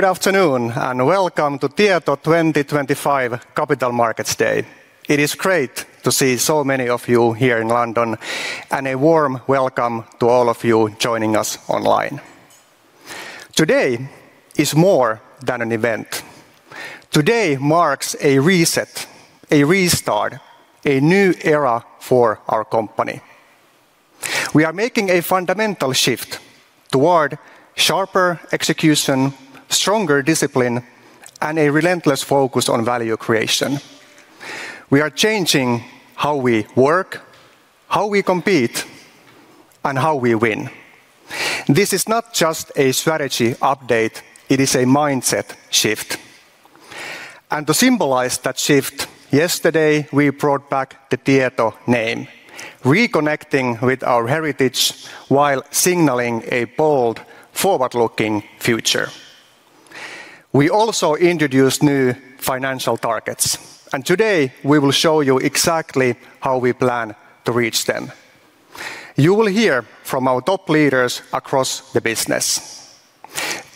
Good afternoon and welcome to Tieto 2025 Capital Markets Day. It is great to see so many of you here in London, and a warm welcome to all of you joining us online. Today is more than an event. Today marks a reset, a restart, a new era for our company. We are making a fundamental shift toward sharper execution, stronger discipline, and a relentless focus on value creation. We are changing how we work, how we compete, and how we win. This is not just a strategy update; it is a mindset shift. To symbolize that shift, yesterday we brought back the Tieto name, reconnecting with our heritage while signaling a bold, forward-looking future. We also introduced new financial targets, and today we will show you exactly how we plan to reach them. You will hear from our top leaders across the business.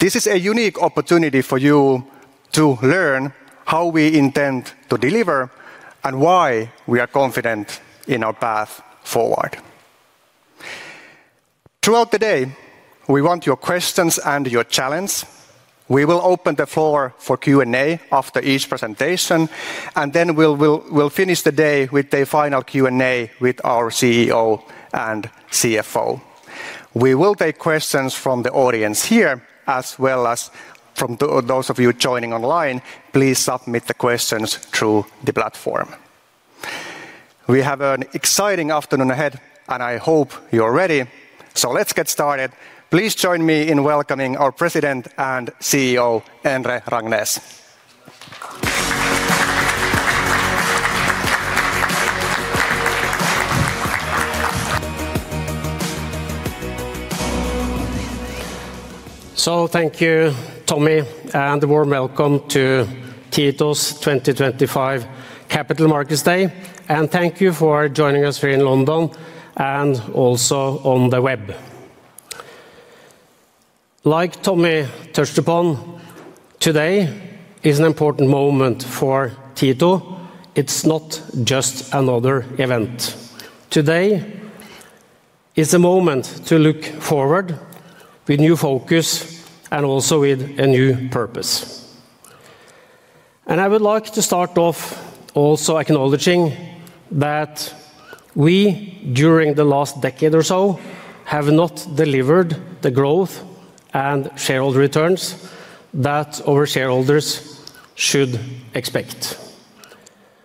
This is a unique opportunity for you to learn how we intend to deliver and why we are confident in our path forward. Throughout the day, we want your questions and your challenge. We will open the floor for Q&A after each presentation, and then we'll finish the day with a final Q&A with our CEO and CFO. We will take questions from the audience here, as well as from those of you joining online. Please submit the questions through the platform. We have an exciting afternoon ahead, and I hope you're ready. Let's get started. Please join me in welcoming our President and CEO, Endre Rangnes. Thank you, Tommi, and a warm welcome to Tieto's 2025 Capital Markets Day. Thank you for joining us here in London and also on the web. Like Tommi touched upon, today is an important moment for Tieto. It is not just another event. Today is a moment to look forward with new focus and also with a new purpose. I would like to start off also acknowledging that we, during the last decade or so, have not delivered the growth and shareholder returns that our shareholders should expect.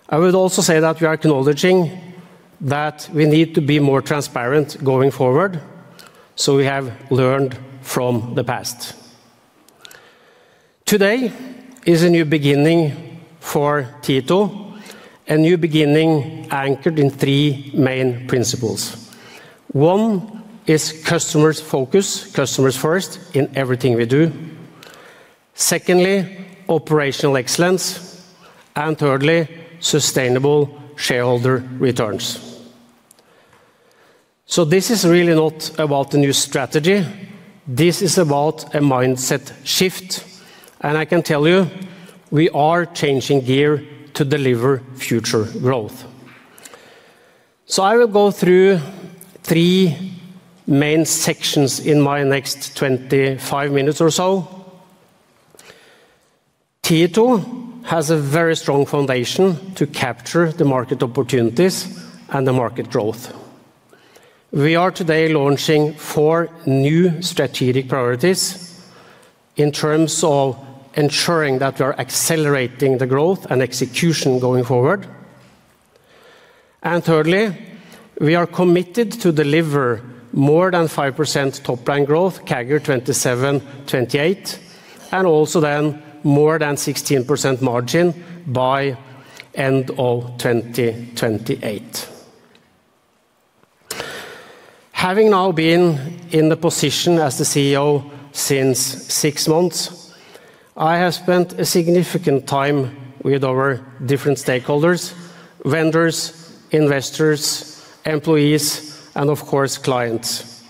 I would also say that we are acknowledging that we need to be more transparent going forward, so we have learned from the past. Today is a new beginning for Tieto, a new beginning anchored in three main principles. One is customer's focus, customers first in everything we do. Secondly, operational excellence. Thirdly, sustainable shareholder returns. This is really not about a new strategy. This is about a mindset shift. I can tell you, we are changing gear to deliver future growth. I will go through three main sections in my next 25 minutes or so. Tieto has a very strong foundation to capture the market opportunities and the market growth. We are today launching four new strategic priorities in terms of ensuring that we are accelerating the growth and execution going forward. Thirdly, we are committed to deliver more than 5% top-line growth, CAGR 2027-2028, and also then more than 16% margin by the end of 2028. Having now been in the position as the CEO since six months, I have spent a significant time with our different stakeholders, vendors, investors, employees, and of course, clients.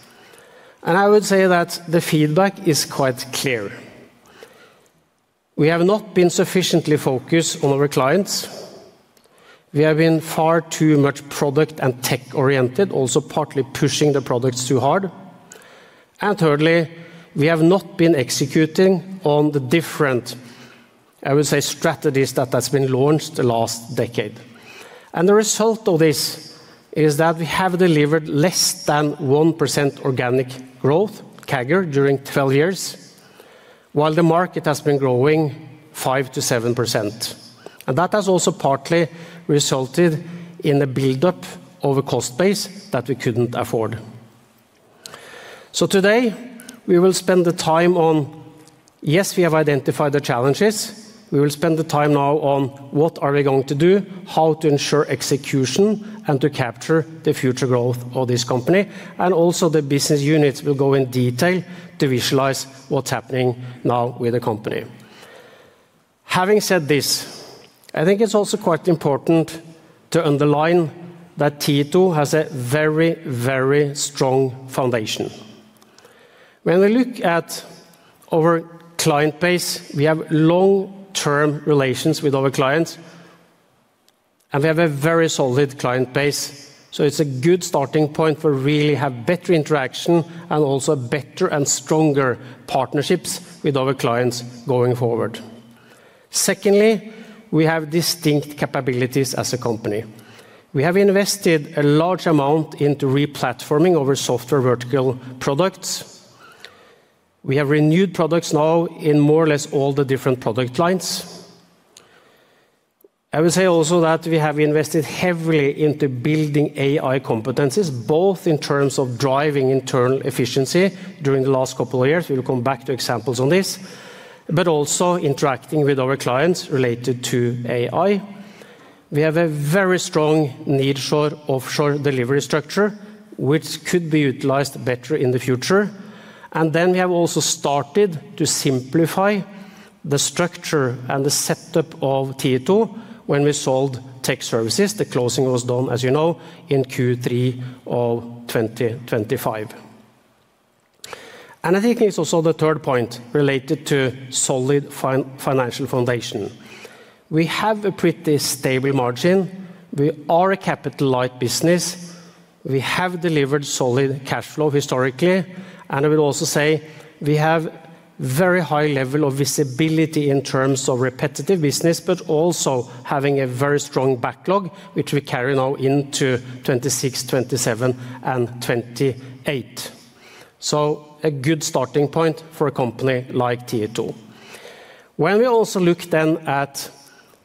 I would say that the feedback is quite clear. We have not been sufficiently focused on our clients. We have been far too much product and tech-oriented, also partly pushing the products too hard. Thirdly, we have not been executing on the different, I would say, strategies that have been launched the last decade. The result of this is that we have delivered less than 1% organic growth, CAGR, during 12 years, while the market has been growing 5%-7%. That has also partly resulted in a build-up of a cost base that we could not afford. Today, we will spend the time on, yes, we have identified the challenges. We will spend the time now on what are we going to do, how to ensure execution, and to capture the future growth of this company. Also the business units will go in detail to visualize what is happening now with the company. Having said this, I think it's also quite important to underline that Tieto has a very, very strong foundation. When we look at our client base, we have long-term relations with our clients, and we have a very solid client base. It is a good starting point for really having better interaction and also better and stronger partnerships with our clients going forward. Secondly, we have distinct capabilities as a company. We have invested a large amount into replatforming our software vertical products. We have renewed products now in more or less all the different product lines. I would say also that we have invested heavily into building AI competencies, both in terms of driving internal efficiency during the last couple of years. We will come back to examples on this, but also interacting with our clients related to AI. We have a very strong nearshore/offshore delivery structure, which could be utilized better in the future. We have also started to simplify the structure and the setup of Tieto when we sold tech services. The closing was done, as you know, in Q3 of 2025. I think it is also the third point related to solid financial foundation. We have a pretty stable margin. We are a capital-light business. We have delivered solid cash flow historically. I would also say we have a very high level of visibility in terms of repetitive business, but also having a very strong backlog, which we carry now into 2026, 2027, and 2028. A good starting point for a company like Tieto. When we also look then at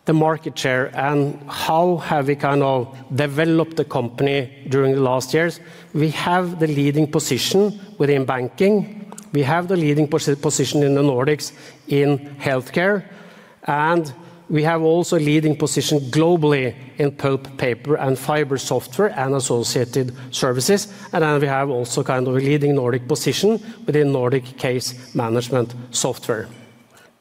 the market share and how have we kind of developed the company during the last years, we have the leading position within banking. We have the leading position in the Nordics in healthcare. We have also a leading position globally in pulp, paper, and fiber software and associated services. We have also kind of a leading Nordic position within Nordic case management software.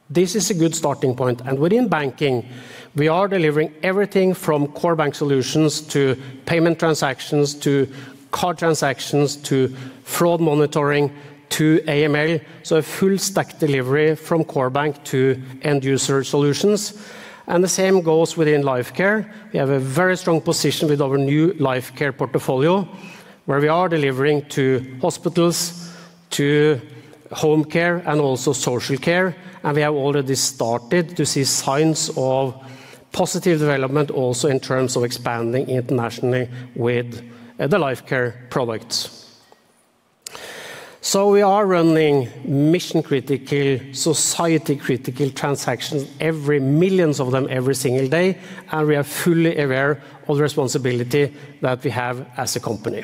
This is a good starting point. Within banking, we are delivering everything from core bank solutions to payment transactions to card transactions to fraud monitoring to AML. A full-stack delivery from core bank to end-user solutions. The same goes within Lifecare. We have a very strong position with our new Lifecare Portfolio, where we are delivering to hospitals, to home care, and also social care. We have already started to see signs of positive development also in terms of expanding internationally with the Lifecare products. We are running mission-critical, society-critical transactions, millions of them every single day. We are fully aware of the responsibility that we have as a company.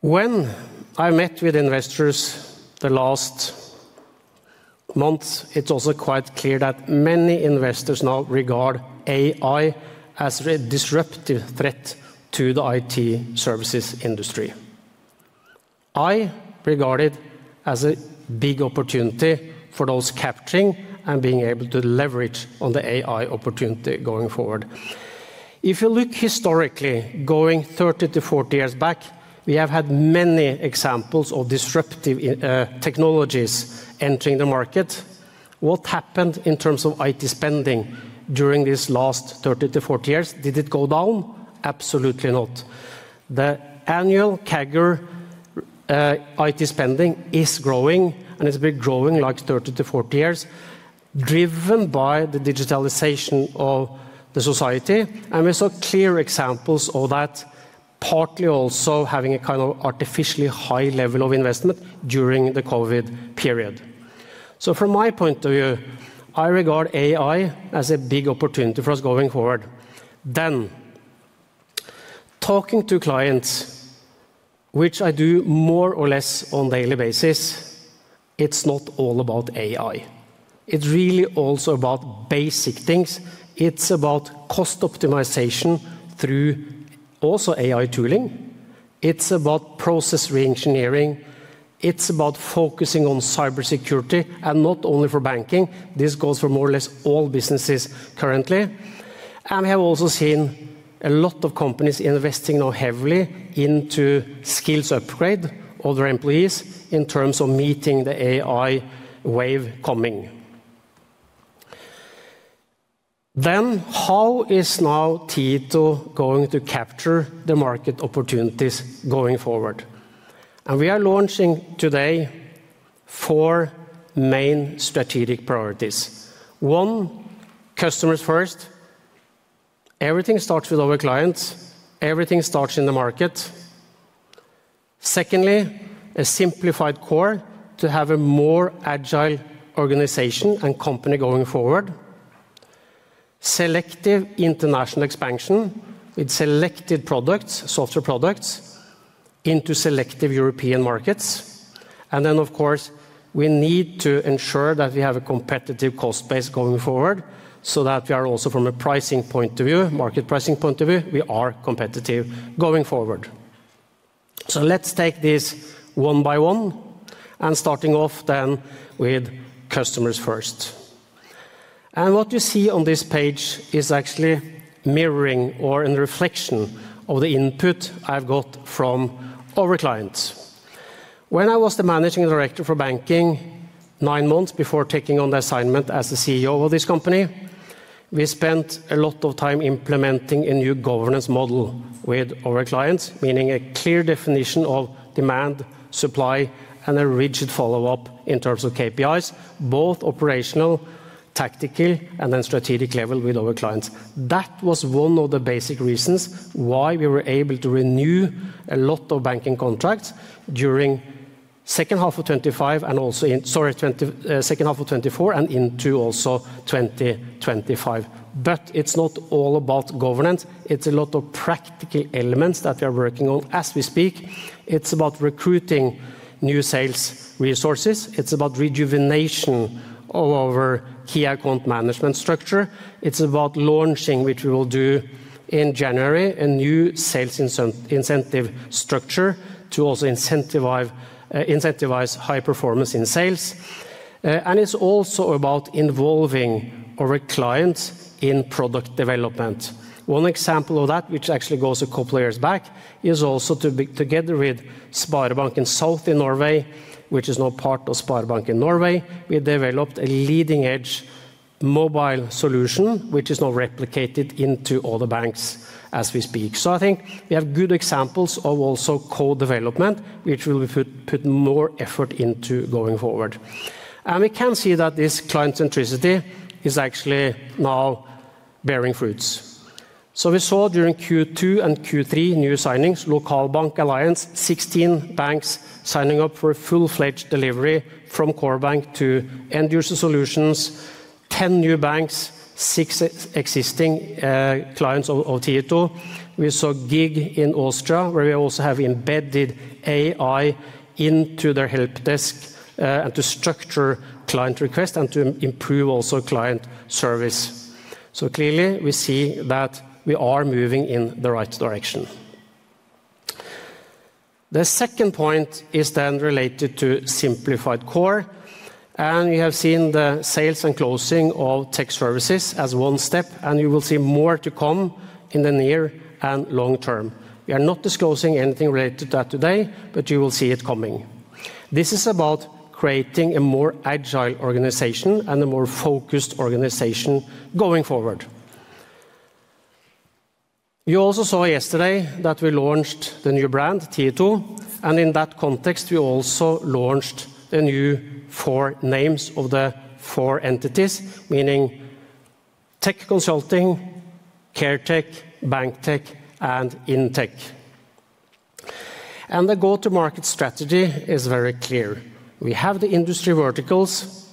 When I met with investors last month, it is also quite clear that many investors now regard AI as a disruptive threat to the IT services industry. I regard it as a big opportunity for those capturing and being able to leverage on the AI opportunity going forward. If you look historically, going 30 to 40 years back, we have had many examples of disruptive technologies entering the market. What happened in terms of IT spending during these last 30 to 40 years? Did it go down? Absolutely not. The annual CAGR IT spending is growing, and it's been growing like 30-40 years, driven by the digitalization of the society. We saw clear examples of that, partly also having a kind of artificially high level of investment during the COVID period. From my point of view, I regard AI as a big opportunity for us going forward. Talking to clients, which I do more or less on a daily basis, it's not all about AI. It's really also about basic things. It's about cost optimization through also AI tooling. It's about process re-engineering. It's about focusing on cybersecurity, and not only for banking. This goes for more or less all businesses currently. We have also seen a lot of companies investing now heavily into skills upgrade of their employees in terms of meeting the AI wave coming. How is now Tieto going to capture the market opportunities going forward? We are launching today four main strategic priorities. One, customers first. Everything starts with our clients. Everything starts in the market. Secondly, a simplified core to have a more agile organization and company going forward. Selective international expansion with selected products, software products, into selective European markets. Of course, we need to ensure that we have a competitive cost base going forward so that we are also from a pricing point of view, market pricing point of view, we are competitive going forward. Let's take this one by one and starting off then with customers first. What you see on this page is actually mirroring or a reflection of the input I've got from our clients. When I was the Managing Director for banking, nine months before taking on the assignment as the CEO of this company, we spent a lot of time implementing a new governance model with our clients, meaning a clear definition of demand, supply, and a rigid follow-up in terms of KPIs, both operational, tactical, and then strategic level with our clients. That was one of the basic reasons why we were able to renew a lot of banking contracts during the second half of 2024 and also in 2025. It is not all about governance. It is a lot of practical elements that we are working on as we speak. It is about recruiting new sales resources. It is about rejuvenation of our key account management structure. It's about launching, which we will do in January, a new sales incentive structure to also incentivize high performance in sales. It's also about involving our clients in product development. One example of that, which actually goes a couple of years back, is also together with SpareBank in Southern Norway, which is now part of SpareBank Norge, we developed a leading-edge mobile solution, which is now replicated into all the banks as we speak. I think we have good examples of also co-development, which we will put more effort into going forward. We can see that this client centricity is actually now bearing fruits. We saw during Q2 and Q3 new signings, local bank alliance, 16 banks signing up for full-fledged delivery from core bank to end-user solutions, 10 new banks, 6 existing clients of Tieto. We saw big in Austria, where we also have embedded AI into their help desk to structure client requests and to improve also client service. Clearly, we see that we are moving in the right direction. The second point is then related to simplified core. We have seen the sales and closing of tech services as one step. You will see more to come in the near and long term. We are not disclosing anything related to that today, but you will see it coming. This is about creating a more agile organization and a more focused organization going forward. You also saw yesterday that we launched the new brand, Tieto. In that context, we also launched the new four names of the four entities, meaning Tech Consulting, Care Tech, Bank Tech, and InTech. The go-to-market strategy is very clear. We have the industry verticals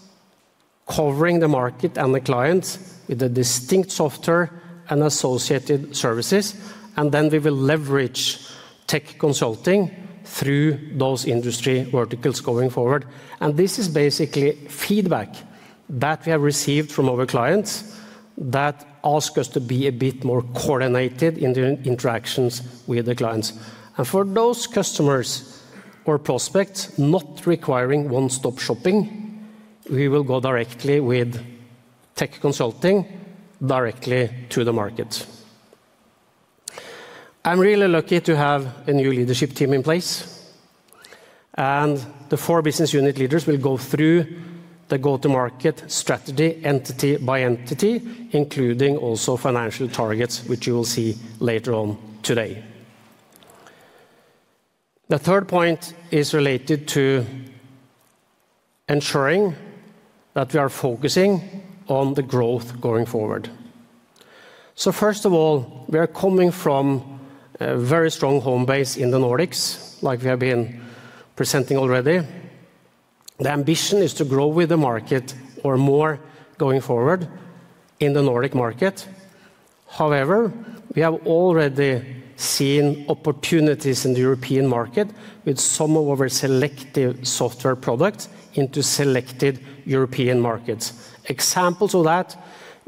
covering the market and the clients with a distinct software and associated services. We will leverage tech consulting through those industry verticals going forward. This is basically feedback that we have received from our clients that ask us to be a bit more coordinated in the interactions with the clients. For those customers or prospects not requiring one-stop shopping, we will go directly with tech consulting directly to the market. I'm really lucky to have a new leadership team in place. The four business unit leaders will go through the go-to-market strategy entity by entity, including also financial targets, which you will see later on today. The third point is related to ensuring that we are focusing on the growth going forward. First of all, we are coming from a very strong home base in the Nordics, like we have been presenting already. The ambition is to grow with the market or more going forward in the Nordic market. However, we have already seen opportunities in the European market with some of our selective software products into selected European markets. Examples of that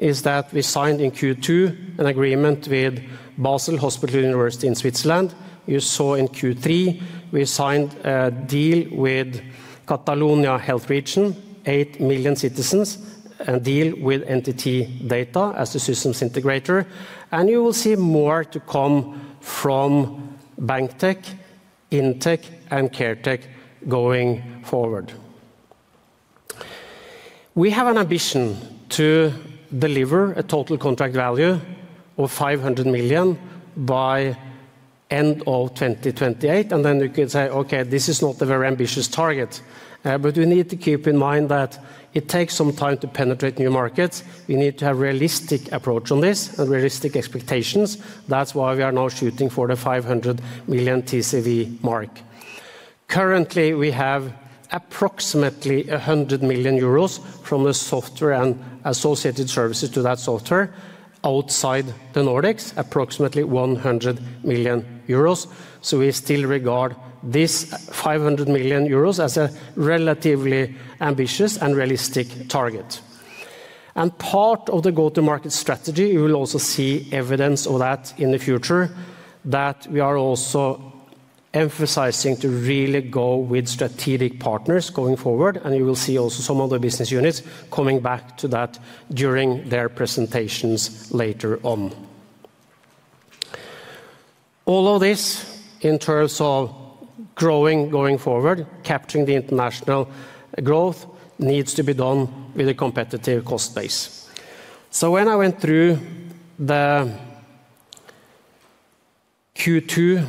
is that we signed in Q2 an agreement with Basel Hospital University in Switzerland. You saw in Q3, we signed a deal with Catalonia Health Region, 8 million citizens, a deal with Entity Data as a systems integrator. You will see more to come from Bank Tech, InTech, and Care Tech going forward. We have an ambition to deliver a total contract value of 500 million by the end of 2028. You could say, okay, this is not a very ambitious target. We need to keep in mind that it takes some time to penetrate new markets. We need to have a realistic approach on this and realistic expectations. That is why we are now shooting for the 500 million TCV mark. Currently, we have approximately 100 million euros from the software and associated services to that software outside the Nordics, approximately 100 million euros. We still regard this 500 million euros as a relatively ambitious and realistic target. Part of the go-to-market strategy, you will also see evidence of that in the future, that we are also emphasizing to really go with strategic partners going forward. You will see also some of the business units coming back to that during their presentations later on. All of this in terms of growing going forward, capturing the international growth needs to be done with a competitive cost base. When I went through the Q2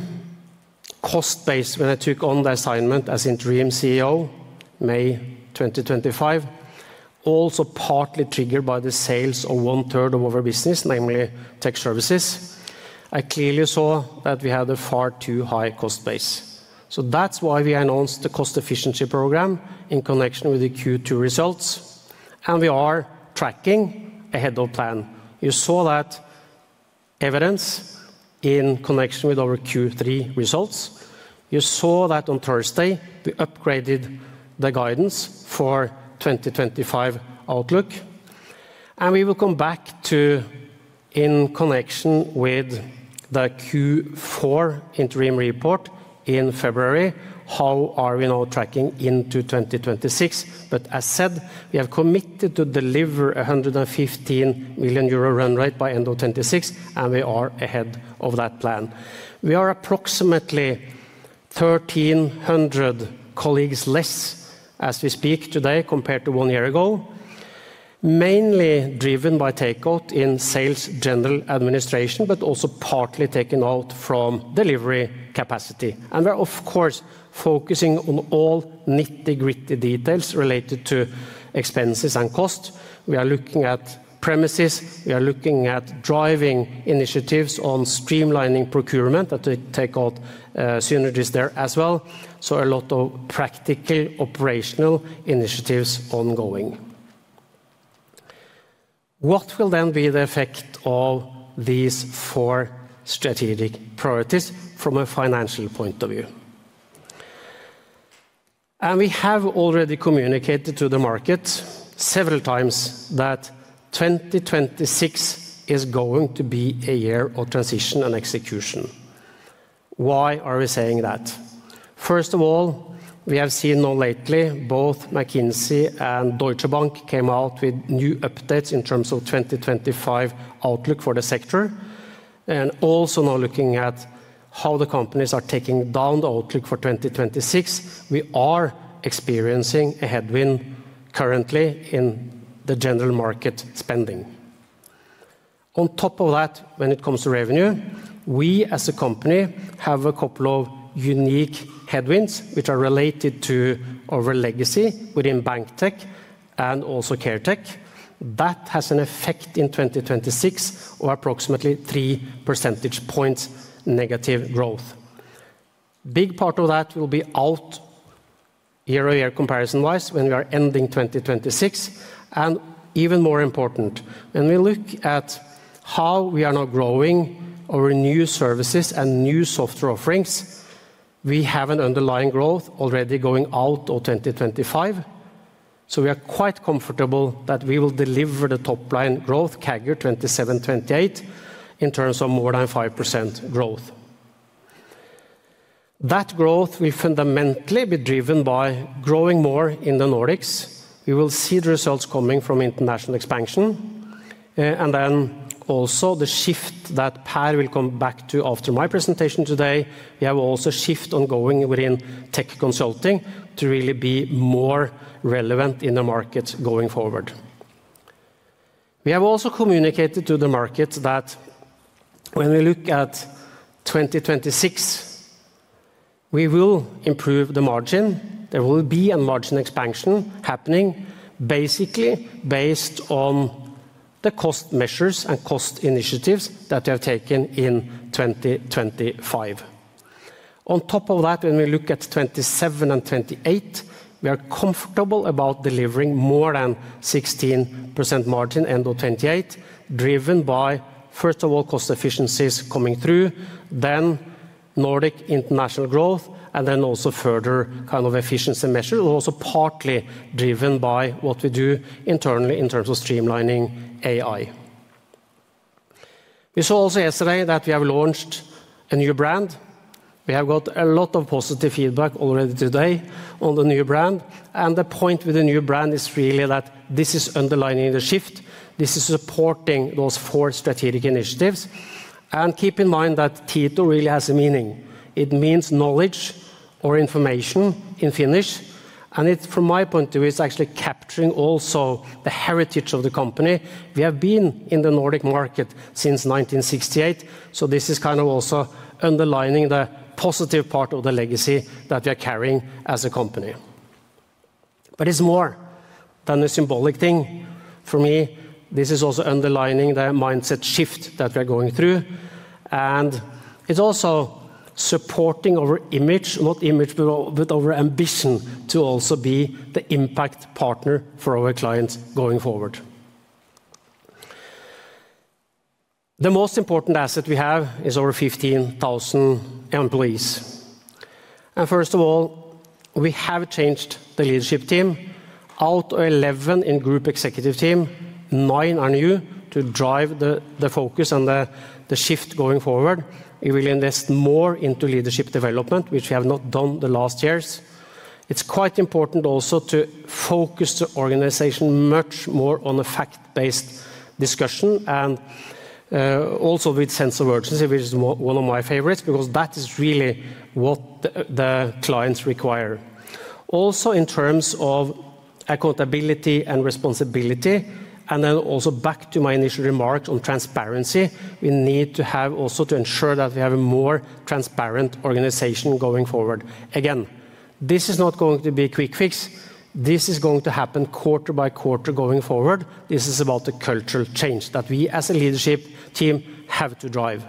cost base when I took on the assignment as Interim CEO, May 2025, also partly triggered by the sales of one-third of our business, namely tech services, I clearly saw that we had a far too high cost base. That is why we announced the cost efficiency program in connection with the Q2 results. We are tracking ahead of plan. You saw that evidence in connection with our Q3 results. You saw that on Thursday, we upgraded the guidance for 2025 outlook. We will come back to in connection with the Q4 Interim Report in February, how are we now tracking into 2026. As said, we have committed to deliver a 115 million euro run rate by end of 2026, and we are ahead of that plan. We are approximately 1,300 colleagues less as we speak today compared to one year ago, mainly driven by takeout in sales general administration, but also partly taken out from delivery capacity. We are, of course, focusing on all nitty-gritty details related to expenses and costs. We are looking at premises. We are looking at driving initiatives on streamlining procurement that take out synergies there as well. A lot of practical operational initiatives are ongoing. What will then be the effect of these four strategic priorities from a financial point of view? We have already communicated to the market several times that 2026 is going to be a year of transition and execution. Why are we saying that? First of all, we have seen now lately both McKinsey and Deutsche Bank came out with new updates in terms of 2025 outlook for the sector. Also now looking at how the companies are taking down the outlook for 2026, we are experiencing a headwind currently in the general market spending. On top of that, when it comes to revenue, we as a company have a couple of unique headwinds which are related to our legacy within bank tech and also care tech. That has an effect in 2026 of approximately 3 percentage points negative growth. Big part of that will be out year-on-year comparison-wise when we are ending 2026. Even more important, when we look at how we are now growing our new services and new software offerings, we have an underlying growth already going out of 2025. We are quite comfortable that we will deliver the top-line growth, CAGR 2027-2028, in terms of more than 5% growth. That growth will fundamentally be driven by growing more in the Nordics. We will see the results coming from international expansion. We have also the shift that Per will come back to after my presentation today. We have also a shift ongoing withInTech consulting to really be more relevant in the market going forward. We have also communicated to the market that when we look at 2026, we will improve the margin. There will be a margin expansion happening, basically based on the cost measures and cost initiatives that we have taken in 2025. On top of that, when we look at 2027 and 2028, we are comfortable about delivering more than 16% margin end of 2028, driven by, first of all, cost efficiencies coming through, then Nordic international growth, and then also further kind of efficiency measures, also partly driven by what we do internally in terms of streamlining AI. We saw also yesterday that we have launched a new brand. We have got a lot of positive feedback already today on the new brand. The point with the new brand is really that this is underlining the shift. This is supporting those four strategic initiatives. Keep in mind that Tieto really has a meaning. It means knowledge or information in Finnish. From my point of view, it's actually capturing also the heritage of the company. We have been in the Nordic market since 1968. This is kind of also underlining the positive part of the legacy that we are carrying as a company. It is more than a symbolic thing. For me, this is also underlining the mindset shift that we are going through. It is also supporting our image, not image, but our ambition to also be the impact partner for our clients going forward. The most important asset we have is our 15,000 employees. First of all, we have changed the leadership team. Out of 11 in Group Executive Team, 9 are new to drive the focus and the shift going forward. We will invest more into leadership development, which we have not done the last years. It is quite important also to focus the organization much more on a fact-based discussion and also with sense of urgency, which is one of my favorites, because that is really what the clients require. Also in terms of accountability and responsibility, and then also back to my initial remark on transparency, we need to have also to ensure that we have a more transparent organization going forward. Again, this is not going to be a quick fix. This is going to happen quarter by quarter going forward. This is about the cultural change that we as a leadership team have to drive.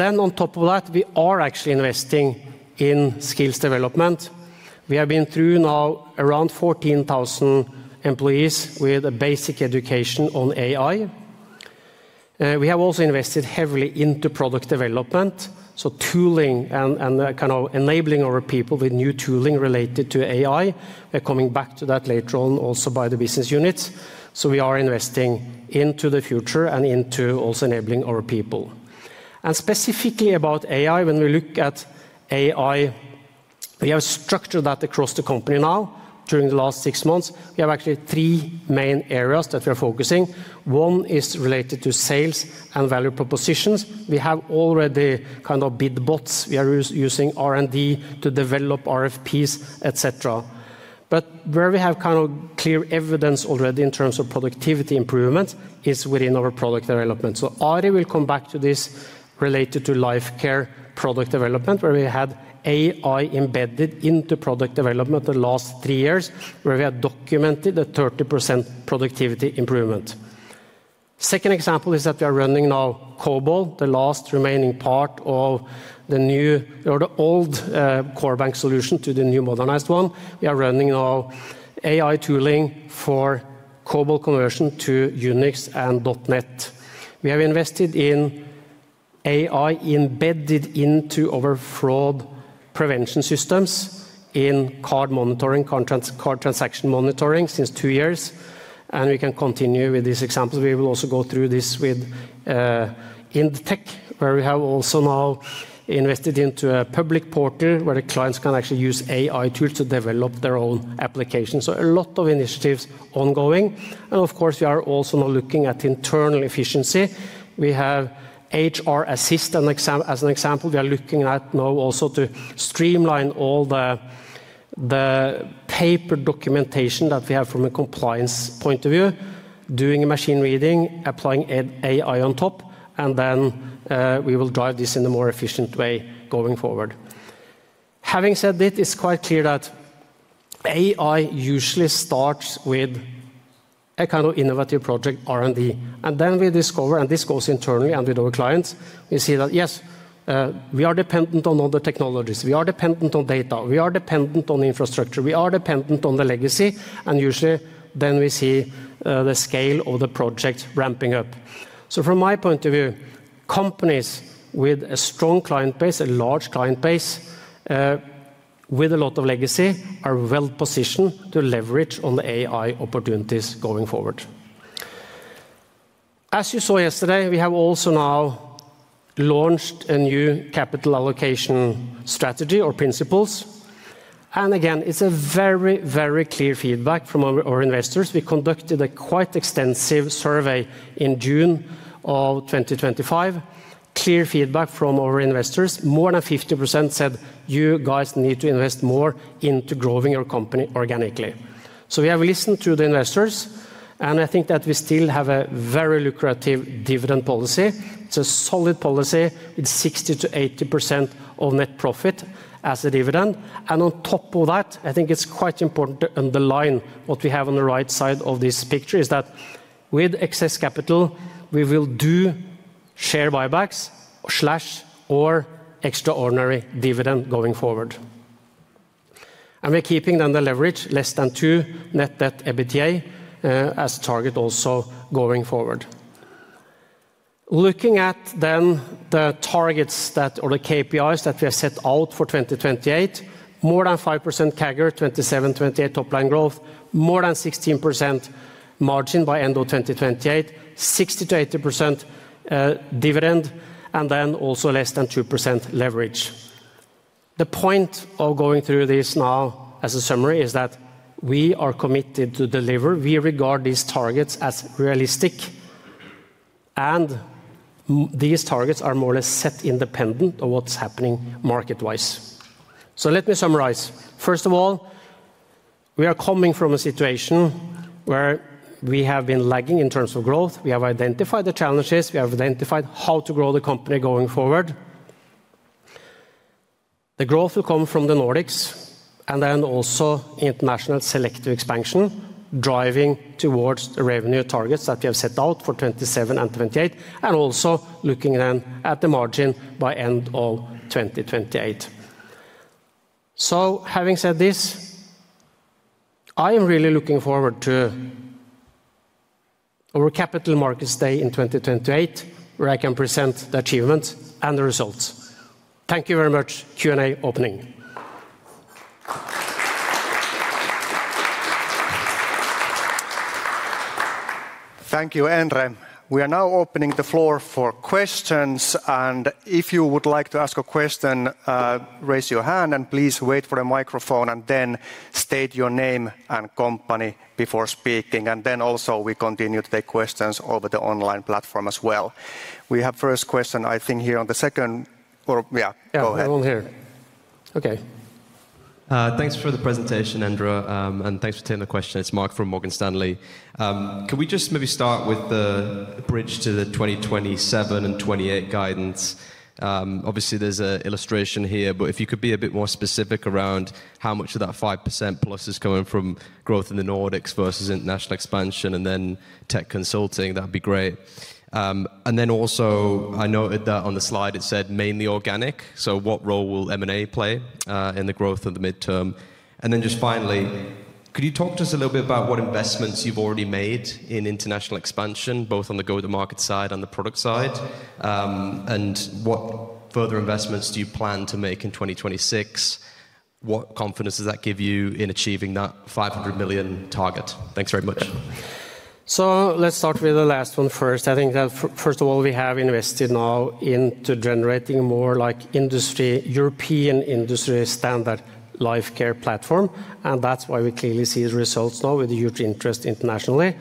On top of that, we are actually investing in skills development. We have been through now around 14,000 employees with a basic education on AI. We have also invested heavily into product development, so tooling and kind of enabling our people with new tooling related to AI. We are coming back to that later on also by the business units. We are investing into the future and into also enabling our people. Specifically about AI, when we look at AI, we have structured that across the company now. During the last six months, we have actually three main areas that we are focusing. One is related to sales and value propositions. We have already kind of bid bots. We are using R&D to develop RFPs, etc. Where we have kind of clear evidence already in terms of productivity improvement is within our product development. Ari will come back to this related to Lifecare product development, where we had AI embedded into product development the last three years, where we have documented a 30% productivity improvement. Second example is that we are running now COBOL, the last remaining part of the new or the old core bank solution to the new modernized one. We are running now AI tooling for COBOL conversion to Unix and .NET. We have invested in AI embedded into our fraud prevention systems in card monitoring, card transaction monitoring since two years. We can continue with these examples. We will also go through this with InTech, where we have also now invested into a public portal where the clients can actually use AI tools to develop their own applications. A lot of initiatives are ongoing. Of course, we are also now looking at internal efficiency. We have HR Assist as an example. We are looking at now also to streamline all the paper documentation that we have from a compliance point of view, doing machine reading, applying AI on top, and then we will drive this in a more efficient way going forward. Having said that, it is quite clear that AI usually starts with a kind of innovative project, R&D. Then we discover, and this goes internally and with our clients, we see that, yes, we are dependent on other technologies. We are dependent on data. We are dependent on infrastructure. We are dependent on the legacy. Usually then we see the scale of the project ramping up. From my point of view, companies with a strong client base, a large client base with a lot of legacy are well positioned to leverage on the AI opportunities going forward. As you saw yesterday, we have also now launched a new capital allocation strategy or principles. Again, it is a very, very clear feedback from our investors. We conducted a quite extensive survey in June of 2025. Clear feedback from our investors. More than 50% said, you guys need to invest more into growing your company organically. We have listened to the investors, and I think that we still have a very lucrative dividend policy. It is a solid policy with 60%-80% of net profit as a dividend. On top of that, I think it's quite important to underline what we have on the right side of this picture is that with excess capital, we will do share buybacks slash or extraordinary dividend going forward. We are keeping then the leverage less than 2 net debt EBITDA as target also going forward. Looking at then the targets that or the KPIs that we have set out for 2028, more than 5% CAGR 2027-2028 top line growth, more than 16% margin by end of 2028, 60%-80% dividend, and then also less than 2% leverage. The point of going through this now as a summary is that we are committed to deliver. We regard these targets as realistic, and these targets are more or less set independent of what's happening market-wise. Let me summarize. First of all, we are coming from a situation where we have been lagging in terms of growth. We have identified the challenges. We have identified how to grow the company going forward. The growth will come from the Nordics and then also international selective expansion driving towards the revenue targets that we have set out for 2027 and 2028, and also looking then at the margin by end of 2028. Having said this, I am really looking forward to our capital markets day in 2028, where I can present the achievements and the results. Thank you very much. Q&A opening. Thank you, Endre. We are now opening the floor for questions. If you would like to ask a question, raise your hand and please wait for the microphone and then state your name and company before speaking. We continue to take questions over the online platform as well. We have first question, I think here on the second or yeah, go ahead. Yeah, I'm here. Okay. Thanks for the presentation, Endre, and thanks for taking the question. It's Mark from Morgan Stanley. Can we just maybe start with the bridge to the 2027 and 2028 guidance? Obviously, there's an illustration here, but if you could be a bit more specific around how much of that 5%+ is coming from growth in the Nordics versus international expansion and then tech consulting, that would be great. I noted that on the slide it said mainly organic. What role will M&A play in the growth of the midterm? Just finally, could you talk to us a little bit about what investments you've already made in international expansion, both on the go-to-market side and the product side? What further investments do you plan to make in 2026? What confidence does that give you in achieving that 500 million target? Thanks very much. Let's start with the last one first. First of all, we have invested now into generating more like industry, European industry standard Lifecare platform. That's why we clearly see the results now with a huge interest internationally.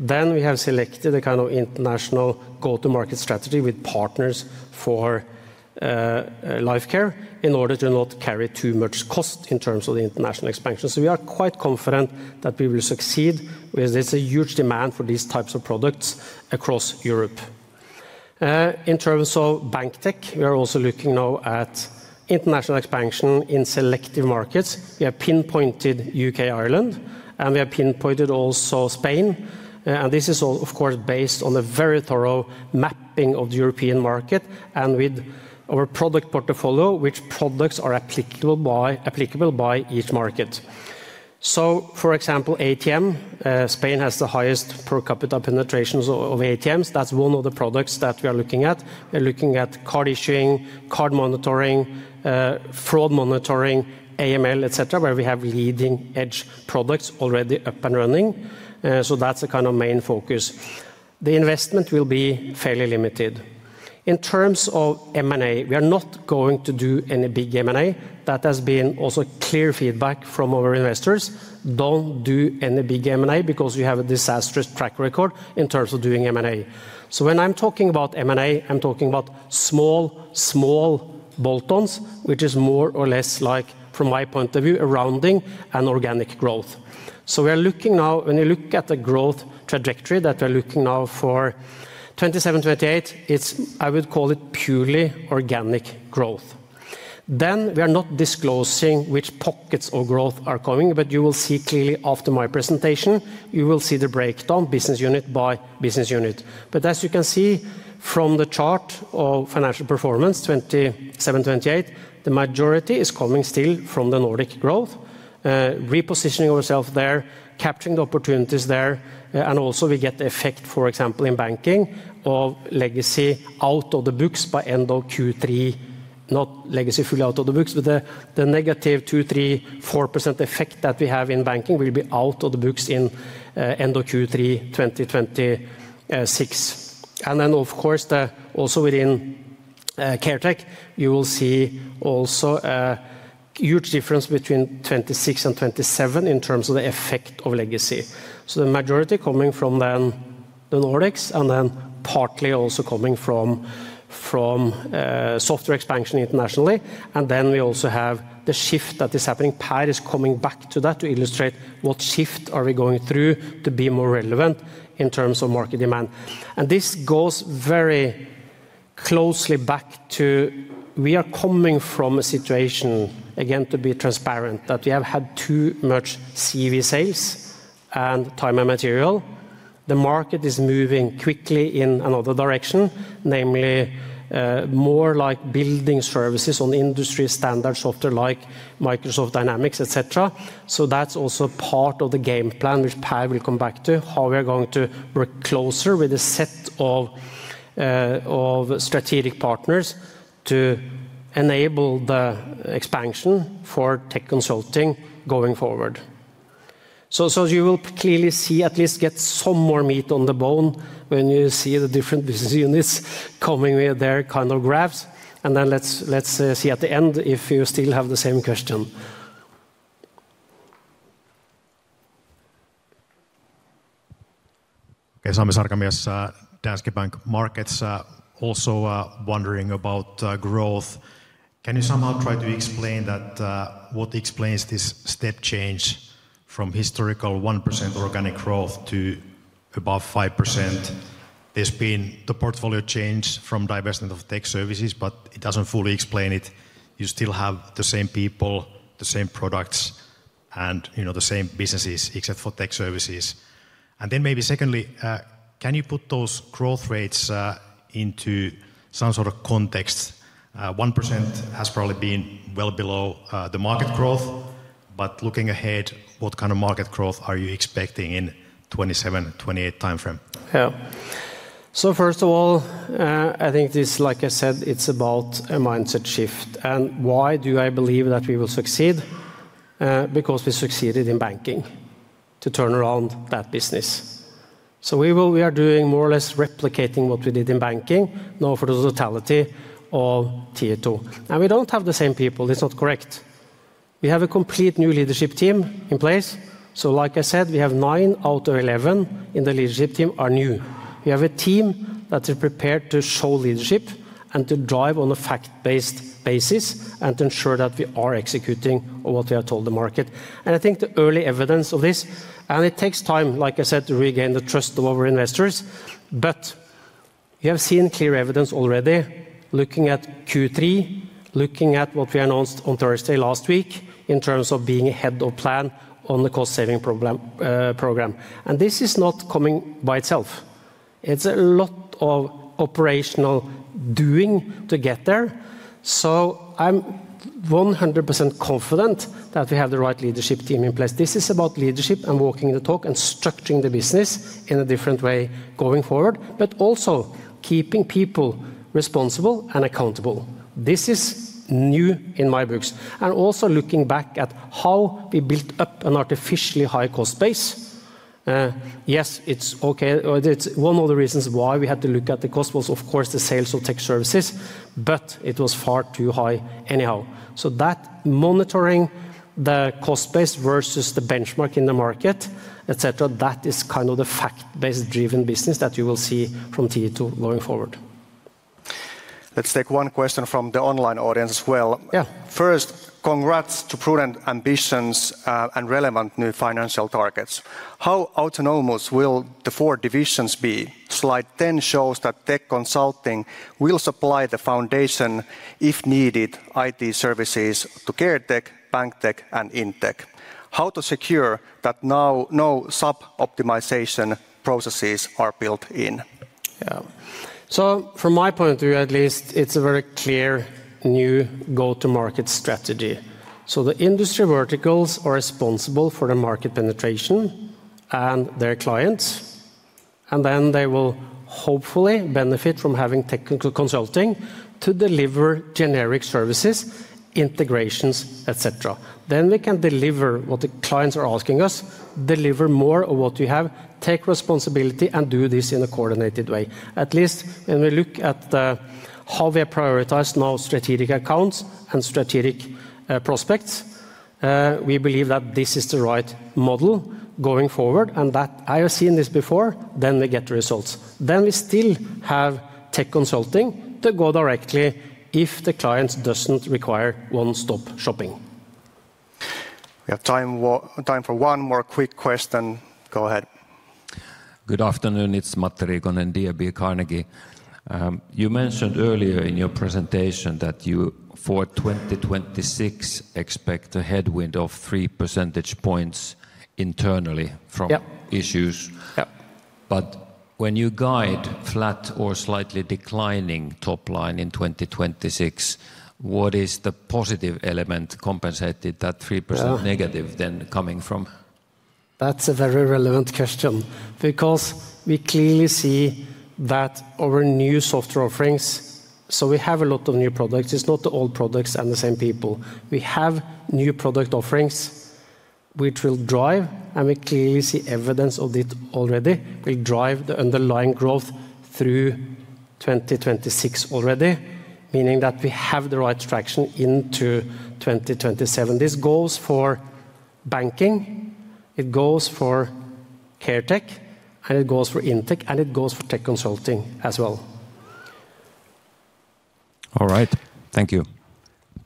We have selected a kind of international go-to-market strategy with partners for Lifecare in order to not carry too much cost in terms of the international expansion. We are quite confident that we will succeed because there's a huge demand for these types of products across Europe. In terms of bank tech, we are also looking now at international expansion in selective markets. We have pinpointed U.K., Ireland, and we have pinpointed also Spain. This is all, of course, based on a very thorough mapping of the European market and with our product portfolio, which products are applicable by each market. For example, ATM, Spain has the highest per capita penetrations of ATMs. That is one of the products that we are looking at. We are looking at card issuing, card monitoring, fraud monitoring, AML, etc., where we have leading edge products already up and running. That is the kind of main focus. The investment will be fairly limited. In terms of M&A, we are not going to do any big M&A. That has been also clear feedback from our investors. Don't do any big M&A because you have a disastrous track record in terms of doing M&A. When I'm talking about M&A, I'm talking about small, small bolt-ons, which is more or less like, from my point of view, a rounding and organic growth. We are looking now, when you look at the growth trajectory that we're looking now for 2027-2028, it's, I would call it purely organic growth. We are not disclosing which pockets of growth are coming, but you will see clearly after my presentation, you will see the breakdown business unit by business unit. As you can see from the chart of financial performance 2027-2028, the majority is coming still from the Nordic growth, repositioning ourselves there, capturing the opportunities there. We get the effect, for example, in banking of legacy out of the books by end of Q3. Not legacy fully out of the books, but the negative 2%, 3%, 4% effect that we have in banking will be out of the books in end of Q3 2026. Of course, also within care tech, you will see also a huge difference between 2026 and 2027 in terms of the effect of legacy. The majority coming from then the Nordics and then partly also coming from software expansion internationally. We also have the shift that is happening, Paris coming back to that to illustrate what shift are we going through to be more relevant in terms of market demand. This goes very closely back to we are coming from a situation, again, to be transparent, that we have had too much CV sales and time and material. The market is moving quickly in another direction, namely more like building services on industry standard software like Microsoft Dynamics, etc. That is also part of the game plan, which pie will come back to, how we are going to work closer with a set of strategic partners to enable the expansion for tech consulting going forward. As you will clearly see, at least get some more meat on the bone when you see the different business units coming with their kind of graphs. Let's see at the end if you still have the same question. Okay, Sami Sarkamies Danske Bank Markets, also wondering about growth. Can you somehow try to explain that, what explains this step change from historical 1% organic growth to above 5%? There has been the portfolio change from divestment of tech services, but it does not fully explain it. You still have the same people, the same products, and the same businesses except for tech services. Maybe secondly, can you put those growth rates into some sort of context? 1% has probably been well below the market growth, but looking ahead, what kind of market growth are you expecting in 2027, 2028 timeframe? Yeah. First of all, I think this, like I said, it's about a mindset shift. Why do I believe that we will succeed? Because we succeeded in banking to turn around that business. We are doing more or less replicating what we did in banking now for the totality of Tietoevry. We do not have the same people. It's not correct. We have a complete new leadership team in place. Like I said, we have nine out of 11 in the leadership team are new. We have a team that is prepared to show leadership and to drive on a fact-based basis and to ensure that we are executing what we are told the market. I think the early evidence of this, and it takes time, like I said, to regain the trust of our investors. We have seen clear evidence already looking at Q3, looking at what we announced on Thursday last week in terms of being ahead of plan on the cost-saving program. This is not coming by itself. It is a lot of operational doing to get there. I am 100% confident that we have the right leadership team in place. This is about leadership and walking the talk and structuring the business in a different way going forward, but also keeping people responsible and accountable. This is new in my books. Also, looking back at how we built up an artificially high cost base. Yes, it's okay. It's one of the reasons why we had to look at the cost was, of course, the sales of tech services, but it was far too high anyhow. Monitoring the cost base versus the benchmark in the market, etc., that is kind of the fact-based driven business that you will see from Tieto going forward. Let's take one question from the online audience as well. Yeah. First, congrats to prudent ambitions and relevant new financial targets. How autonomous will the four divisions be? Slide 10 shows that tech consulting will supply the foundation, if needed, IT services to care tech, bank tech, and InTech. How to secure that now no sub-optimization processes are built in? Yeah. From my point of view, at least, it's a very clear new go-to-market strategy. The industry verticals are responsible for the market penetration and their clients. They will hopefully benefit from having technical consulting to deliver generic services, integrations, etc. We can deliver what the clients are asking us, deliver more of what you have, take responsibility, and do this in a coordinated way. At least when we look at how we have prioritized now strategic accounts and strategic prospects, we believe that this is the right model going forward and that I have seen this before, we get results. We still have tech consulting to go directly if the client doesn't require one-stop shopping. We have time for one more quick question. Go ahead. Good afternoon. It's Matti Riikonen, DNB Carnegie. You mentioned earlier in your presentation that you for 2026 expect a headwind of three percentage points internally from issues. When you guide flat or slightly declining top line in 2026, what is the positive element compensating that 3% negative then coming from? That's a very relevant question because we clearly see that our new software offerings, so we have a lot of new products. It's not the old products and the same people. We have new product offerings which will drive, and we clearly see evidence of it already, will drive the underlying growth through 2026 already, meaning that we have the right traction into 2027. This goes for banking, it goes for care tech, and it goes for InTech, and it goes for tech consulting as well. All right. Thank you.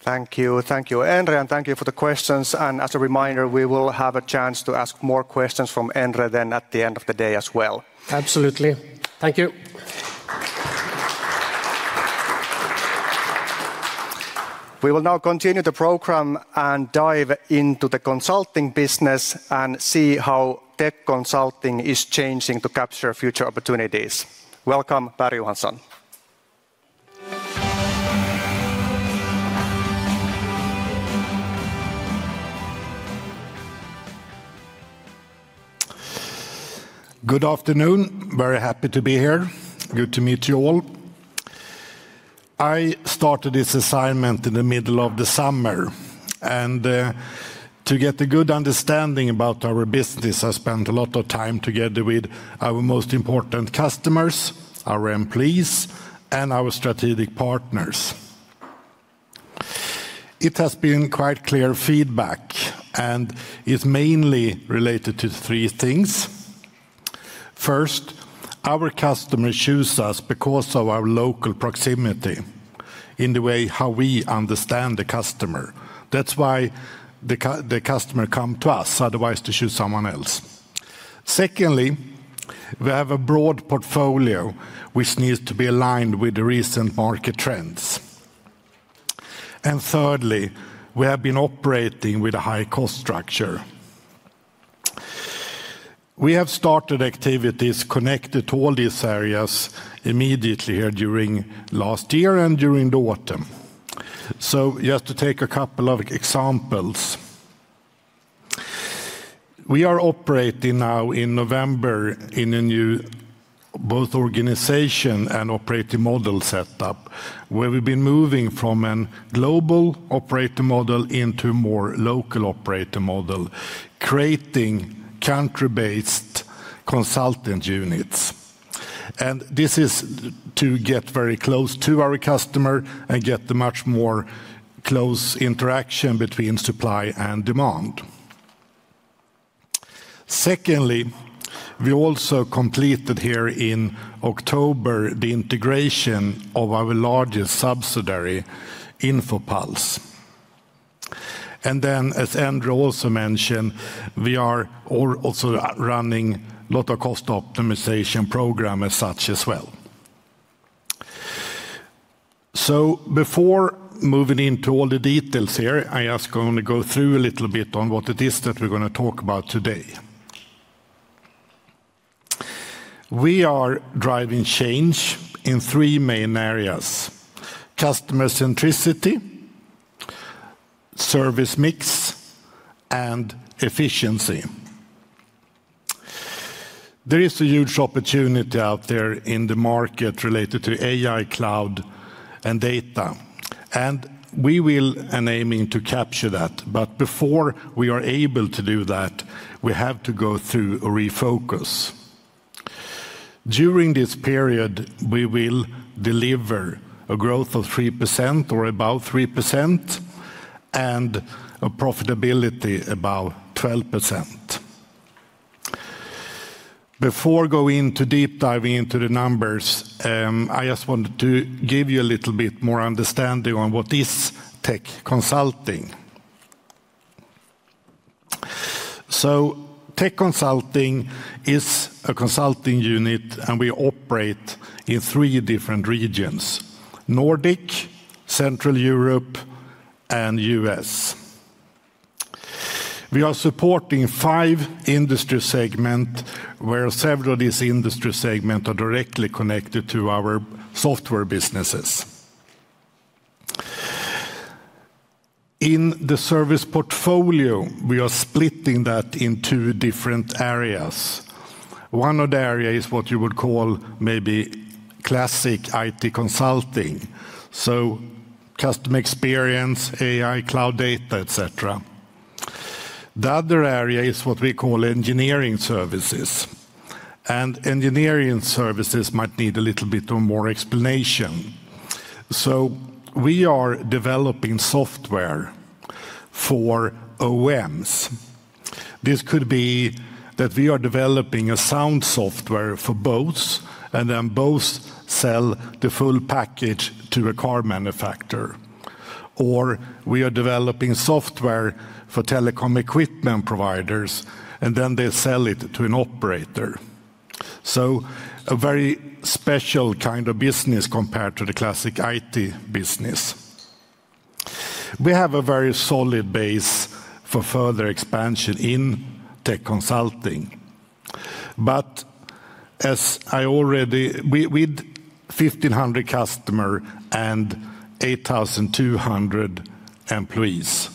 Thank you. Thank you, Endre, and thank you for the questions. As a reminder, we will have a chance to ask more questions from Endre then at the end of the day as well. Absolutely. Thank you. We will now continue the program and dive into the consulting business and see how tech consulting is changing to capture future opportunities. Welcome, Pär Johansson. Good afternoon. Very happy to be here. Good to meet you all. I started this assignment in the middle of the summer. To get a good understanding about our business, I spent a lot of time together with our most important customers, our employees, and our strategic partners. It has been quite clear feedback, and it's mainly related to three things. First, our customers choose us because of our local proximity in the way how we understand the customer. That's why the customer comes to us, otherwise to choose someone else. Secondly, we have a broad portfolio which needs to be aligned with the recent market trends. Thirdly, we have been operating with a high cost structure. We have started activities connected to all these areas immediately here during last year and during the autumn. Just to take a couple of examples, we are operating now in November in a new both organization and operating model setup where we've been moving from a global operating model into a more local operating model, creating country-based consultant units. This is to get very close to our customer and get a much more close interaction between supply and demand. Secondly, we also completed here in October the integration of our largest subsidiary, Infopulse. As Endre also mentioned, we are also running a lot of cost optimization programs as such as well. Before moving into all the details here, I just want to go through a little bit on what it is that we're going to talk about today. We are driving change in three main areas: customer centricity, service mix, and efficiency. There is a huge opportunity out there in the market related to AI, cloud, and data. We will be aiming to capture that. Before we are able to do that, we have to go through a refocus. During this period, we will deliver a growth of 3% or about 3% and a profitability about 12%. Before going into deep diving into the numbers, I just wanted to give you a little bit more understanding on what is tech consulting. Tech consulting is a consulting unit, and we operate in three different regions: Nordic, Central Europe, and US. We are supporting five industry segments where several of these industry segments are directly connected to our software businesses. In the service portfolio, we are splitting that into different areas. One of the areas is what you would call maybe classic IT consulting, so customer experience, AI, cloud data, etc. The other area is what we call engineering services. Engineering services might need a little bit of more explanation. We are developing software for OEMs. This could be that we are developing a sound software for boats, and then boats sell the full package to a car manufacturer. Or we are developing software for telecom equipment providers, and then they sell it to an operator. A very special kind of business compared to the classic IT business. We have a very solid base for further expansion InTech consulting. As I already, with 1,500 customers and 8,200 employees.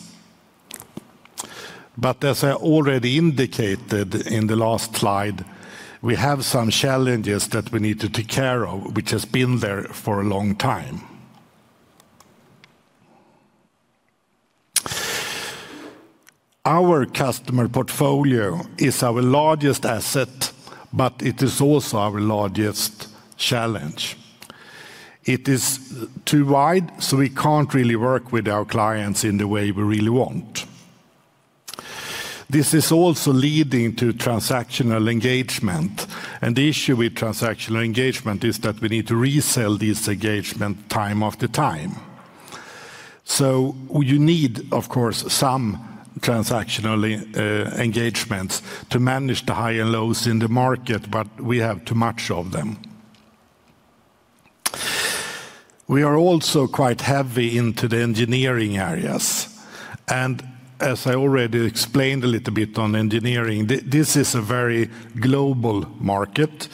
As I already indicated in the last slide, we have some challenges that we need to take care of, which have been there for a long time. Our customer portfolio is our largest asset, but it is also our largest challenge. It is too wide, so we can't really work with our clients in the way we really want. This is also leading to transactional engagement. The issue with transactional engagement is that we need to resell this engagement time after time. You need, of course, some transactional engagements to manage the highs and lows in the market, but we have too much of them. We are also quite heavy into the engineering areas. As I already explained a little bit on engineering, this is a very global market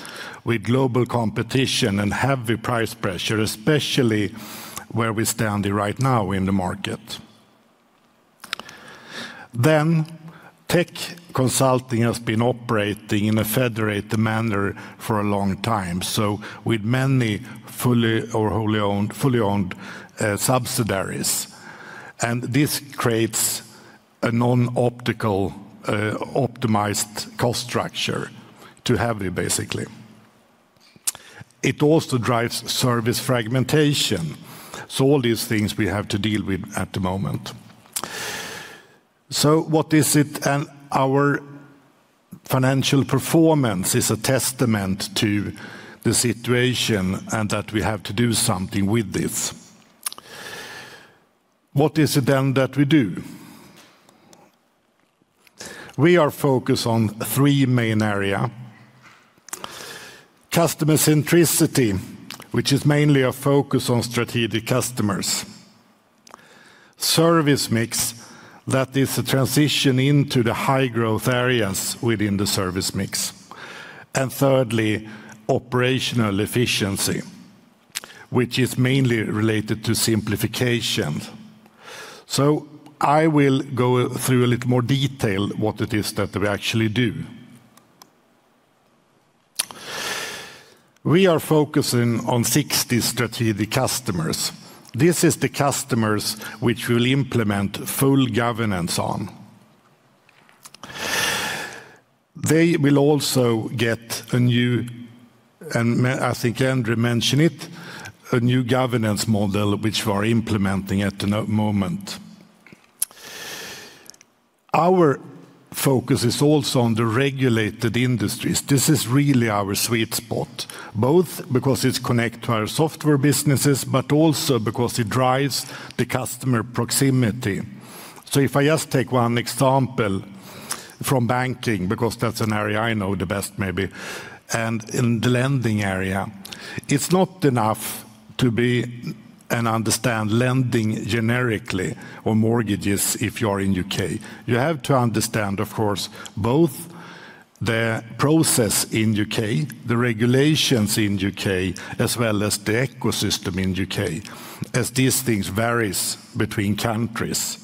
with global competition and heavy price pressure, especially where we stand right now in the market. Tech consulting has been operating in a federated manner for a long time, with many fully owned subsidiaries. This creates a non-optimal, optimized cost structure, too heavy, basically. It also drives service fragmentation. All these things we have to deal with at the moment. What is it? Our financial performance is a testament to the situation and that we have to do something with this. What is it then that we do? We are focused on three main areas: customer centricity, which is mainly a focus on strategic customers; service mix, that is a transition into the high-growth areas within the service mix; and thirdly, operational efficiency, which is mainly related to simplification. I will go through a little more detail what it is that we actually do. We are focusing on 60 strategic customers. This is the customers which we will implement full governance on. They will also get a new, as Endre mentioned it, a new governance model which we are implementing at the moment. Our focus is also on the regulated industries. This is really our sweet spot, both because it's connected to our software businesses, but also because it drives the customer proximity. If I just take one example from banking, because that's an area I know the best, maybe, and in the lending area, it's not enough to understand lending generically or mortgages if you are in the U.K. You have to understand, of course, both the process in the U.K., the regulations in the U.K., as well as the ecosystem in the U.K., as these things vary between countries.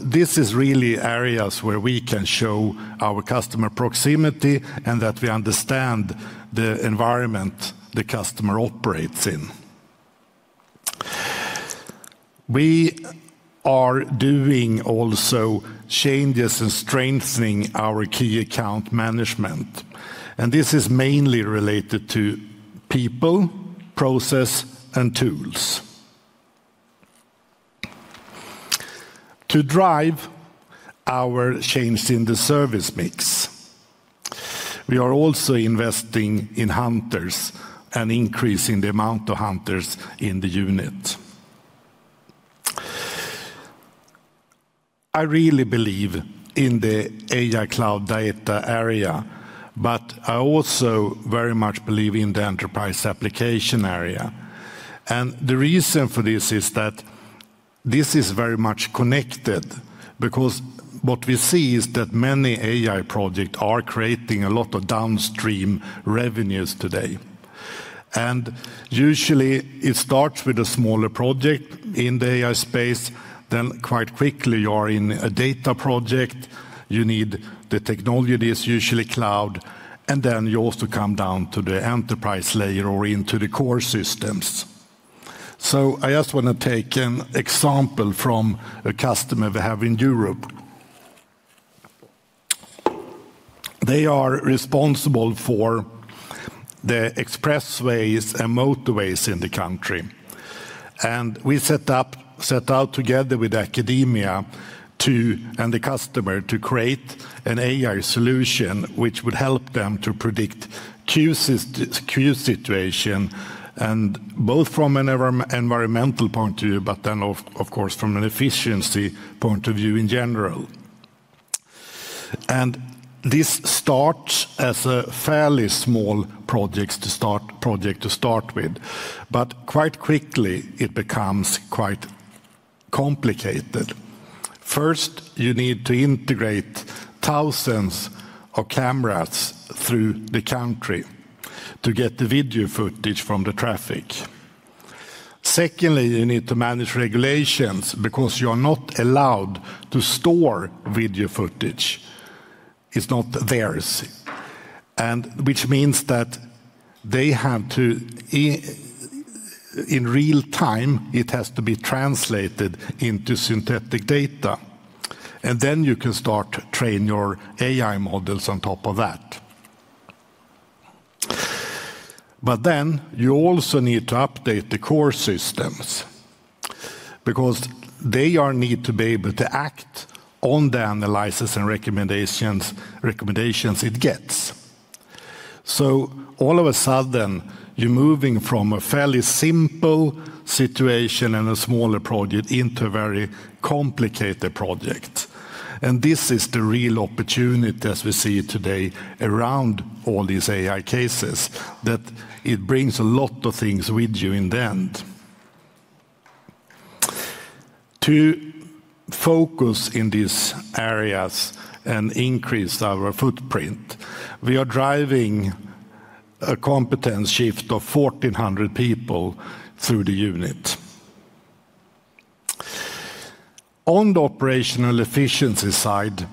This is really areas where we can show our customer proximity and that we understand the environment the customer operates in. We are doing also changes and strengthening our key account management. This is mainly related to people, process, and tools. To drive our change in the service mix, we are also investing in hunters and increasing the amount of hunters in the unit. I really believe in the AI cloud data area, but I also very much believe in the enterprise application area. The reason for this is that this is very much connected because what we see is that many AI projects are creating a lot of downstream revenues today. Usually, it starts with a smaller project in the AI space. Quite quickly, you are in a data project. You need the technology, which is usually cloud, and you also come down to the enterprise layer or into the core systems. I just want to take an example from a customer we have in Europe. They are responsible for the expressways and motorways in the country. We set out together with academia and the customer to create an AI solution which would help them to predict queue situations, both from an environmental point of view, but then, of course, from an efficiency point of view in general. This starts as a fairly small project to start with. Quite quickly, it becomes quite complicated. First, you need to integrate thousands of cameras through the country to get the video footage from the traffic. Secondly, you need to manage regulations because you are not allowed to store video footage. It's not theirs, which means that they have to, in real time, it has to be translated into synthetic data. Then you can start training your AI models on top of that. Then you also need to update the core systems because they need to be able to act on the analysis and recommendations it gets. All of a sudden, you're moving from a fairly simple situation and a smaller project into a very complicated project. This is the real opportunity, as we see today, around all these AI cases, that it brings a lot of things with you in the end. To focus in these areas and increase our footprint, we are driving a competence shift of 1,400 people through the unit. On the operational efficiency side,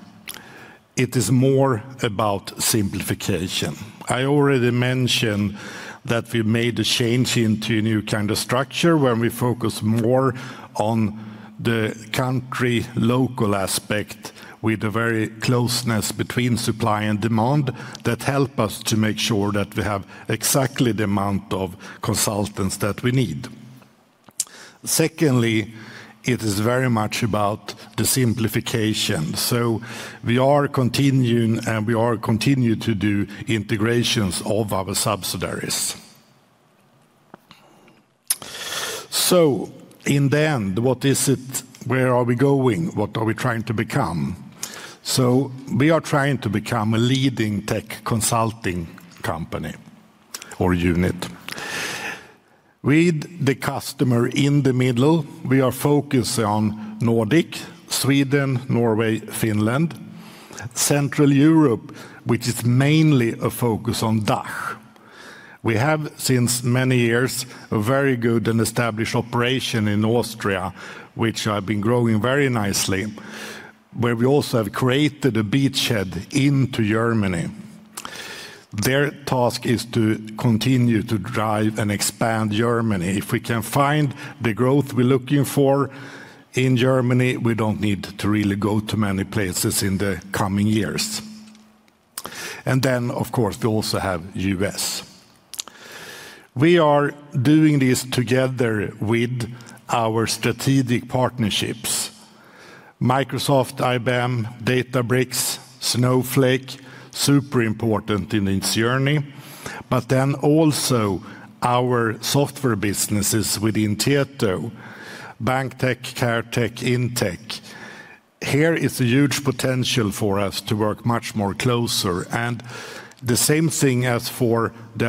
it is more about simplification. I already mentioned that we made a change into a new kind of structure where we focus more on the country-local aspect with the very closeness between supply and demand that helps us to make sure that we have exactly the amount of consultants that we need. Secondly, it is very much about the simplification. We are continuing and we are continuing to do integrations of our subsidiaries. In the end, what is it? Where are we going? What are we trying to become? We are trying to become a leading tech consulting company or unit. With the customer in the middle, we are focusing on Nordic, Sweden, Norway, Finland, Central Europe, which is mainly a focus on DACH. We have, since many years, a very good and established operation in Austria, which has been growing very nicely, where we also have created a beachhead into Germany. Their task is to continue to drive and expand Germany. If we can find the growth we're looking for in Germany, we don't need to really go to many places in the coming years. Of course, we also have the U.S. We are doing this together with our strategic partnerships: Microsoft, IBM, Databricks, Snowflake, super important in its journey, but then also our software businesses within Tieto, Bank Tech, Care Tech, InTech. Here is a huge potential for us to work much more closer. The same thing as for the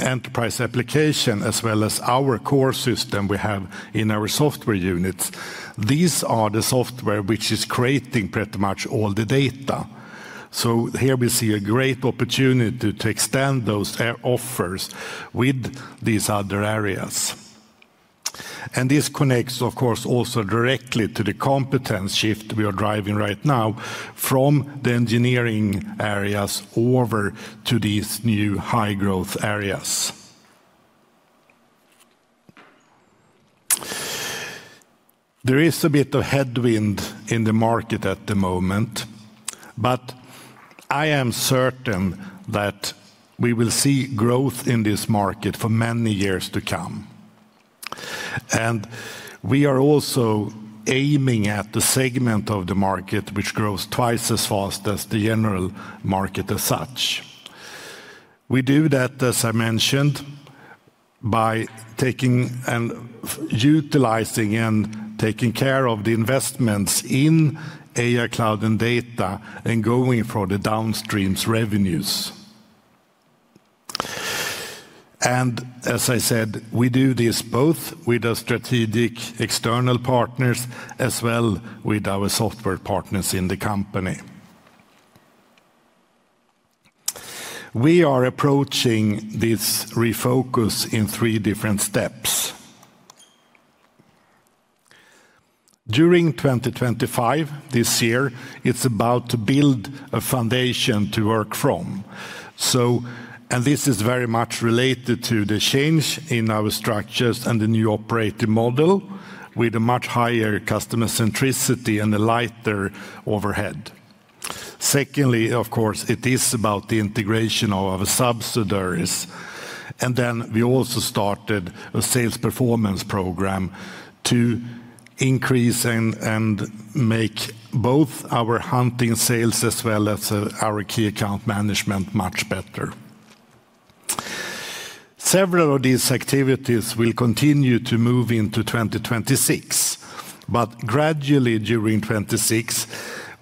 enterprise application, as well as our core system we have in our software units, these are the software which is creating pretty much all the data. Here we see a great opportunity to extend those offers with these other areas. This connects, of course, also directly to the competence shift we are driving right now from the engineering areas over to these new high-growth areas. There is a bit of headwind in the market at the moment, but I am certain that we will see growth in this market for many years to come. We are also aiming at the segment of the market which grows twice as fast as the general market as such. We do that, as I mentioned, by taking and utilizing and taking care of the investments in AI, cloud, and data and going for the downstream revenues. As I said, we do this both with our strategic external partners as well as with our software partners in the company. We are approaching this refocus in three different steps. During 2025, this year, it is about to build a foundation to work from. This is very much related to the change in our structures and the new operating model with a much higher customer centricity and a lighter overhead. Secondly, of course, it is about the integration of our subsidiaries. We also started a sales performance program to increase and make both our hunting sales as well as our key account management much better. Several of these activities will continue to move into 2026, but gradually during 2026,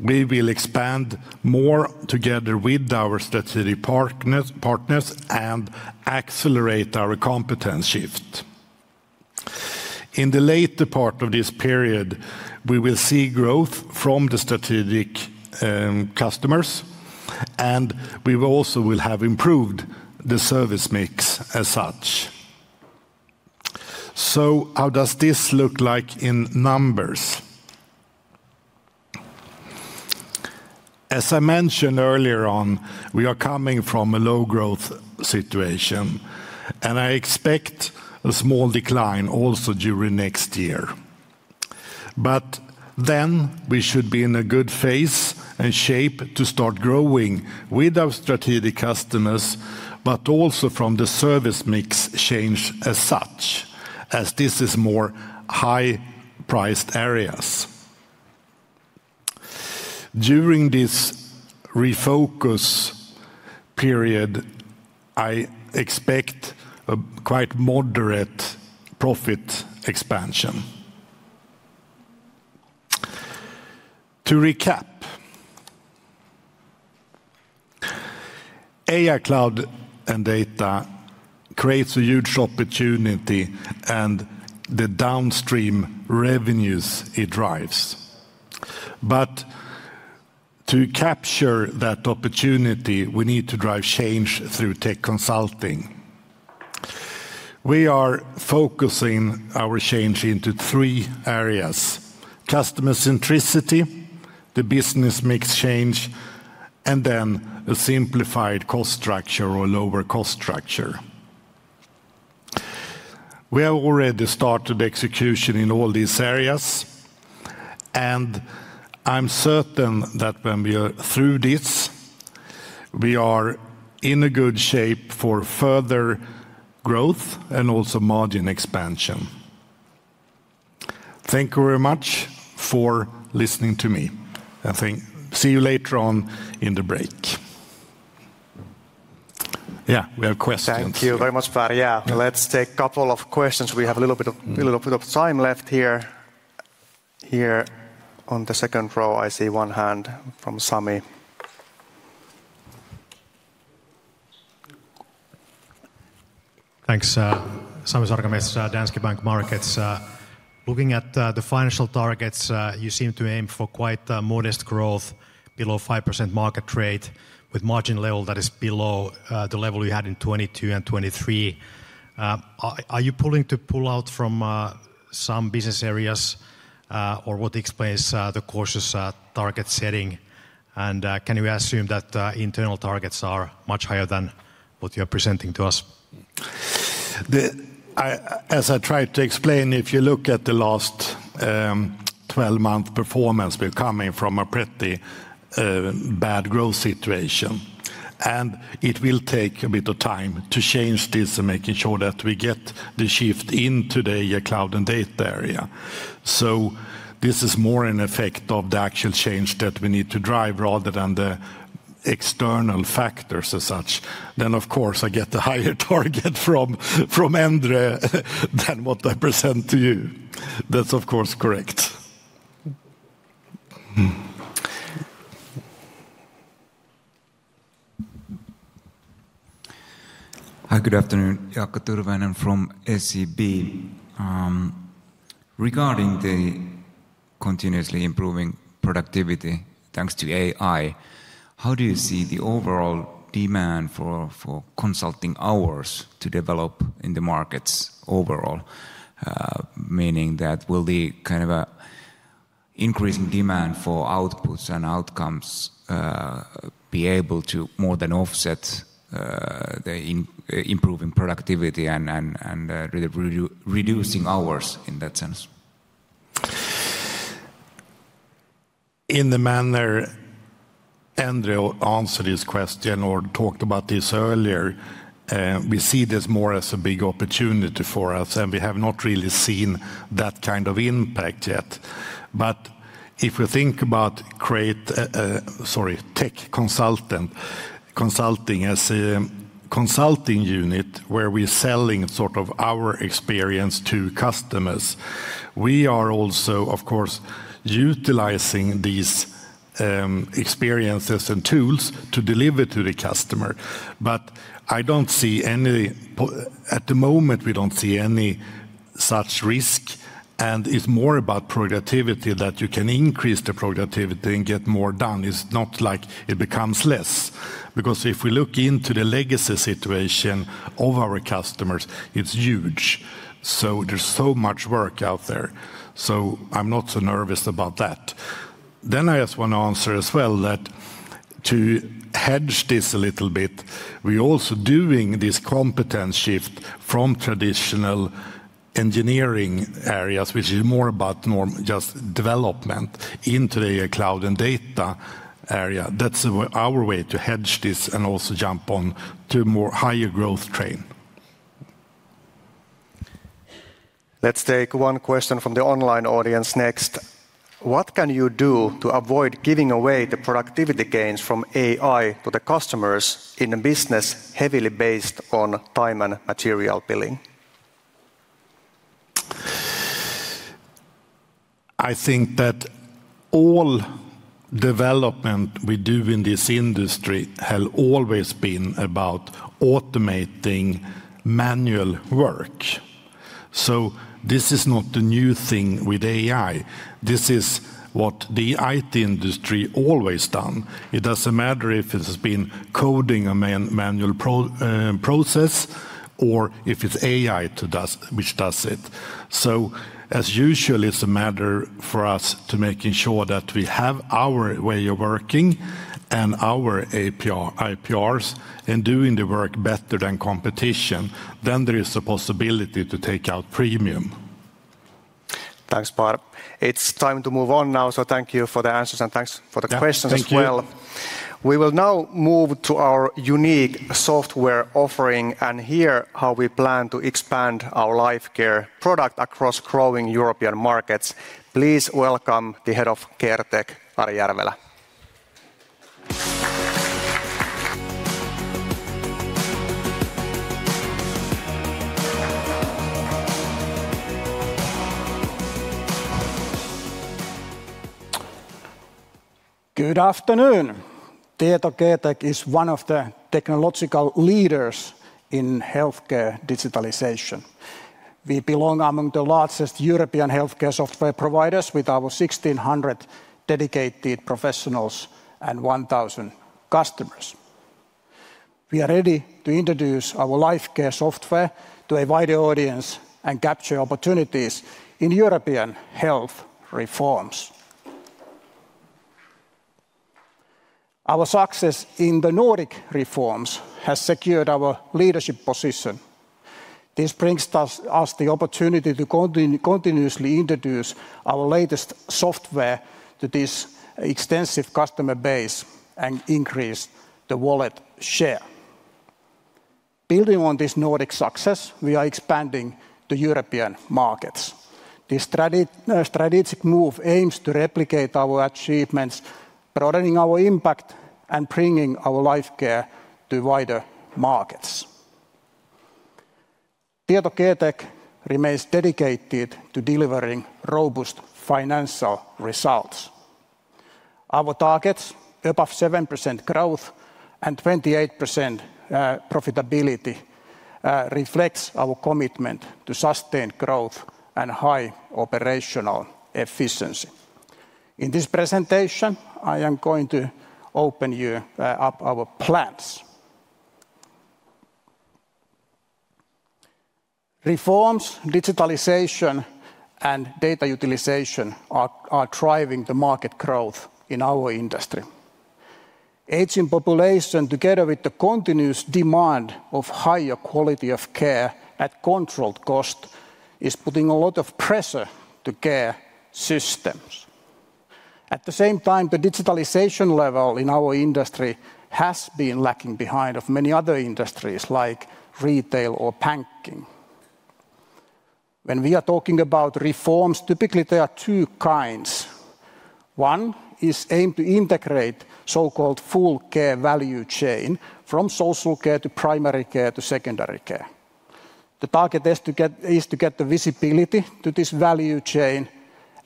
we will expand more together with our strategic partners and accelerate our competence shift. In the later part of this period, we will see growth from the strategic customers, and we also will have improved the service mix as such. How does this look like in numbers? As I mentioned earlier on, we are coming from a low-growth situation, and I expect a small decline also during next year. We should be in a good phase and shape to start growing with our strategic customers, but also from the service mix change as such, as this is more high-priced areas. During this refocus period, I expect a quite moderate profit expansion. To recap, AI cloud and data creates a huge opportunity and the downstream revenues it drives. To capture that opportunity, we need to drive change through tech consulting. We are focusing our change into three areas: customer centricity, the business mix change, and then a simplified cost structure or lower cost structure. We have already started execution in all these areas, and I'm certain that when we are through this, we are in a good shape for further growth and also margin expansion. Thank you very much for listening to me. I think see you later on in the break. Yeah, we have questions. Thank you very much, Pär. Let's take a couple of questions. We have a little bit of time left here. Here on the second row, I see one hand from Sami. Thanks. Sami Sarkamies, Danske Bank Markets. Looking at the financial targets, you seem to aim for quite modest growth, below 5% market rate, with margin level that is below the level you had in 2022 and 2023. Are you planning to pull out from some business areas, or what explains the cautious target setting? Can you assume that internal targets are much higher than what you are presenting to us? As I tried to explain, if you look at the last 12-month performance, we're coming from a pretty bad growth situation. It will take a bit of time to change this and making sure that we get the shift into the AI cloud and data area. This is more an effect of the actual change that we need to drive rather than the external factors as such. Of course, I get a higher target from Endre than what I present to you. That's, of course, correct. Hi, good afternoon. Jaakko Tyrväinen from SEB. Regarding the continuously improving productivity thanks to AI, how do you see the overall demand for consulting hours to develop in the markets overall? Meaning that will the kind of increasing demand for outputs and outcomes be able to more than offset the improving productivity and reducing hours in that sense? In the manner Endre answered his question or talked about this earlier, we see this more as a big opportunity for us, and we have not really seen that kind of impact yet. If we think about create, sorry, tech consulting, as a consulting unit where we're selling sort of our experience to customers, we are also, of course, utilizing these experiences and tools to deliver to the customer. I don't see any, at the moment, we don't see any such risk, and it's more about productivity that you can increase the productivity and get more done. It's not like it becomes less. If we look into the legacy situation of our customers, it's huge. There is so much work out there. I'm not so nervous about that. I just want to answer as well that to hedge this a little bit, we're also doing this competence shift from traditional engineering areas, which is more about just development into the AI cloud and data area. That's our way to hedge this and also jump on to a more higher growth train. Let's take one question from the online audience next. What can you do to avoid giving away the productivity gains from AI to the customers in a business heavily based on time and material billing? I think that all development we do in this industry has always been about automating manual work. This is not a new thing with AI. This is what the IT industry has always done. It doesn't matter if it has been coding a manual process or if it's AI which does it. As usual, it's a matter for us to making sure that we have our way of working and our APRs and doing the work better than competition. There is a possibility to take out premium. Thanks, Pär. It's time to move on now, so thank you for the answers and thanks for the questions as well. We will now move to our unique software offering and hear how we plan to expand our Lifecare product across growing European markets. Please welcome the Head of Care Tech, Ari Järvelä. Good afternoon. Tieto Care Tech is one of the technological leaders in healthcare digitalization. We belong among the largest European healthcare software providers with our 1,600 dedicated professionals and 1,000 customers. We are ready to introduce our Lifecare software to a wider audience and capture opportunities in European health reforms. Our success in the Nordic reforms has secured our leadership position. This brings us the opportunity to continuously introduce our latest software to this extensive customer base and increase the wallet share. Building on this Nordic success, we are expanding to European markets. This strategic move aims to replicate our achievements, broadening our impact and bringing our Lifecare to wider markets. Tietoevry Care Tech remains dedicated to delivering robust financial results. Our targets, above 7% growth and 28% profitability, reflect our commitment to sustain growth and high operational efficiency. In this presentation, I am going to open you up our plans. Reforms, digitalization, and data utilization are driving the market growth in our industry. Aging population, together with the continuous demand of higher quality of care at controlled cost, is putting a lot of pressure to care systems. At the same time, the digitalization level in our industry has been lagging behind many other industries like retail or banking. When we are talking about reforms, typically there are two kinds. One is aimed to integrate so-called full care value chain from social care to primary care to secondary care. The target is to get the visibility to this value chain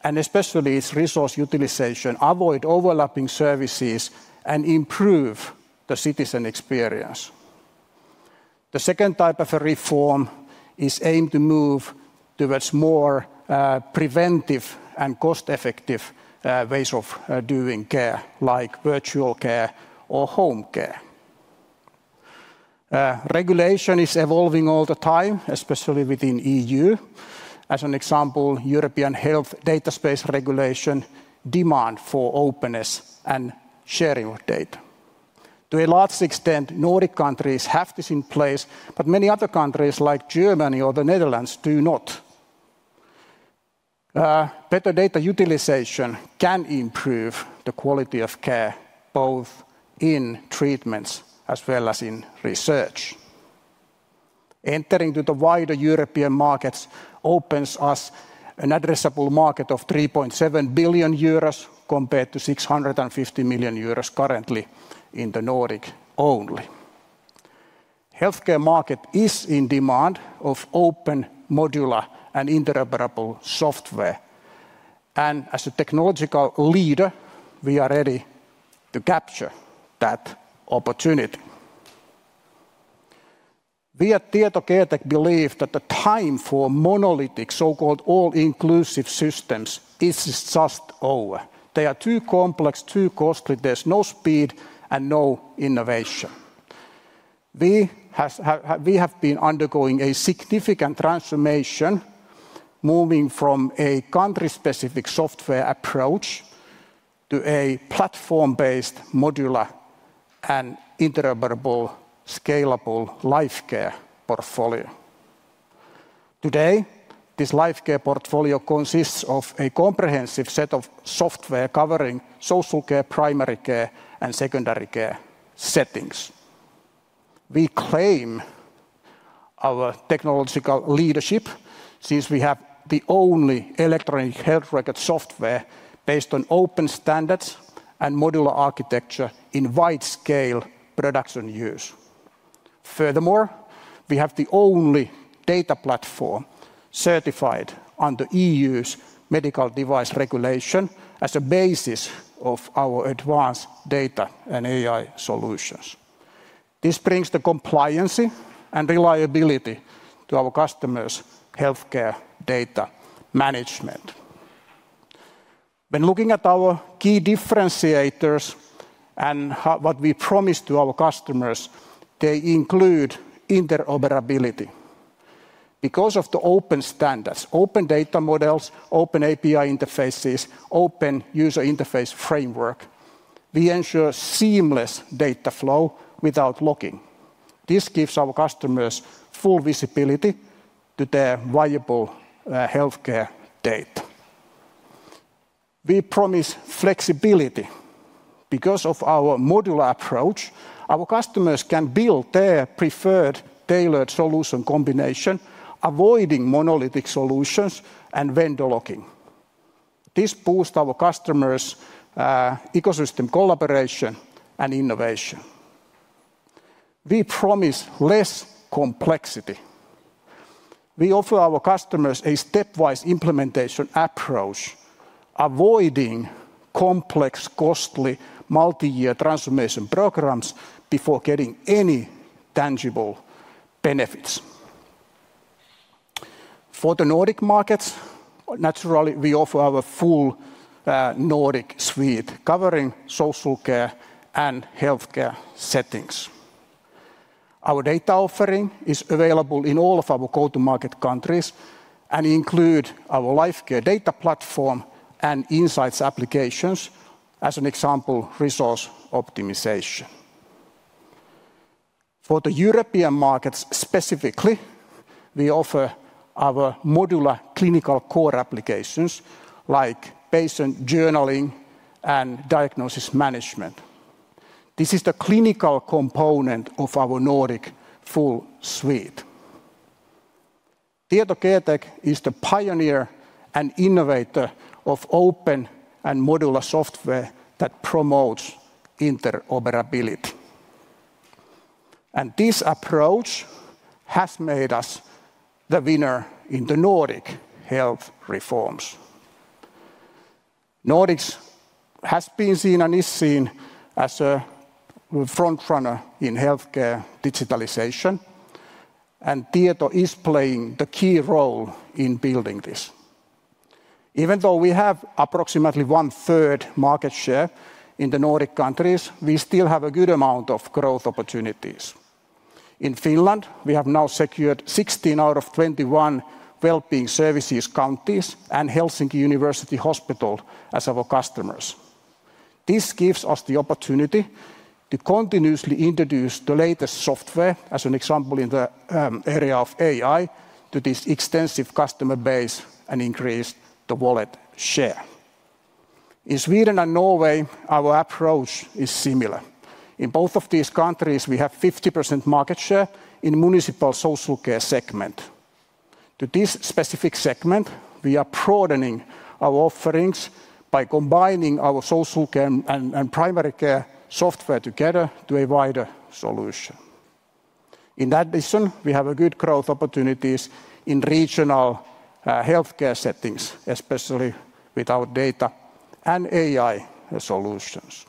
and especially its resource utilization, avoid overlapping services and improve the citizen experience. The second type of a reform is aimed to move towards more preventive and cost-effective ways of doing care, like virtual care or home care. Regulation is evolving all the time, especially within the EU. As an example, European Health Data Space Regulation demands for openness and sharing of data. To a large extent, Nordic countries have this in place, but many other countries like Germany or the Netherlands do not. Better data utilization can improve the quality of care both in treatments as well as in research. Entering into the wider European markets opens us an addressable market of 3.7 billion euros compared to 650 million euros currently in the Nordic only. Healthcare market is in demand of open, modular, and interoperable software. As a technological leader, we are ready to capture that opportunity. We at Tietoevry Care Tech believe that the time for monolithic, so-called all-inclusive systems is just over. They are too complex, too costly. There is no speed and no innovation. We have been undergoing a significant transformation, moving from a country-specific software approach to a platform-based, modular, and interoperable, scalable Lifecare Portfolio. Today, this Lifecare Portfolio consists of a comprehensive set of software covering social care, primary care, and secondary care settings. We claim our technological leadership since we have the only electronic health record software based on open standards and modular architecture in wide-scale production use. Furthermore, we have the only data platform certified under the EU's medical device regulation as a basis of our advanced data and AI solutions. This brings the compliancy and reliability to our customers' healthcare data management. When looking at our key differentiators and what we promise to our customers, they include interoperability. Because of the open standards, open data models, open API interfaces, open user interface framework, we ensure seamless data flow without locking. This gives our customers full visibility to their viable healthcare data. We promise flexibility. Because of our modular approach, our customers can build their preferred tailored solution combination, avoiding monolithic solutions and vendor locking. This boosts our customers' ecosystem collaboration and innovation. We promise less complexity. We offer our customers a stepwise implementation approach, avoiding complex, costly, multi-year transformation programs before getting any tangible benefits. For the Nordic markets, naturally, we offer our full Nordic suite, covering social care and healthcare settings. Our data offering is available in all of our go-to-market countries and includes our Lifecare data platform and insights applications, as an example, resource optimization. For the European markets specifically, we offer our modular clinical core applications like patient journaling and diagnosis management. This is the clinical component of our Nordic full suite. Tietoevry Care Tech is the pioneer and innovator of open and modular software that promotes interoperability. This approach has made us the winner in the Nordic health reforms. Nordics has been seen and is seen as a front runner in healthcare digitalization, and Tietoevry is playing the key role in building this. Even though we have approximately one-third market share in the Nordic countries, we still have a good amount of growth opportunities. In Finland, we have now secured 16 out of 21 well-being services counties and Helsinki University Hospital as our customers. This gives us the opportunity to continuously introduce the latest software, as an example in the area of AI, to this extensive customer base and increase the wallet share. In Sweden and Norway, our approach is similar. In both of these countries, we have 50% market share in the municipal social care segment. To this specific segment, we are broadening our offerings by combining our social care and primary care software together to a wider solution. In addition, we have good growth opportunities in regional healthcare settings, especially with our data and AI solutions.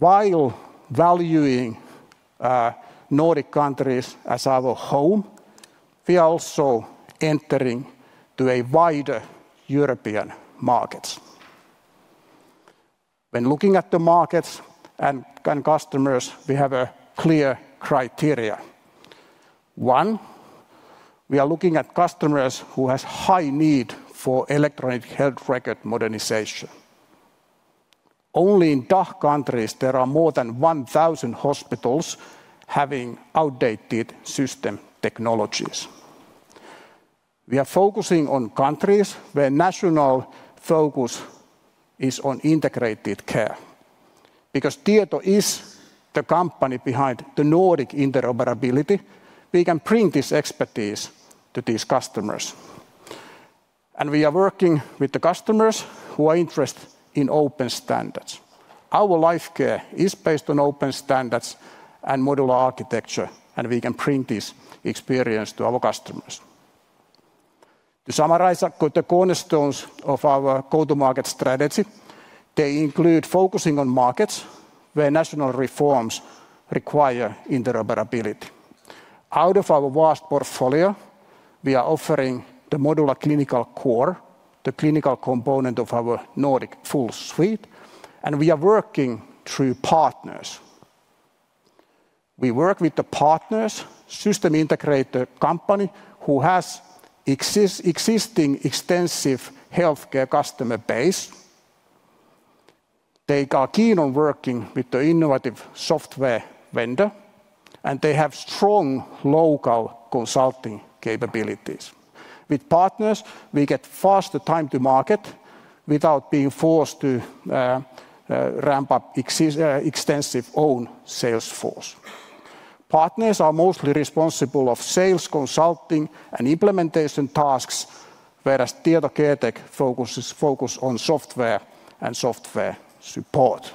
While valuing Nordic countries as our home, we are also entering into a wider European market. When looking at the markets and customers, we have clear criteria. One, we are looking at customers who have high need for electronic health record modernization. Only in DACH countries, there are more than 1,000 hospitals having outdated system technologies. We are focusing on countries where national focus is on integrated care. Because Tieto is the company behind the Nordic interoperability, we can bring this expertise to these customers. We are working with the customers who are interested in open standards. Our Lifecare is based on open standards and modular architecture, and we can bring this experience to our customers. To summarize the cornerstones of our go-to-market strategy, they include focusing on markets where national reforms require interoperability. Out of our vast portfolio, we are offering the modular clinical core, the clinical component of our Nordic full suite, and we are working through partners. We work with the partners, system integrator company who has existing extensive healthcare customer base. They are keen on working with the innovative software vendor, and they have strong local consulting capabilities. With partners, we get faster time to market without being forced to ramp up extensive own sales force. Partners are mostly responsible for sales, consulting, and implementation tasks, whereas Tietoevry Care Tech focuses on software and software support.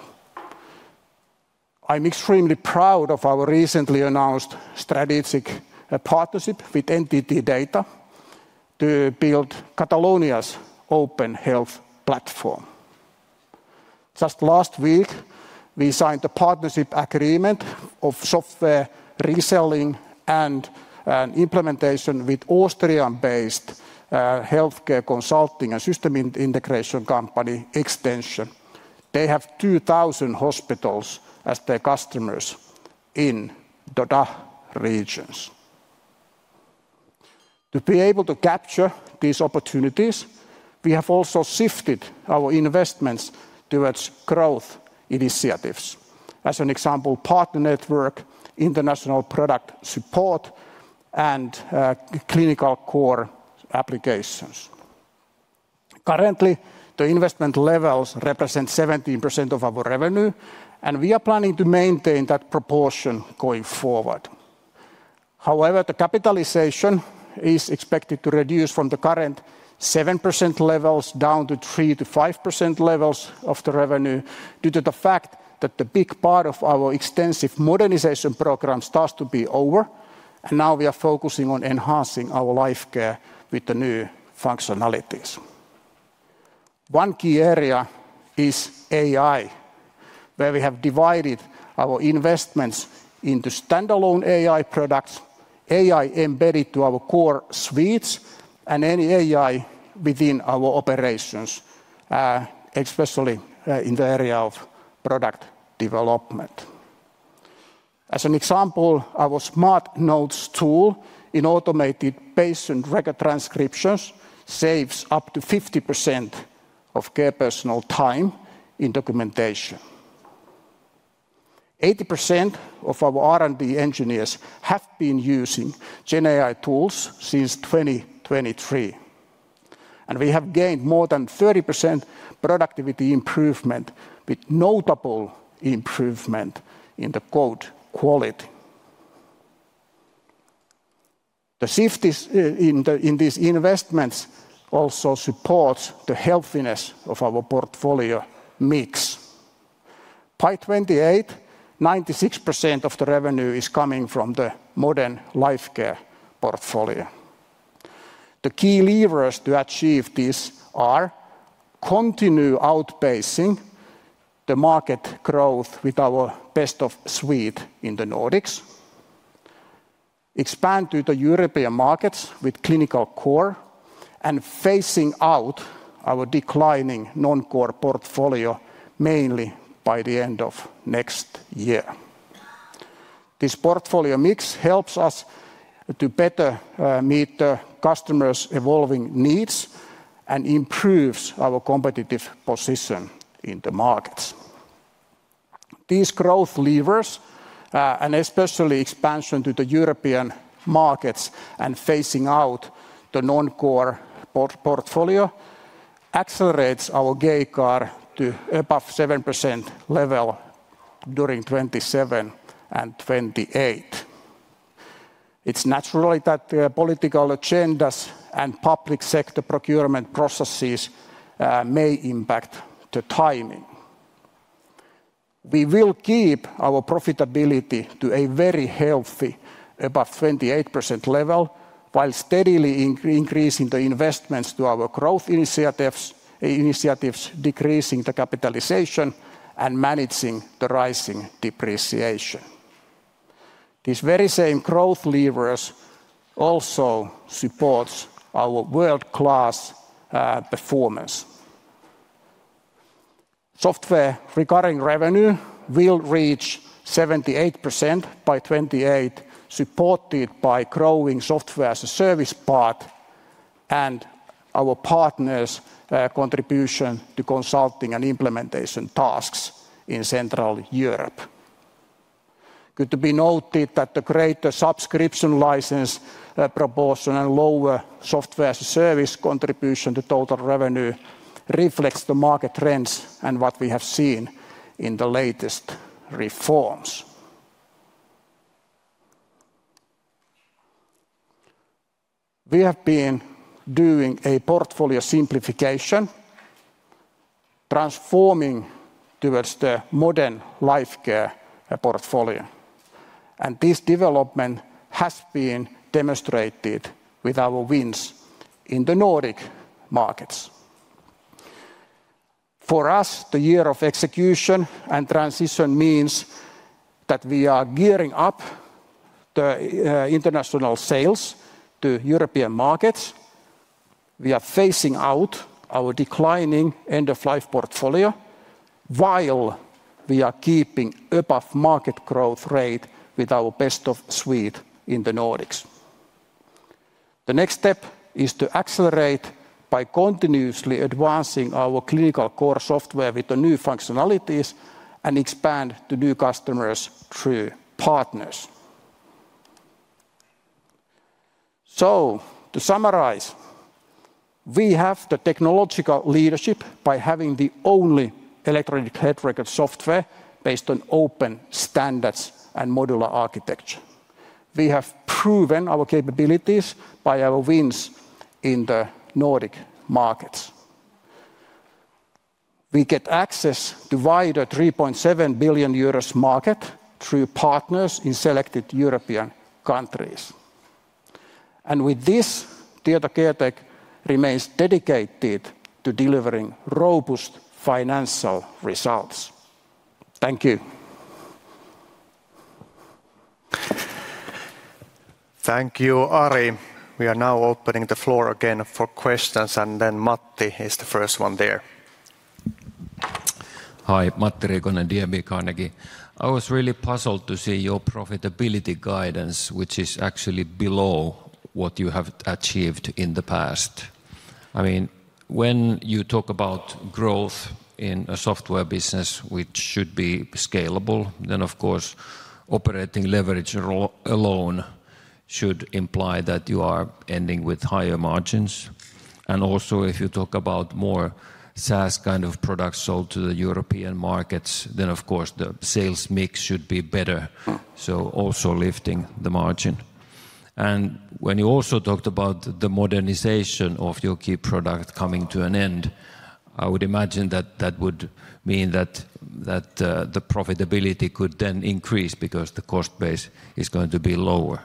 I'm extremely proud of our recently announced strategic partnership with Entity Data to build Catalonia's open health platform. Just last week, we signed a partnership agreement for software reselling and implementation with Austrian-based healthcare consulting and system integration company Extension. They have 2,000 hospitals as their customers in the DACH regions. To be able to capture these opportunities, we have also shifted our investments towards growth initiatives. As an example, partner network, international product support, and clinical core applications. Currently, the investment levels represent 17% of our revenue, and we are planning to maintain that proportion going forward. However, the capitalization is expected to reduce from the current 7% levels down to 3%-5% levels of the revenue due to the fact that a big part of our extensive modernization program starts to be over, and now we are focusing on enhancing our Lifecare with the new functionalities. One key area is AI, where we have divided our investments into standalone AI products, AI embedded to our core suites, and any AI within our operations, especially in the area of product development. As an example, our smart notes tool in automated patient record transcriptions saves up to 50% of care personal time in documentation. 80% of our R&D engineers have been using GenAI tools since 2023, and we have gained more than 30% productivity improvement with notable improvement in the code quality. The shift in these investments also supports the healthiness of our portfolio mix. By 2028, 96% of the revenue is coming from the modern Lifecare portfolio. The key levers to achieve this are continuing outpacing the market growth with our best of suite in the Nordics, expanding to the European markets with clinical core, and phasing out our declining non-core portfolio mainly by the end of next year. This portfolio mix helps us to better meet the customers' evolving needs and improves our competitive position in the markets. These growth levers, and especially expansion to the European markets and phasing out the non-core portfolio, accelerate our CAGR to above 7% level during 2027 and 2028. It's naturally that the political agendas and public sector procurement processes may impact the timing. We will keep our profitability to a very healthy above 28% level while steadily increasing the investments to our growth initiatives, decreasing the capitalization, and managing the rising depreciation. These very same growth levers also support our world-class performance. Software recurring revenue will reach 78% by 2028, supported by growing software as a service part and our partners' contribution to consulting and implementation tasks in Central Europe. Good to be noted that the greater subscription license proportion and lower software as a service contribution to total revenue reflects the market trends and what we have seen in the latest reforms. We have been doing a portfolio simplification, transforming towards the modern Lifecare Portfolio. This development has been demonstrated with our wins in the Nordic markets. For us, the year of execution and transition means that we are gearing up the international sales to European markets. We are phasing out our declining end-of-life portfolio while we are keeping above market growth rate with our best of suite in the Nordics. The next step is to accelerate by continuously advancing our clinical core software with the new functionalities and expand to new customers through partners. To summarize, we have the technological leadership by having the only electronic health record software based on open standards and modular architecture. We have proven our capabilities by our wins in the Nordic markets. We get access to a wider 3.7 billion euros market through partners in selected European countries. With this, Tietoevry Care Tech remains dedicated to delivering robust financial results. Thank you. Thank you, Ari. We are now opening the floor again for questions, and then Matti is the first one there. Hi, Matti Riikonen, DNB Carnegie. I was really puzzled to see your profitability guidance, which is actually below what you have achieved in the past. I mean, when you talk about growth in a software business, which should be scalable, then of course, operating leverage alone should imply that you are ending with higher margins. Also, if you talk about more SaaS kind of products sold to the European markets, then of course, the sales mix should be better. Also lifting the margin. When you also talked about the modernization of your key product coming to an end, I would imagine that that would mean that the profitability could then increase because the cost base is going to be lower.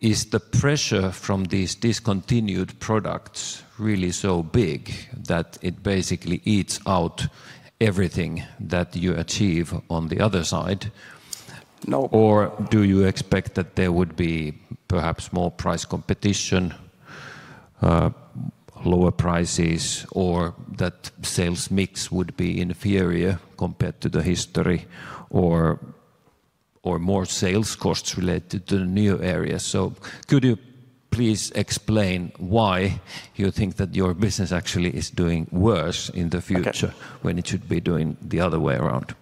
Is the pressure from these discontinued products really so big that it basically eats out everything that you achieve on the other side? No. Do you expect that there would be perhaps more price competition, lower prices, or that sales mix would be inferior compared to the history, or more sales costs related to the new areas? Could you please explain why you think that your business actually is doing worse in the future when it should be doing the other way around?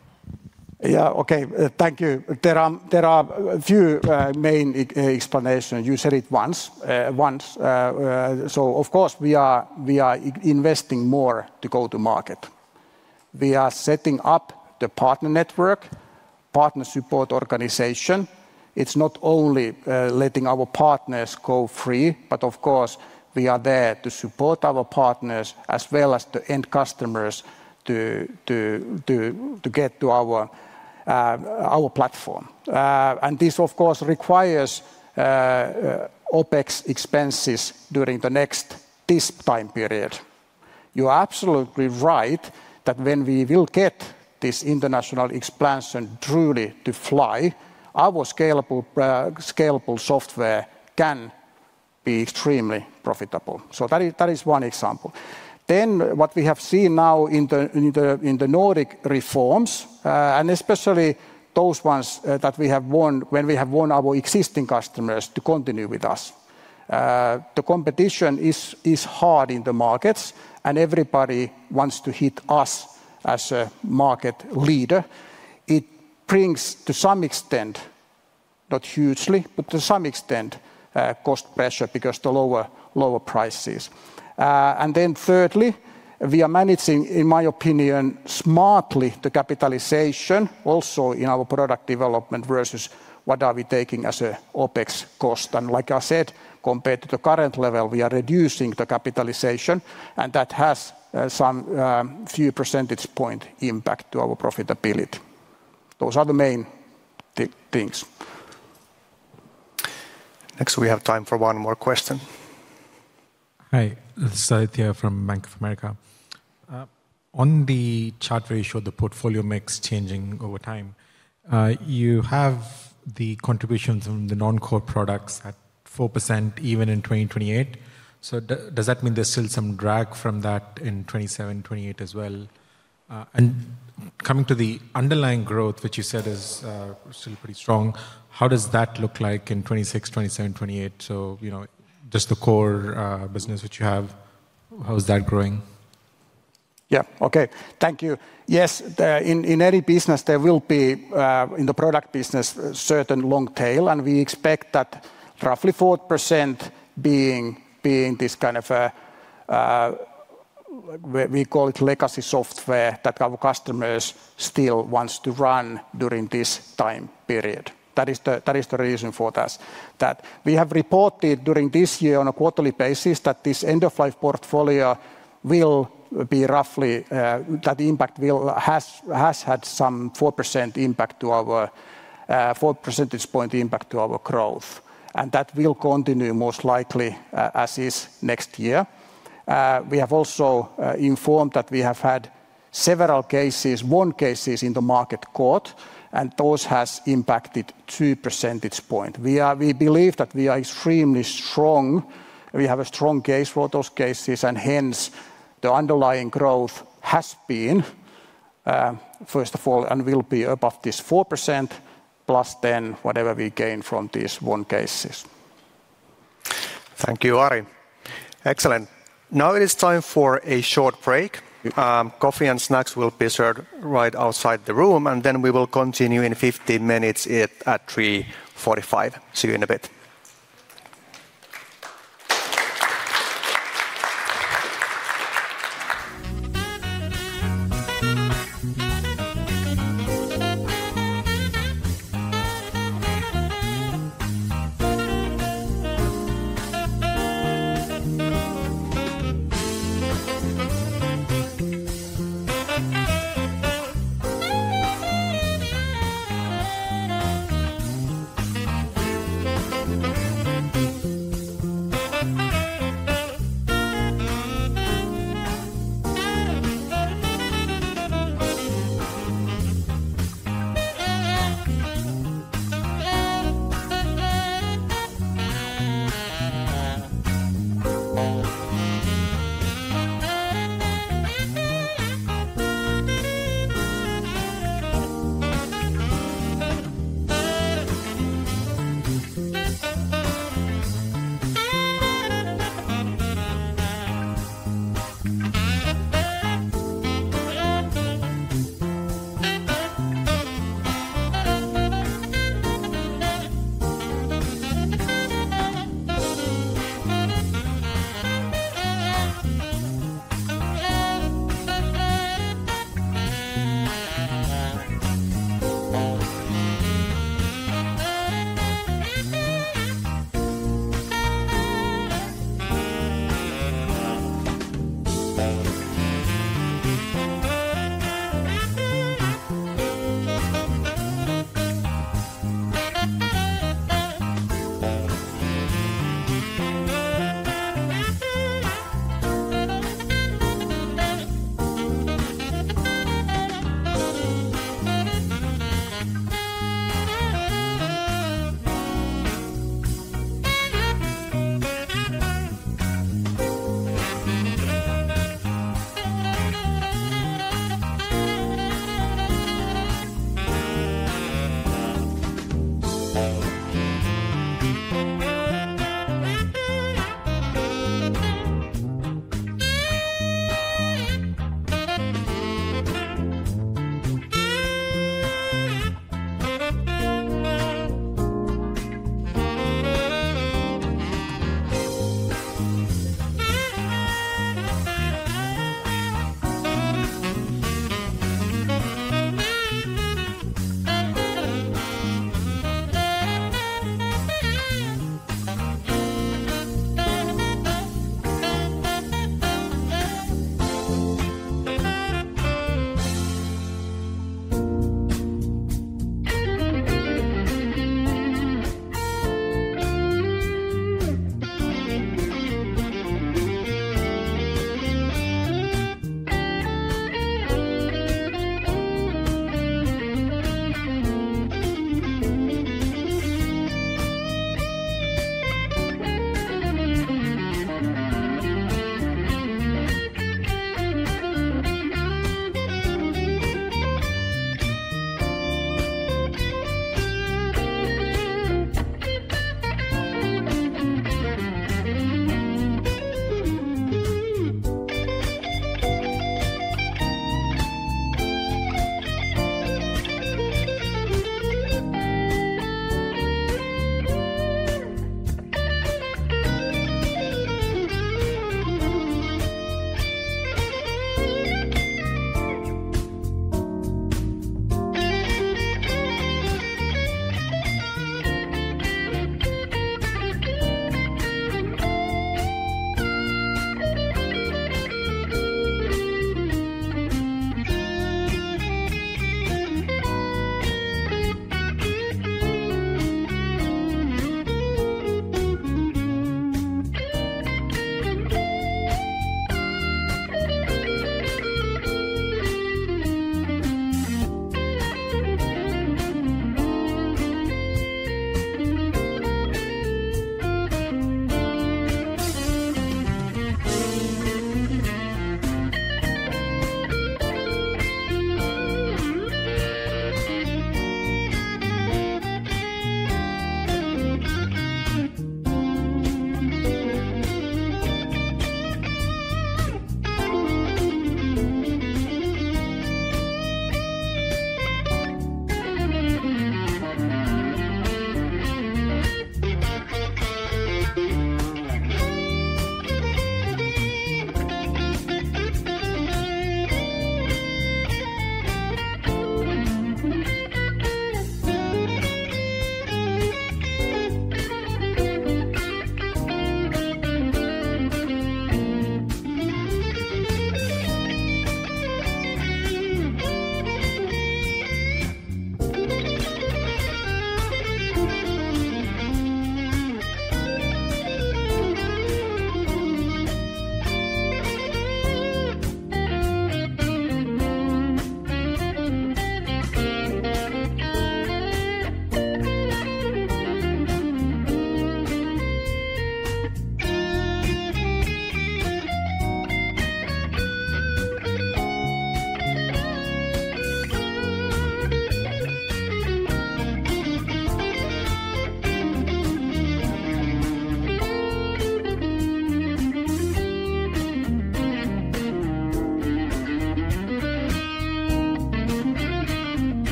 Yeah, okay. Thank you. There are a few main explanations. You said it once. Of course, we are investing more to go to market. We are setting up the partner network, partner support organization. It is not only letting our partners go free, but of course, we are there to support our partners as well as the end customers to get to our platform. This, of course, requires OPEX expenses during the next this time period. You are absolutely right that when we will get this international expansion truly to fly, our scalable software can be extremely profitable. That is one example. What we have seen now in the Nordic reforms, and especially those ones that we have won when we have won our existing customers to continue with us. The competition is hard in the markets, and everybody wants to hit us as a market leader. It brings to some extent, not hugely, but to some extent, cost pressure because of the lower prices. Thirdly, we are managing, in my opinion, smartly the capitalization also in our product development versus what are we taking as an OPEX cost. Like I said, compared to the current level, we are reducing the capitalization, and that has some few percentage point impact to our profitability. Those are the main things. Next, we have time for one more question. Hi, this is Aditya from Bank of America. On the chart where you showed the portfolio mix changing over time, you have the contributions from the non-core products at 4% even in 2028. Does that mean there's still some drag from that in 2027, 2028 as well? Coming to the underlying growth, which you said is still pretty strong, how does that look like in 2026, 2027, 2028? You know, just the core business which you have, how is that growing? Yeah, okay. Thank you. Yes, in any business, there will be in the product business, certain long tail, and we expect that roughly 4% being this kind of, we call it legacy software that our customers still want to run during this time period. That is the reason for that. We have reported during this year on a quarterly basis that this end-of-life portfolio will be roughly, that impact has had some 4% impact to our 4% impact to our growth. That will continue most likely as is next year. We have also informed that we have had several cases, one cases in the market court, and those have impacted 2%. We believe that we are extremely strong. We have a strong case for those cases, and hence the underlying growth has been, first of all, and will be above this 4%, plus then whatever we gain from these one cases. Thank you, Ari. Excellent. Now it is time for a short break. Coffee and snacks will be served right outside the room, and then we will continue in 15 minutes at 3:45 P.M. See you in a bit.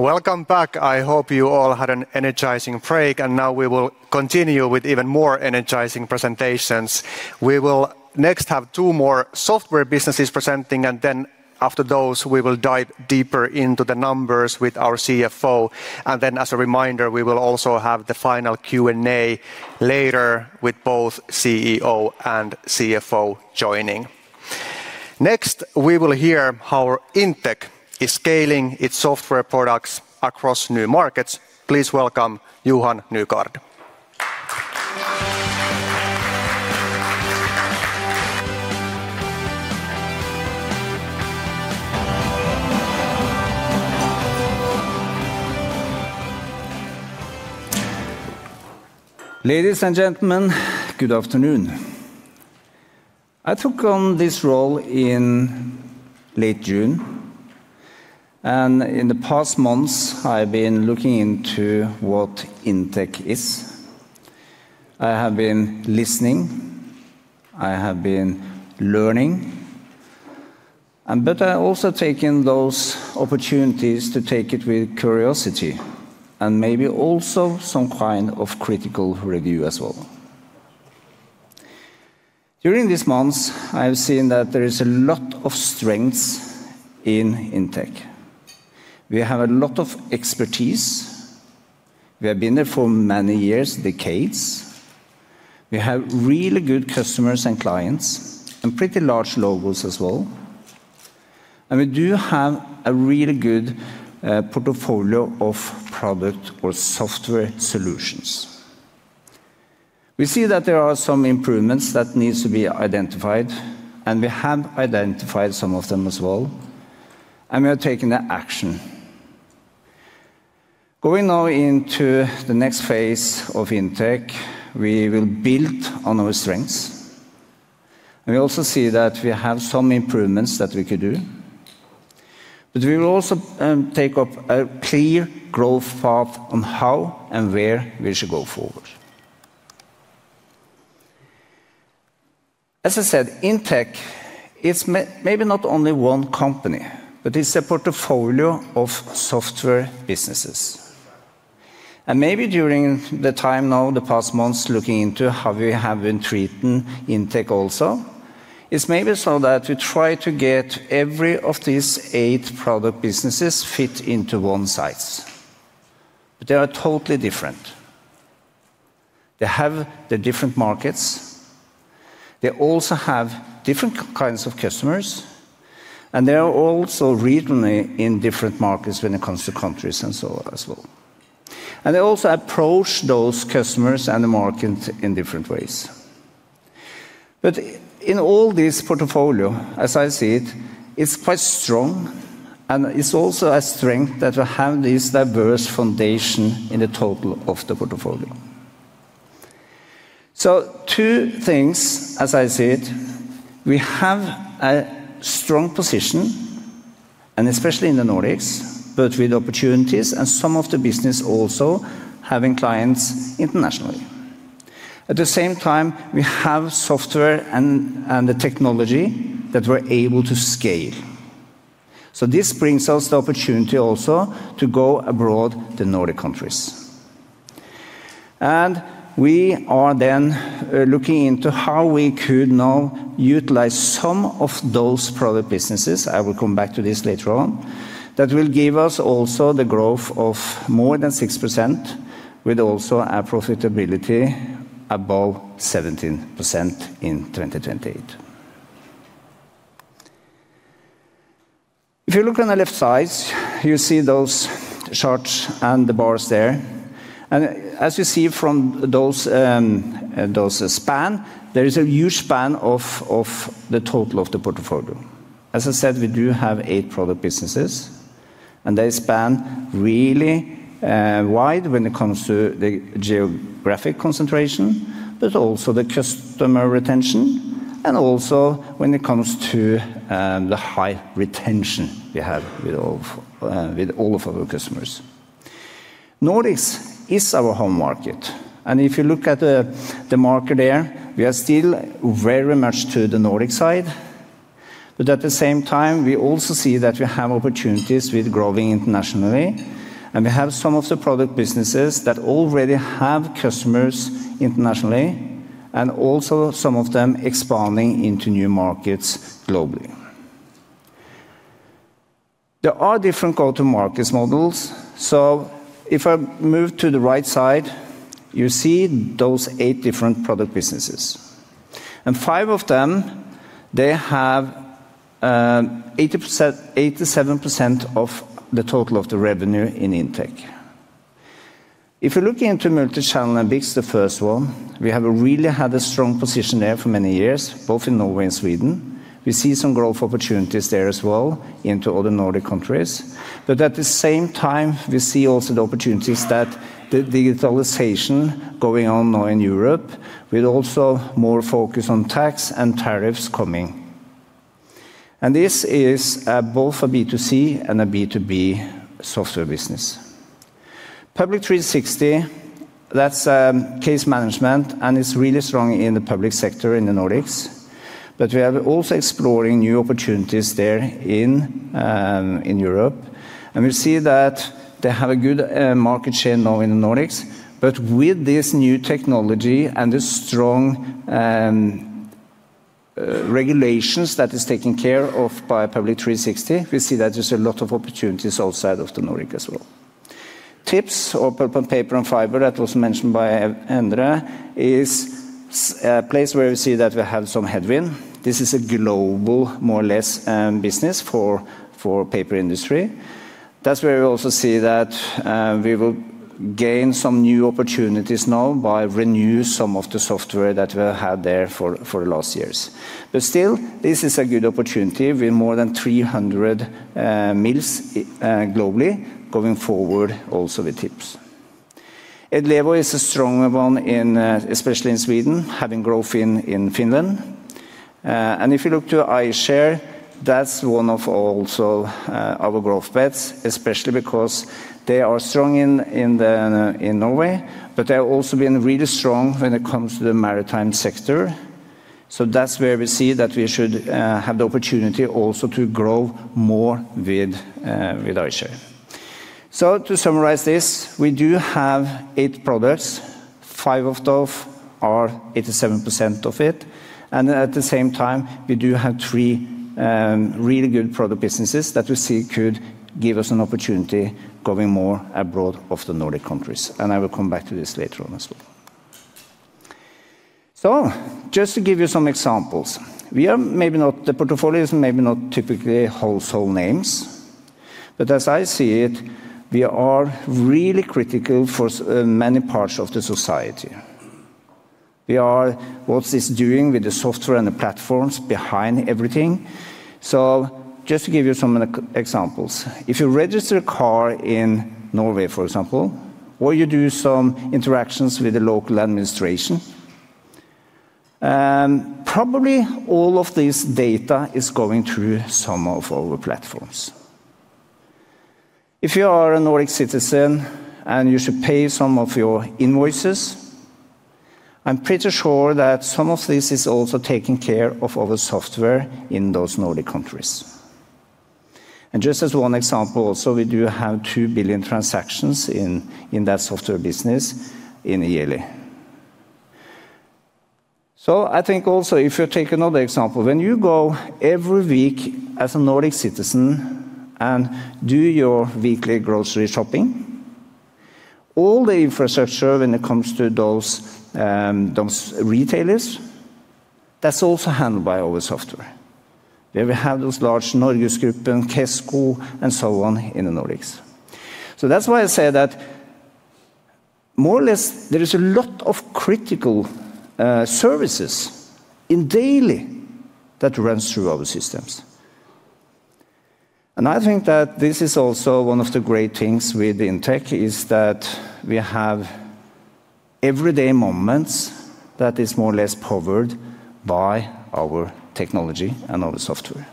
Welcome back. I hope you all had an energizing break, and now we will continue with even more energizing presentations. We will next have two more software businesses presenting, and then after those, we will dive deeper into the numbers with our CFO. As a reminder, we will also have the final Q&A later with both CEO and CFO joining. Next, we will hear how InTech is scaling its software products across new markets. Please welcome Johan Nygaard. Ladies and gentlemen, good afternoon. I took on this role in late June, and in the past months, I have been looking into what InTech is. I have been listening. I have been learning. I have also taken those opportunities to take it with curiosity and maybe also some kind of critical review as well. During these months, I have seen that there is a lot of strengths in InTech. We have a lot of expertise. We have been there for many years, decades. We have really good customers and clients and pretty large logos as well. We do have a really good portfolio of product or software solutions. We see that there are some improvements that need to be identified, and we have identified some of them as well. We are taking the action. Going now into the next phase of InTech, we will build on our strengths. We also see that we have some improvements that we could do. We will also take up a clear growth path on how and where we should go forward. As I said, InTech is maybe not only one company, but it's a portfolio of software businesses. Maybe during the time now, the past months, looking into how we have been treating InTech also, it's maybe so that we try to get every one of these eight product businesses fit into one size. They are totally different. They have different markets. They also have different kinds of customers. They are also regionally in different markets when it comes to countries and so on as well. They also approach those customers and the market in different ways. In all this portfolio, as I see it, it's quite strong. It's also a strength that we have this diverse foundation in the total of the portfolio. Two things, as I see it, we have a strong position, especially in the Nordics, but with opportunities and some of the business also having clients internationally. At the same time, we have software and the technology that we're able to scale. This brings us the opportunity also to go abroad to Nordic countries. We are then looking into how we could now utilize some of those product businesses. I will come back to this later on, that will give us also the growth of more than 6% with also a profitability above 17% in 2028. If you look on the left side, you see those charts and the bars there. As you see from those spans, there is a huge span of the total of the portfolio. As I said, we do have eight product businesses, and they span really wide when it comes to the geographic concentration, but also the customer retention, and also when it comes to the high retention we have with all of our customers. Nordics is our home market. If you look at the market there, we are still very much to the Nordic side. At the same time, we also see that we have opportunities with growing internationally. We have some of the product businesses that already have customers internationally, and also some of them expanding into new markets globally. There are different go-to-market models. If I move to the right side, you see those eight different product businesses. Five of them have 87% of the total of the revenue in InTech. If you're looking into Multi-Channel and BICS, the first one, we have really had a strong position there for many years, both in Norway and Sweden. We see some growth opportunities there as well into other Nordic countries. At the same time, we see also the opportunities that the digitalization going on now in Europe with also more focus on tax and tariffs coming. This is both a B2C and a B2B software business. Public 360, that's case management, and it's really strong in the public sector in the Nordics. We are also exploring new opportunities there in Europe. We see that they have a good market share now in the Nordics. With this new technology and this strong regulations that is taken care of by Public 360, we see that there's a lot of opportunities outside of the Nordic as well. TIPS, or Paper and Fiber, that was mentioned by Endre, is a place where we see that we have some headwind. This is a global, more or less, business for paper industry. That's where we also see that we will gain some new opportunities now by renewing some of the software that we have had there for the last years. Still, this is a good opportunity with more than 300 mills globally going forward also with TIPS. Edlevo is a stronger one in, especially in Sweden, having growth in Finland. If you look to iShare, that's one of also our growth bets, especially because they are strong in Norway, but they have also been really strong when it comes to the maritime sector. That's where we see that we should have the opportunity also to grow more with iShare. To summarize this, we do have eight products. Five of those are 87% of it. At the same time, we do have three really good product businesses that we see could give us an opportunity going more abroad of the Nordic countries. I will come back to this later on as well. Just to give you some examples, we are maybe not the portfolios, maybe not typically wholesale names. As I see it, we are really critical for many parts of the society. We are what's this doing with the software and the platforms behind everything. Just to give you some examples, if you register a car in Norway, for example, or you do some interactions with the local administration, probably all of this data is going through some of our platforms. If you are a Nordic citizen and you should pay some of your invoices, I'm pretty sure that some of this is also taken care of by our software in those Nordic countries. Just as one example, we do have 2 billion transactions in that software business in Italy. I think also if you take another example, when you go every week as a Nordic citizen and do your weekly grocery shopping, all the infrastructure when it comes to those retailers, that's also handled by our software. There we have those large Norgesgruppen, Kesko, and so on in the Nordics. That's why I say that more or less there is a lot of critical services in daily life that runs through our systems. I think that this is also one of the great things with InTech is that we have everyday moments that is more or less powered by our technology and our software.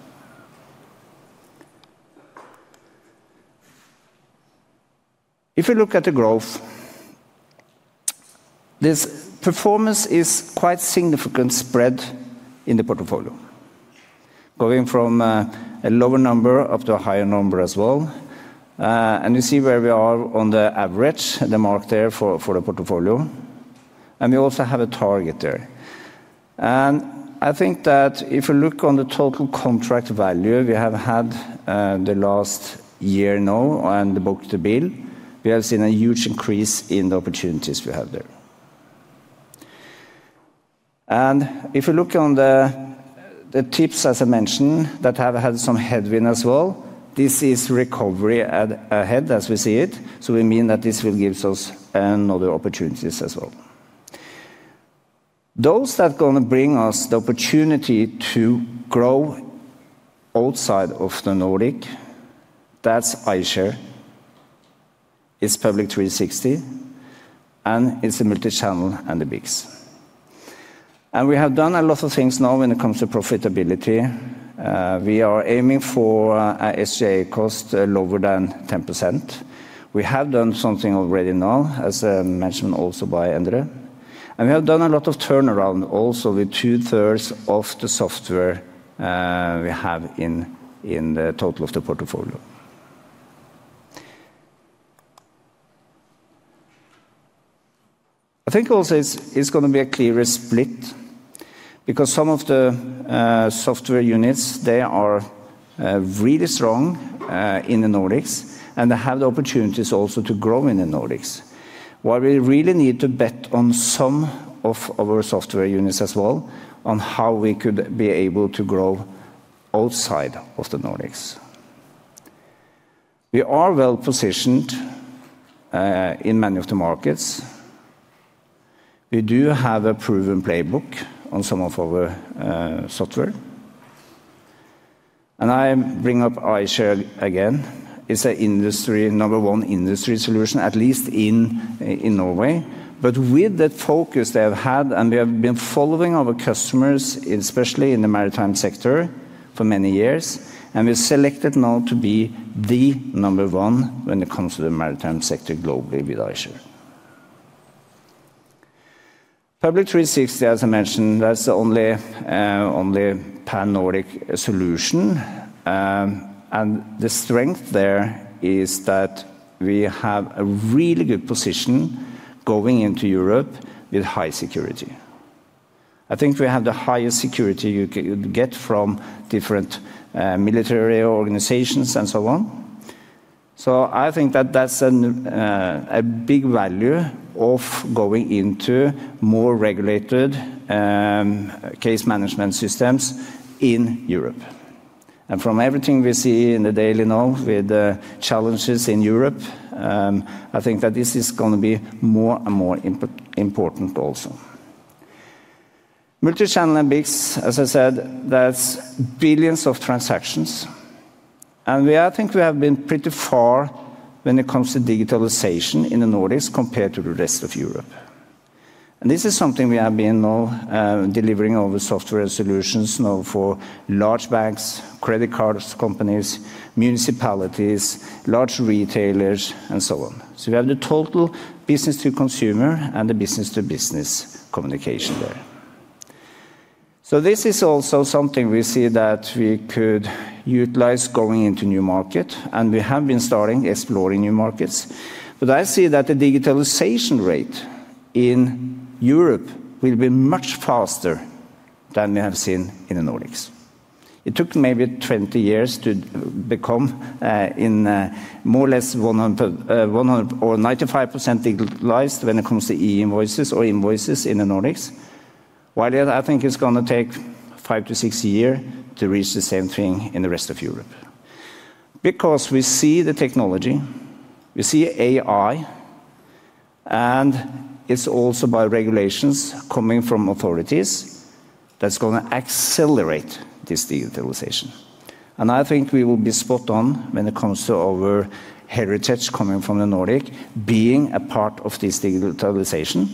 If you look at the growth, this performance is quite significant spread in the portfolio, going from a lower number up to a higher number as well. You see where we are on the average, the mark there for the portfolio. We also have a target there. I think that if you look on the total contract value we have had the last year now and the book to bill, we have seen a huge increase in the opportunities we have there. If you look on the TIPS, as I mentioned, that have had some headwind as well, this is recovery ahead as we see it. We mean that this will give us other opportunities as well. Those are going to bring us the opportunity to grow outside of the Nordics. That's iShare, it's Public 360, and it's Multi-Channel and the BICS. We have done a lot of things now when it comes to profitability. We are aiming for an SGA cost lower than 10%. We have done something already now, as mentioned also by Endre. We have done a lot of turnaround also with two-thirds of the software we have in the total of the portfolio. I think also it's going to be a clearer split because some of the software units, they are really strong in the Nordics, and they have the opportunities also to grow in the Nordics. Why we really need to bet on some of our software units as well on how we could be able to grow outside of the Nordics. We are well positioned in many of the markets. We do have a proven playbook on some of our software. I bring up iShare again. It's a number one industry solution, at least in Norway. With that focus they have had, and we have been following our customers, especially in the maritime sector for many years, we selected now to be the number one when it comes to the maritime sector globally with iShare. Public 360, as I mentioned, that's the only pan-Nordic solution. The strength there is that we have a really good position going into Europe with high security. I think we have the highest security you could get from different military organizations and so on. I think that that's a big value of going into more regulated case management systems in Europe. From everything we see in the daily now with the challenges in Europe, I think that this is going to be more and more important also. Multi-Channel and BICS, as I said, that's billions of transactions. I think we have been pretty far when it comes to digitalization in the Nordics compared to the rest of Europe. This is something we have been now delivering our software solutions for large banks, credit card companies, municipalities, large retailers, and so on. We have the total business to consumer and the business to business communication there. This is also something we see that we could utilize going into new markets, and we have been starting exploring new markets. I see that the digitalization rate in Europe will be much faster than we have seen in the Nordics. It took maybe 20 years to become in more or less 95% digitalized when it comes to e-invoices or invoices in the Nordics. While I think it's going to take five to six years to reach the same thing in the rest of Europe. We see the technology, we see AI, and it's also by regulations coming from authorities that's going to accelerate this digitalization. I think we will be spot on when it comes to our heritage coming from the Nordic, being a part of this digitalization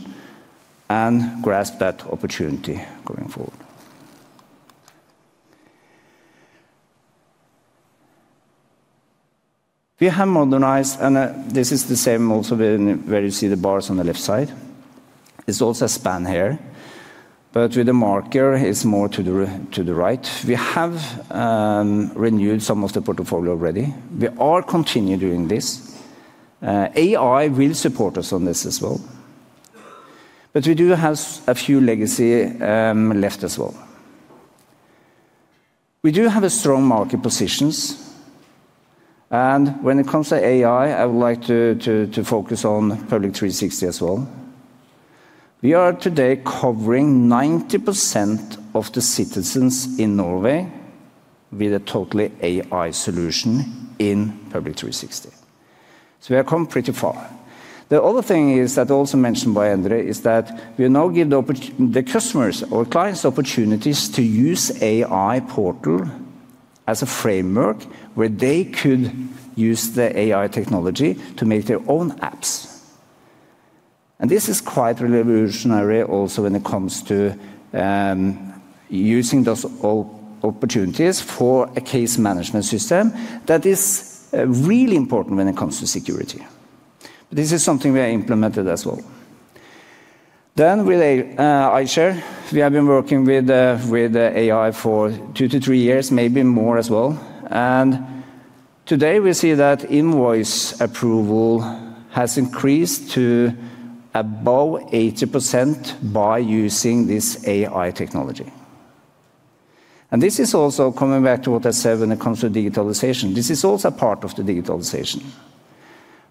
and grasp that opportunity going forward. We have modernized, and this is the same also where you see the bars on the left side. It's also a span here, but with the marker is more to the right. We have renewed some of the portfolio already. We are continuing doing this. AI will support us on this as well. We do have a few legacy left as well. We do have strong market positions. When it comes to AI, I would like to focus on Public 360 as well. We are today covering 90% of the citizens in Norway with a totally AI solution in Public 360. We have come pretty far. The other thing is that, also mentioned by Endre, is that we now give the customers or clients opportunities to use AI portal as a framework where they could use the AI technology to make their own apps. This is quite revolutionary also when it comes to using those opportunities for a case management system that is really important when it comes to security. This is something we have implemented as well. With iShare, we have been working with AI for two to three years, maybe more as well. Today we see that invoice approval has increased to above 80% by using this AI technology. This is also coming back to what I said when it comes to digitalization. This is also a part of the digitalization.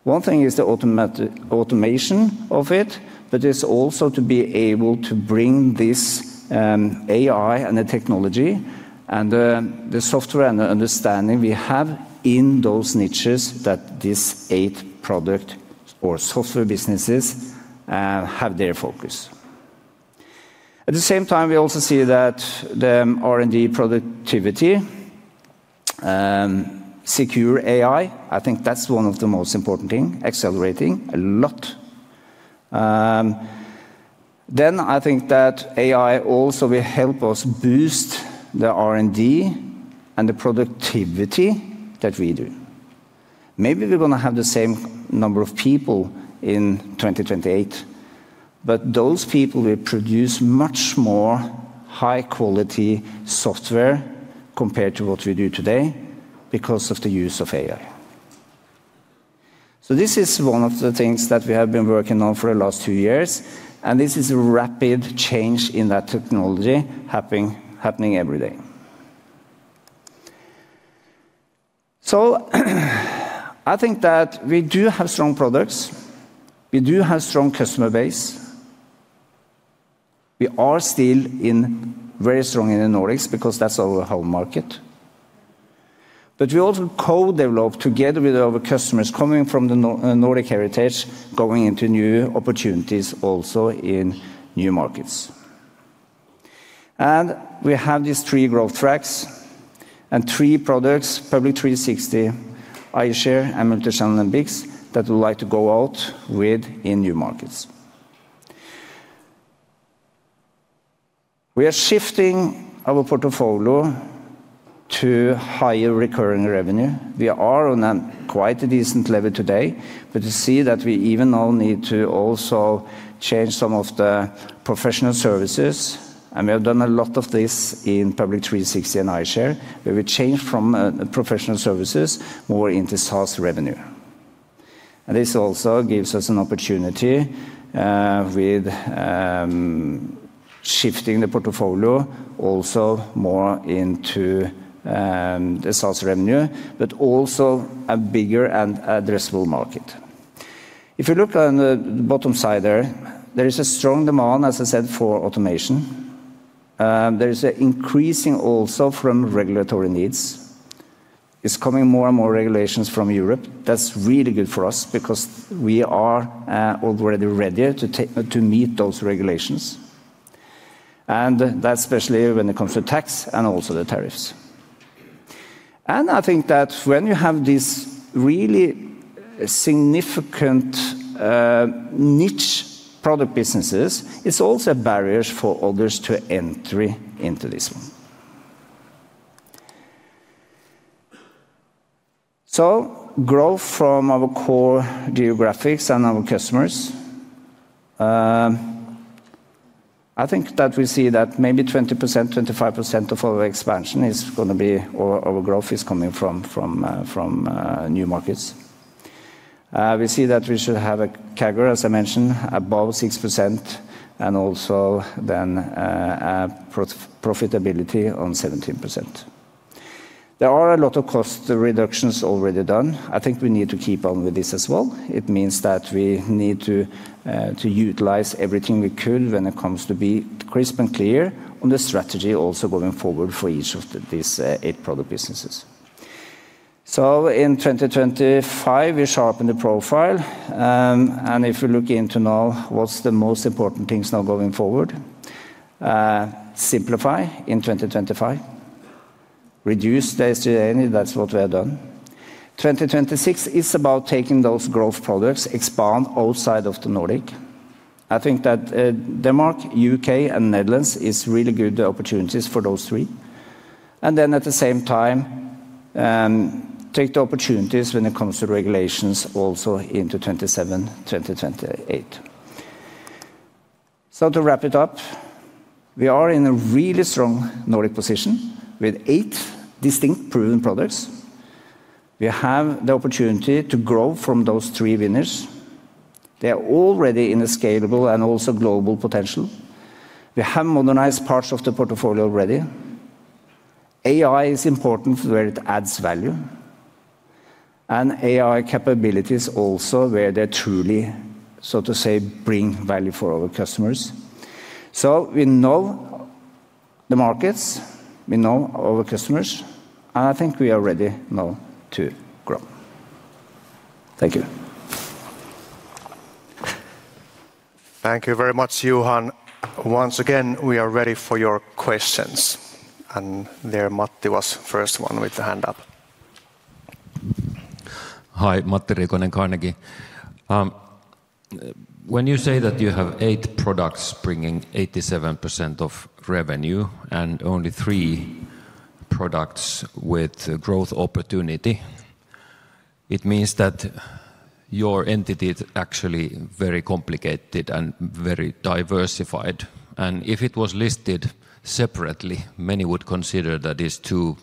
One thing is the automation of it, but it is also to be able to bring this AI and the technology and the software and the understanding we have in those niches that these eight product or software businesses have their focus. At the same time, we also see that the R&D productivity, secure AI, I think that is one of the most important things, accelerating a lot. I think that AI also will help us boost the R&D and the productivity that we do. Maybe we're going to have the same number of people in 2028, but those people will produce much more high-quality software compared to what we do today because of the use of AI. This is one of the things that we have been working on for the last two years. This is a rapid change in that technology happening every day. I think that we do have strong products. We do have a strong customer base. We are still very strong in the Nordics because that's our whole market. We also co-develop together with our customers coming from the Nordic heritage, going into new opportunities also in new markets. We have these three growth tracks and three products, Public 360, iShare, and Multi-Channel and BICS that we'd like to go out with in new markets. We are shifting our portfolio to higher recurring revenue. We are on a quite decent level today, but to see that we even now need to also change some of the professional services. We have done a lot of this in Public 360 and iShare, where we change from professional services more into SaaS revenue. This also gives us an opportunity with shifting the portfolio also more into the SaaS revenue, but also a bigger and addressable market. If you look on the bottom side there, there is a strong demand, as I said, for automation. There is an increase also from regulatory needs. It's coming more and more regulations from Europe. That's really good for us because we are already ready to meet those regulations. That's especially when it comes to tax and also the tariffs. I think that when you have these really significant niche product businesses, it's also a barrier for others to entry into this one. Growth from our core geographics and our customers. I think that we see that maybe 20%-25% of our expansion is going to be our growth is coming from new markets. We see that we should have a CAGR, as I mentioned, above 6%, and also then profitability on 17%. There are a lot of cost reductions already done. I think we need to keep on with this as well. It means that we need to utilize everything we could when it comes to be crisp and clear on the strategy also going forward for each of these eight product businesses. In 2025, we sharpen the profile. If we look into now, what's the most important things now going forward? Simplify in 2025. Reduce day-to-day, that's what we have done. 2026 is about taking those growth products, expand outside of the Nordics. I think that Denmark, U.K., and Netherlands is really good opportunities for those three. At the same time, take the opportunities when it comes to regulations also into 2027, 2028. To wrap it up, we are in a really strong Nordic position with eight distinct proven products. We have the opportunity to grow from those three winners. They are already in a scalable and also global potential. We have modernized parts of the portfolio already. AI is important where it adds value. And AI capabilities also where they truly, so to say, bring value for our customers. So we know the markets, we know our customers, and I think we are ready now to grow. Thank you. Thank you very much, Johan. Once again, we are ready for your questions. And there Matti was the first one with the hand up. Hi, Matti Riikonen. When you say that you have eight products bringing 87% of revenue and only three products with growth opportunity, it means that your entity is actually very complicated and very diversified. And if it was listed separately, many would consider that it's too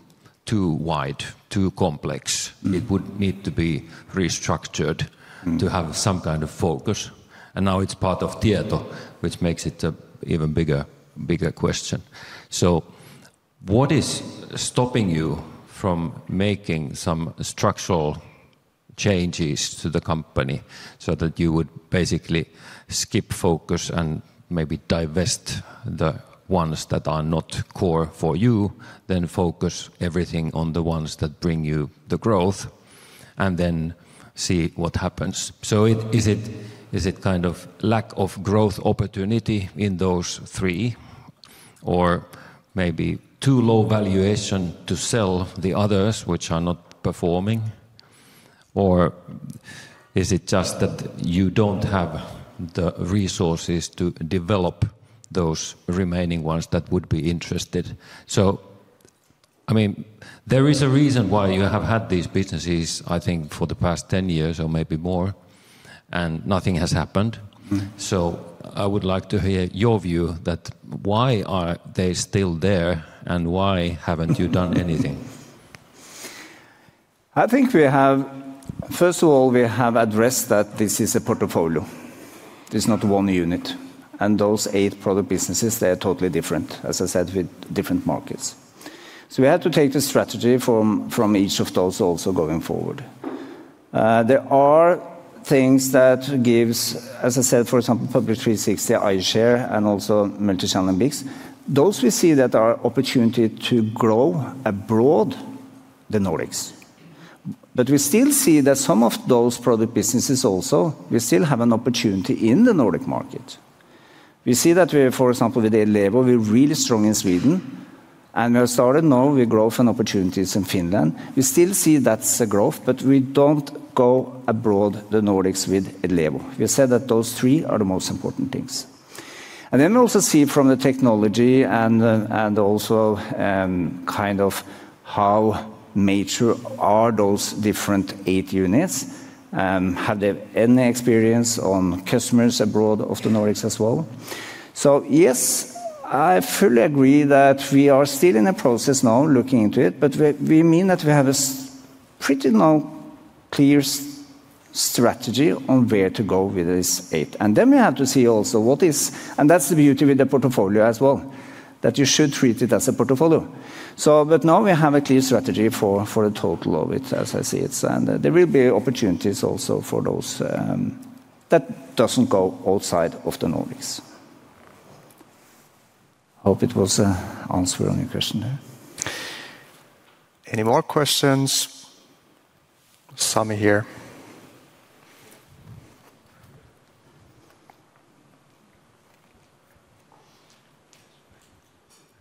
wide, too complex. It would need to be restructured to have some kind of focus. And now it's part of Tieto, which makes it an even bigger question. What is stopping you from making some structural changes to the company so that you would basically skip focus and maybe divest the ones that are not core for you, then focus everything on the ones that bring you the growth and then see what happens? Is it kind of lack of growth opportunity in those three or maybe too low valuation to sell the others which are not performing? Is it just that you do not have the resources to develop those remaining ones that would be interested? I mean, there is a reason why you have had these businesses, I think, for the past 10 years or maybe more, and nothing has happened. I would like to hear your view that why are they still there and why have you not done anything? I think we have, first of all, we have addressed that this is a portfolio. It's not one unit. And those eight product businesses, they are totally different, as I said, with different markets. We had to take the strategy from each of those also going forward. There are things that give, as I said, for example, Public 360, iShare, and also Multi-Channel and BICS. Those we see that are opportunity to grow abroad, the Nordics. We still see that some of those product businesses also, we still have an opportunity in the Nordic market. We see that we, for example, with Edlevo, we're really strong in Sweden. We have started now with growth and opportunities in Finland. We still see that's a growth, but we don't go abroad, the Nordics, with Edlevo. We said that those three are the most important things. We also see from the technology and also kind of how major are those different eight units. Have they any experience on customers abroad of the Nordics as well? Yes, I fully agree that we are still in the process now looking into it, but we mean that we have a pretty now clear strategy on where to go with these eight. We have to see also what is, and that is the beauty with the portfolio as well, that you should treat it as a portfolio. Now we have a clear strategy for the total of it, as I see it. There will be opportunities also for those that do not go outside of the Nordics. Hope it was an answer on your question there. Any more questions? Sami here.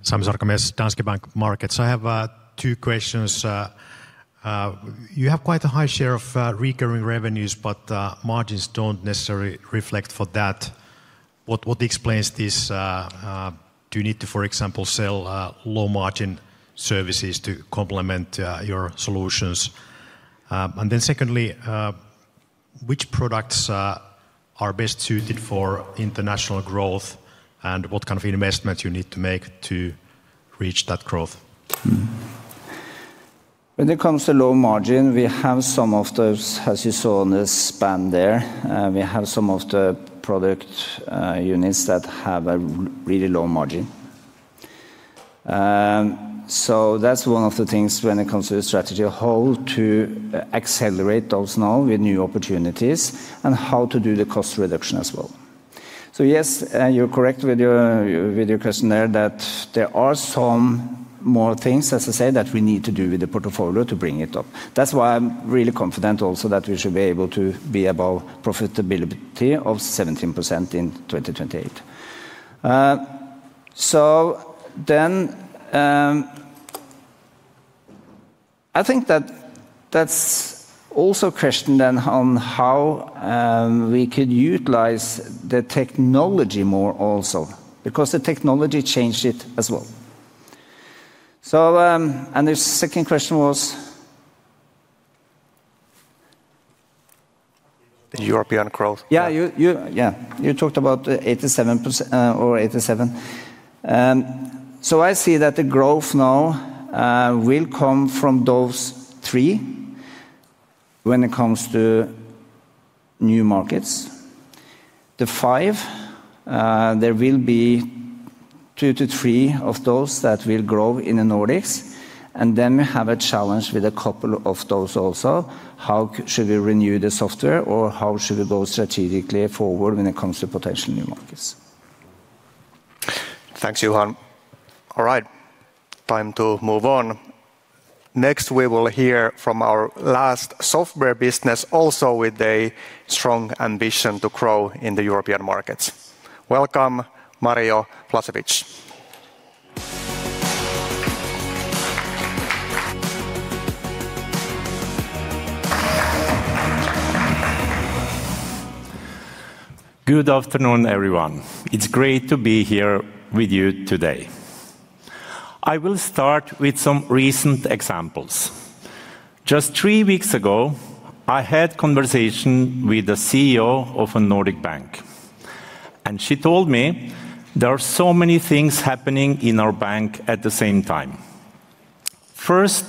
Sami Sarkamies, Danske Bank Markets. I have two questions. You have quite a high share of recurring revenues, but margins do not necessarily reflect for that. What explains this? Do you need to, for example, sell low-margin services to complement your solutions? Secondly, which products are best suited for international growth and what kind of investment you need to make to reach that growth? When it comes to low margin, we have some of those, as you saw in the span there. We have some of the product units that have a really low margin. That is one of the things when it comes to the strategy whole to accelerate those now with new opportunities and how to do the cost reduction as well. Yes, you are correct with your question there that there are some more things, as I say, that we need to do with the portfolio to bring it up. That's why I'm really confident also that we should be able to be above profitability of 17% in 2028. I think that that's also a question then on how we could utilize the technology more also because the technology changed it as well. The second question was the European growth. Yeah, you talked about 87% or 87. I see that the growth now will come from those three when it comes to new markets. The five, there will be two to three of those that will grow in the Nordics. We have a challenge with a couple of those also. How should we renew the software or how should we go strategically forward when it comes to potential new markets? Thanks, Johan. All right, time to move on. Next, we will hear from our last software business also with a strong ambition to grow in the European markets. Welcome, Mario Blazevic. Good afternoon, everyone. It's great to be here with you today. I will start with some recent examples. Just three weeks ago, I had a conversation with the CEO of a Nordic bank. She told me there are so many things happening in our bank at the same time. First,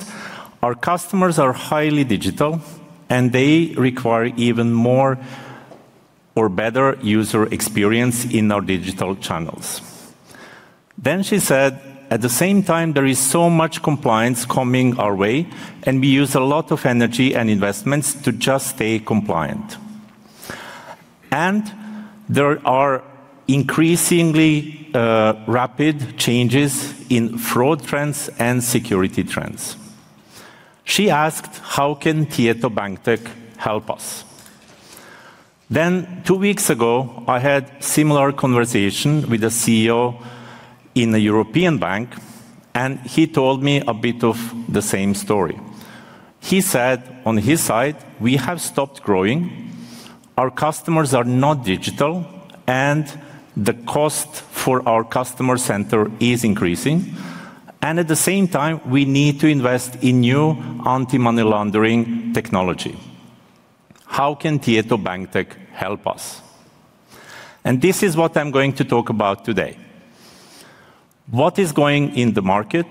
our customers are highly digital, and they require even more or better user experience in our digital channels. She said, at the same time, there is so much compliance coming our way, and we use a lot of energy and investments to just stay compliant. There are increasingly rapid changes in fraud trends and security trends. She asked, how can Tieto Bank Tech help us? Two weeks ago, I had a similar conversation with the CEO in a European bank, and he told me a bit of the same story. He said on his side, we have stopped growing, our customers are not digital, and the cost for our customer center is increasing. At the same time, we need to invest in new anti-money laundering technology. How can Tieto Bank Tech help us? This is what I'm going to talk about today. What is going in the market,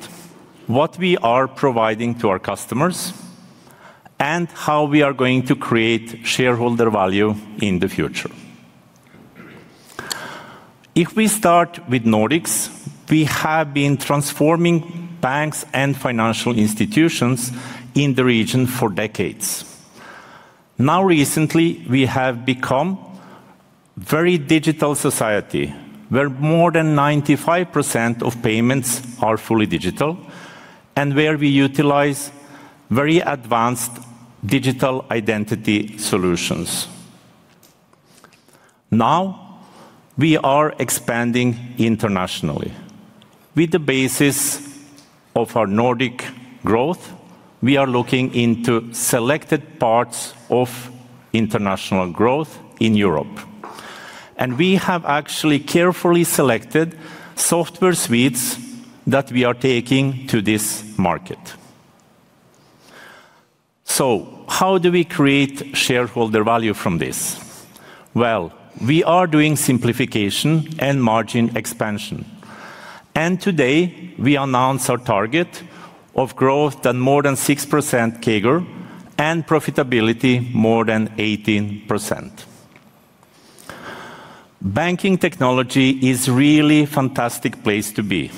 what we are providing to our customers, and how we are going to create shareholder value in the future. If we start with Nordics, we have been transforming banks and financial institutions in the region for decades. Now recently, we have become a very digital society where more than 95% of payments are fully digital and where we utilize very advanced digital identity solutions. Now we are expanding internationally. With the basis of our Nordic growth, we are looking into selected parts of international growth in Europe. And we have actually carefully selected software suites that we are taking to this market. How do we create shareholder value from this? We are doing simplification and margin expansion. Today, we announced our target of growth more than 6% CAGR and profitability more than 18%. Banking technology is really a fantastic place to be.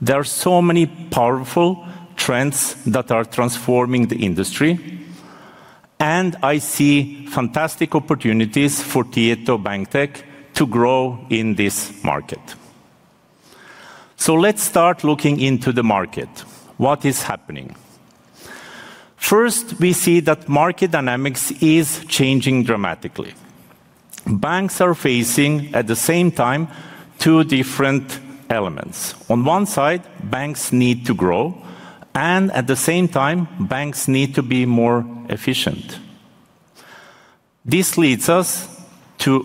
There are so many powerful trends that are transforming the industry. I see fantastic opportunities for Tietoevry Bank Tech to grow in this market. Let's start looking into the market. What is happening? First, we see that market dynamics is changing dramatically. Banks are facing at the same time two different elements. On one side, banks need to grow, and at the same time, banks need to be more efficient. This leads us to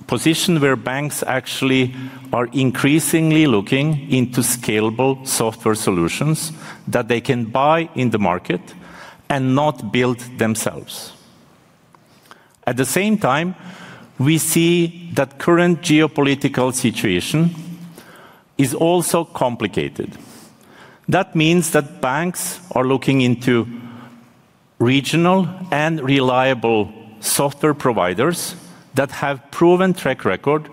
a position where banks actually are increasingly looking into scalable software solutions that they can buy in the market and not build themselves. At the same time, we see that current geopolitical situation is also complicated. That means that banks are looking into regional and reliable software providers that have proven track record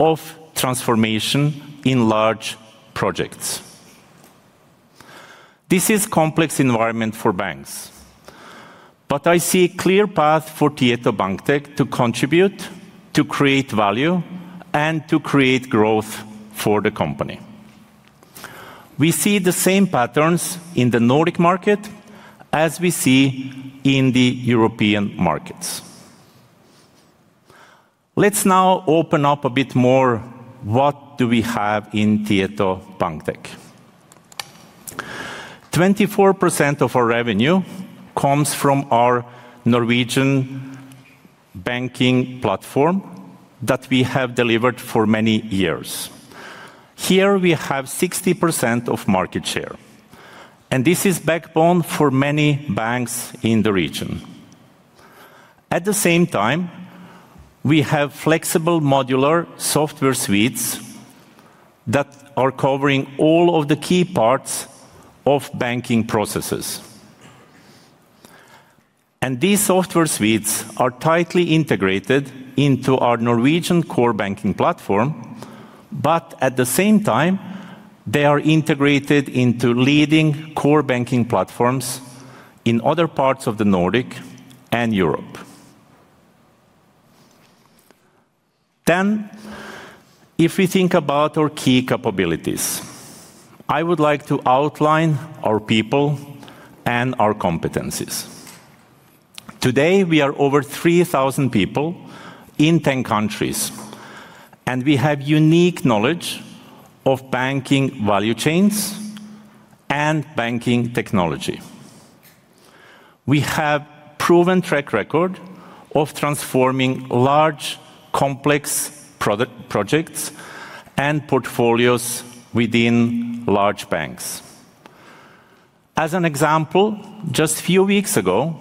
of transformation in large projects. This is a complex environment for banks. I see a clear path for Tieto Bank Tech to contribute, to create value, and to create growth for the company. We see the same patterns in the Nordic market as we see in the European markets. Let's now open up a bit more. What do we have in Tieto Bank Tech? 24% of our revenue comes from our Norwegian banking platform that we have delivered for many years. Here we have 60% of market share. This is backbone for many banks in the region. At the same time, we have flexible modular software suites that are covering all of the key parts of banking processes. These software suites are tightly integrated into our Norwegian core banking platform, but at the same time, they are integrated into leading core banking platforms in other parts of the Nordic and Europe. If we think about our key capabilities, I would like to outline our people and our competencies. Today, we are over 3,000 people in 10 countries, and we have unique knowledge of banking value chains and banking technology. We have proven track record of transforming large, complex projects and portfolios within large banks. As an example, just a few weeks ago,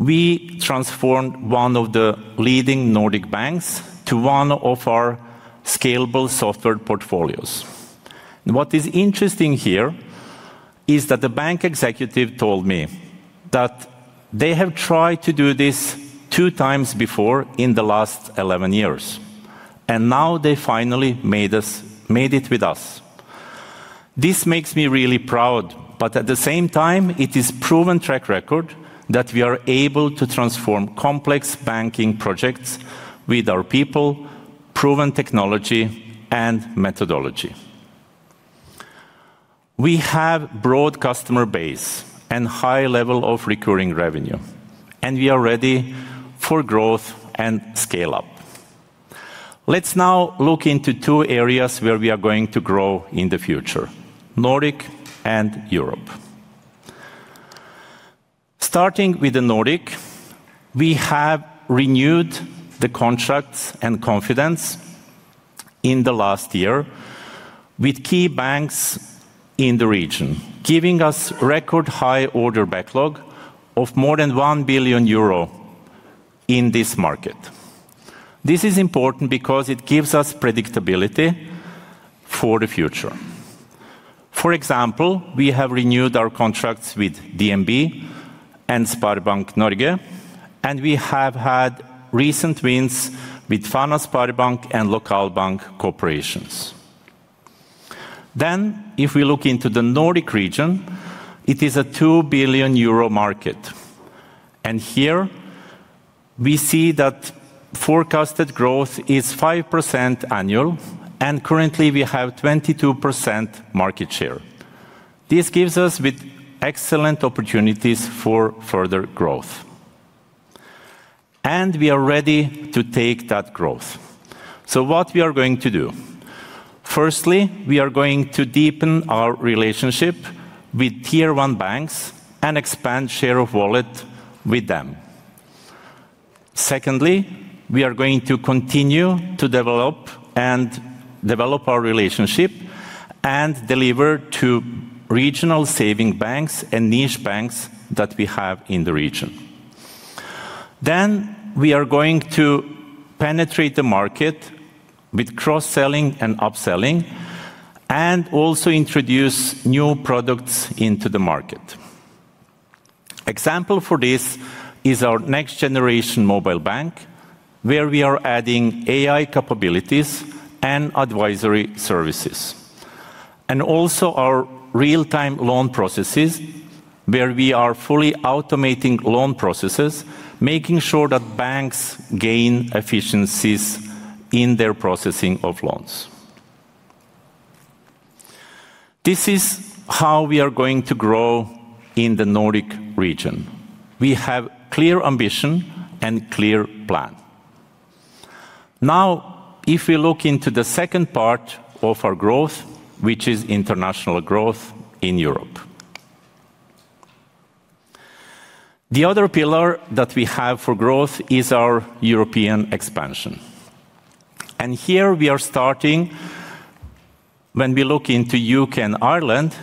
we transformed one of the leading Nordic banks to one of our scalable software portfolios. What is interesting here is that the bank executive told me that they have tried to do this two times before in the last 11 years. Now they finally made it with us. This makes me really proud, but at the same time, it is proven track record that we are able to transform complex banking projects with our people, proven technology, and methodology. We have a broad customer base and a high level of recurring revenue, and we are ready for growth and scale-up. Let's now look into two areas where we are going to grow in the future: Nordic and Europe. Starting with the Nordic, we have renewed the contracts and confidence in the last year with key banks in the region, giving us a record high order backlog of more than 1 billion euro in this market. This is important because it gives us predictability for the future. For example, we have renewed our contracts with DNB and SpareBank Norge, and we have had recent wins with Fana Sparbank and Lokalbank Corporations. If we look into the Nordic region, it is a 2 billion euro market. Here, we see that forecasted growth is 5% annual, and currently, we have 22% market share. This gives us excellent opportunities for further growth. We are ready to take that growth. What we are going to do? Firstly, we are going to deepen our relationship with tier-one banks and expand share of wallet with them. Secondly, we are going to continue to develop our relationship and deliver to regional saving banks and niche banks that we have in the region. We are going to penetrate the market with cross-selling and upselling, and also introduce new products into the market. An example for this is our next-generation mobile bank, where we are adding AI capabilities and advisory services. Our real-time loan processes, where we are fully automating loan processes, make sure that banks gain efficiencies in their processing of loans. This is how we are going to grow in the Nordic region. We have a clear ambition and a clear plan. Now, if we look into the second part of our growth, which is international growth in Europe. The other pillar that we have for growth is our European expansion. Here, we are starting when we look into the U.K. and Ireland,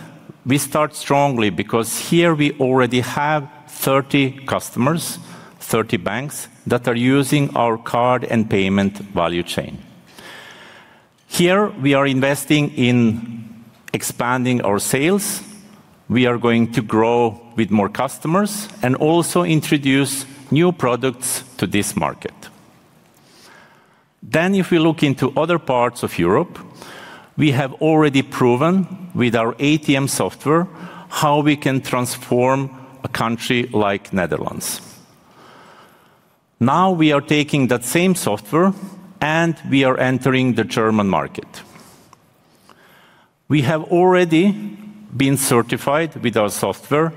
we start strongly because here we already have 30 customers, 30 banks that are using our card and payment value chain. Here, we are investing in expanding our sales. We are going to grow with more customers and also introduce new products to this market. If we look into other parts of Europe, we have already proven with our ATM software how we can transform a country like the Netherlands. Now we are taking that same software and we are entering the German market. We have already been certified with our software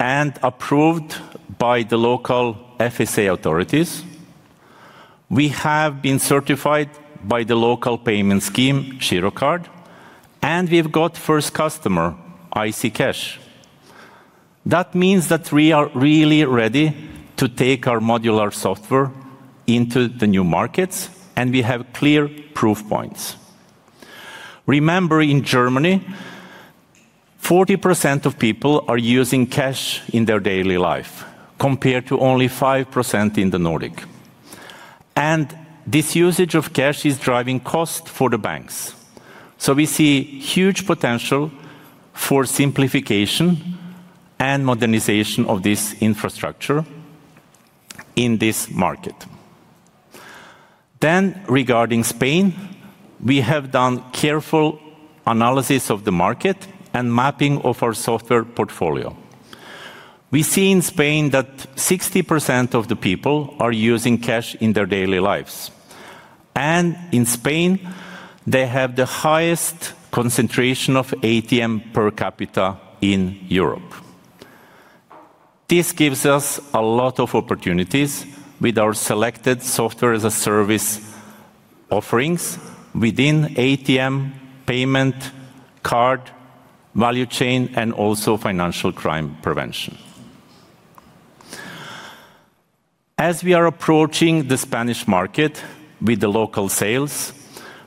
and approved by the local FSA authorities. We have been certified by the local payment scheme, Girocard, and we have got our first customer, IC Cash. That means that we are really ready to take our modular software into the new markets, and we have clear proof points. Remember, in Germany, 40% of people are using cash in their daily life, compared to only 5% in the Nordics. This usage of cash is driving costs for the banks. We see huge potential for simplification and modernization of this infrastructure in this market. Regarding Spain, we have done careful analysis of the market and mapping of our software portfolio. We see in Spain that 60% of the people are using cash in their daily lives. In Spain, they have the highest concentration of ATM per capita in Europe. This gives us a lot of opportunities with our selected software as a service offerings within ATM, payment, card, value chain, and also financial crime prevention. As we are approaching the Spanish market with the local sales,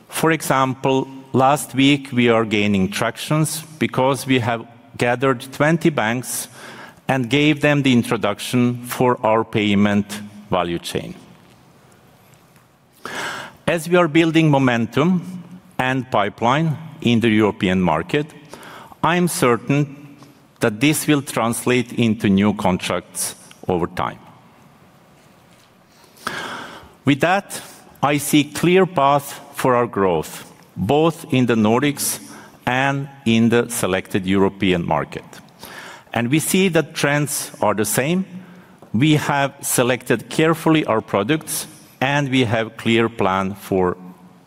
for example, last week, we are gaining traction because we have gathered 20 banks and gave them the introduction for our payment value chain. As we are building momentum and pipeline in the European market, I'm certain that this will translate into new contracts over time. With that, I see a clear path for our growth, both in the Nordics and in the selected European market. We see that trends are the same. We have selected carefully our products, and we have a clear plan for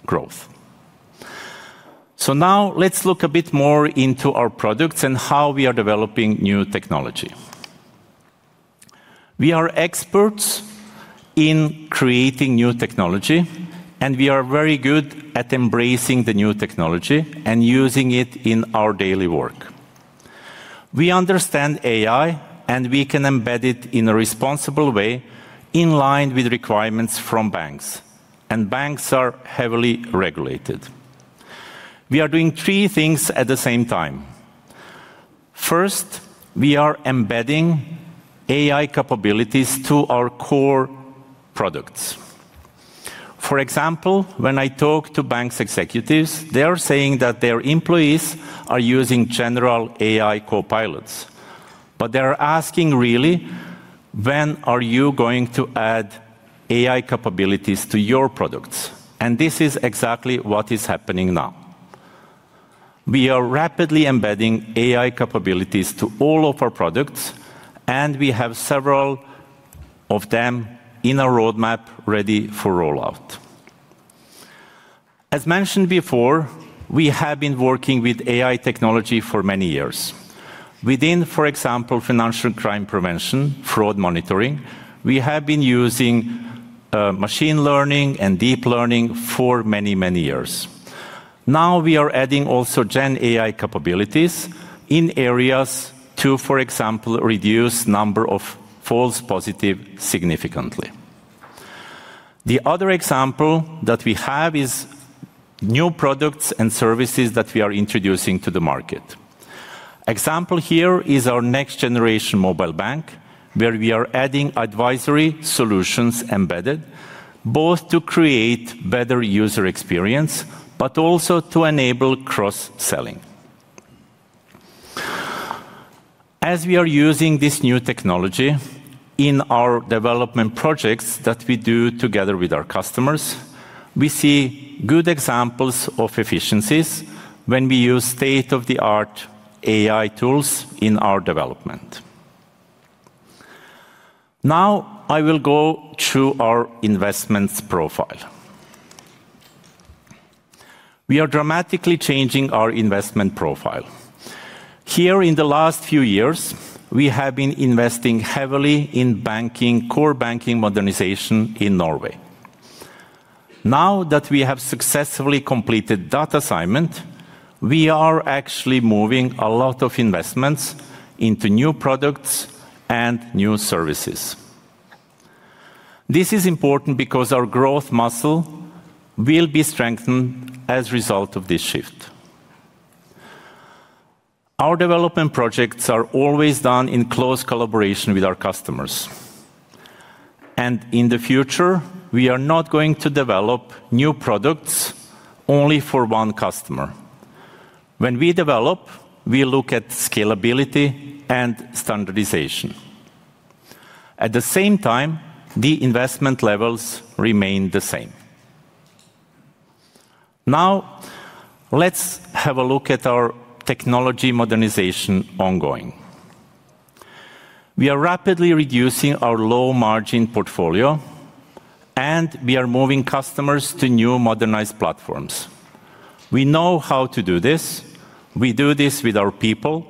growth. Now let's look a bit more into our products and how we are developing new technology. We are experts in creating new technology, and we are very good at embracing the new technology and using it in our daily work. We understand AI, and we can embed it in a responsible way in line with requirements from banks. Banks are heavily regulated. We are doing three things at the same time. First, we are embedding AI capabilities to our core products. For example, when I talk to banks' executives, they are saying that their employees are using general AI copilots. They are asking, really, when are you going to add AI capabilities to your products? This is exactly what is happening now. We are rapidly embedding AI capabilities to all of our products, and we have several of them in our roadmap ready for rollout. As mentioned before, we have been working with AI technology for many years. Within, for example, financial crime prevention, fraud monitoring, we have been using machine learning and deep learning for many, many years. Now we are adding also GenAI capabilities in areas to, for example, reduce the number of false positives significantly. The other example that we have is new products and services that we are introducing to the market. An example here is our next-generation mobile bank, where we are adding advisory solutions embedded, both to create a better user experience, but also to enable cross-selling. As we are using this new technology in our development projects that we do together with our customers, we see good examples of efficiencies when we use state-of-the-art AI tools in our development. Now I will go through our investment profile. We are dramatically changing our investment profile. Here, in the last few years, we have been investing heavily in banking core banking modernization in Norway. Now that we have successfully completed that assignment, we are actually moving a lot of investments into new products and new services. This is important because our growth muscle will be strengthened as a result of this shift. Our development projects are always done in close collaboration with our customers. In the future, we are not going to develop new products only for one customer. When we develop, we look at scalability and standardization. At the same time, the investment levels remain the same. Now let's have a look at our technology modernization ongoing. We are rapidly reducing our low-margin portfolio, and we are moving customers to new modernized platforms. We know how to do this. We do this with our people,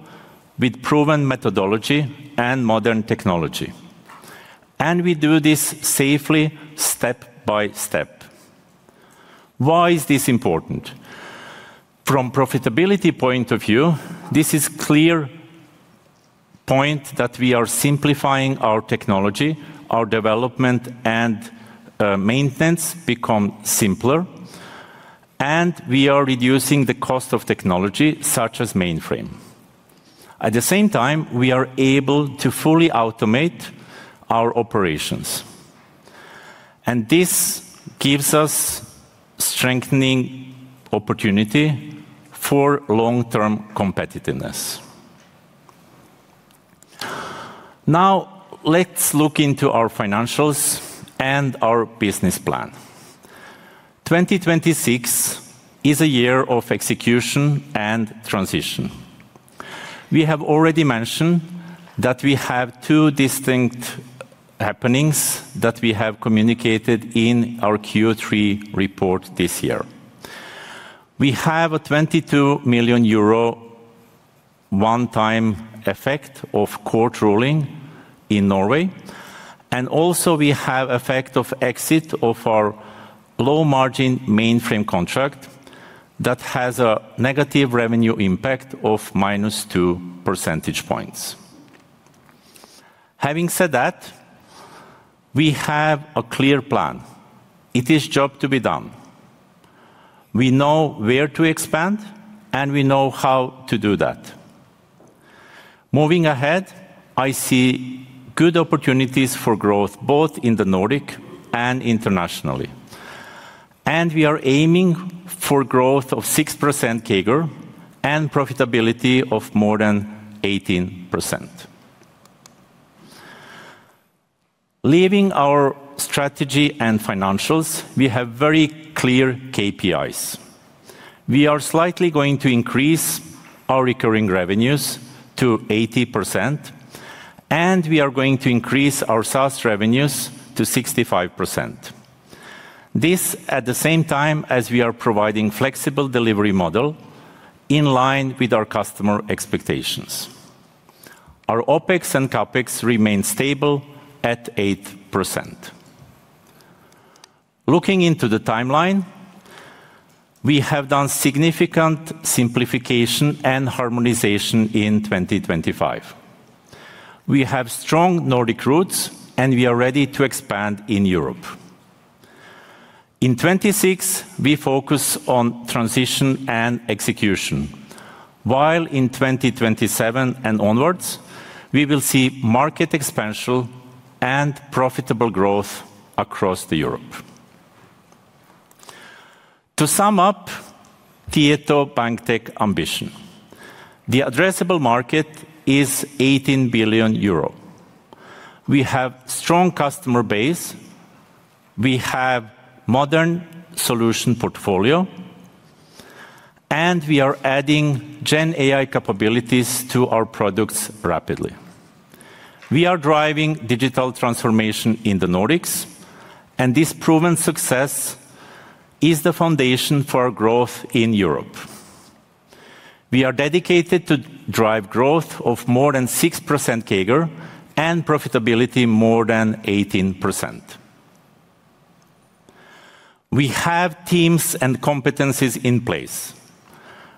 with proven methodology and modern technology. We do this safely, step by step. Why is this important? From a profitability point of view, this is a clear point that we are simplifying our technology. Our development and maintenance become simpler, and we are reducing the cost of technology, such as mainframe. At the same time, we are able to fully automate our operations. This gives us a strengthening opportunity for long-term competitiveness. Now let's look into our financials and our business plan. 2026 is a year of execution and transition. We have already mentioned that we have two distinct happenings that we have communicated in our Q3 report this year. We have a 22 million euro one-time effect of court ruling in Norway. We also have an effect of exit of our low-margin mainframe contract that has a negative revenue impact of minus 2 percentage points. Having said that, we have a clear plan. It is a job to be done. We know where to expand, and we know how to do that. Moving ahead, I see good opportunities for growth both in the Nordic and internationally. We are aiming for growth of 6% CAGR and profitability of more than 18%. Leaving our strategy and financials, we have very clear KPIs. We are slightly going to increase our recurring revenues to 80%, and we are going to increase our SaaS revenues to 65%. This at the same time as we are providing a flexible delivery model in line with our customer expectations. Our OPEX and CAPEX remain stable at 8%. Looking into the timeline, we have done significant simplification and harmonization in 2025. We have strong Nordic roots, and we are ready to expand in Europe. In 2026, we focus on transition and execution, while in 2027 and onwards, we will see market expansion and profitable growth across Europe. To sum up Tieto Bank Tech ambition, the addressable market is 18 billion euro. We have a strong customer base. We have a modern solution portfolio, and we are adding GenAI capabilities to our products rapidly. We are driving digital transformation in the Nordics, and this proven success is the foundation for our growth in Europe. We are dedicated to driving growth of more than 6% CAGR and profitability of more than 18%. We have teams and competencies in place.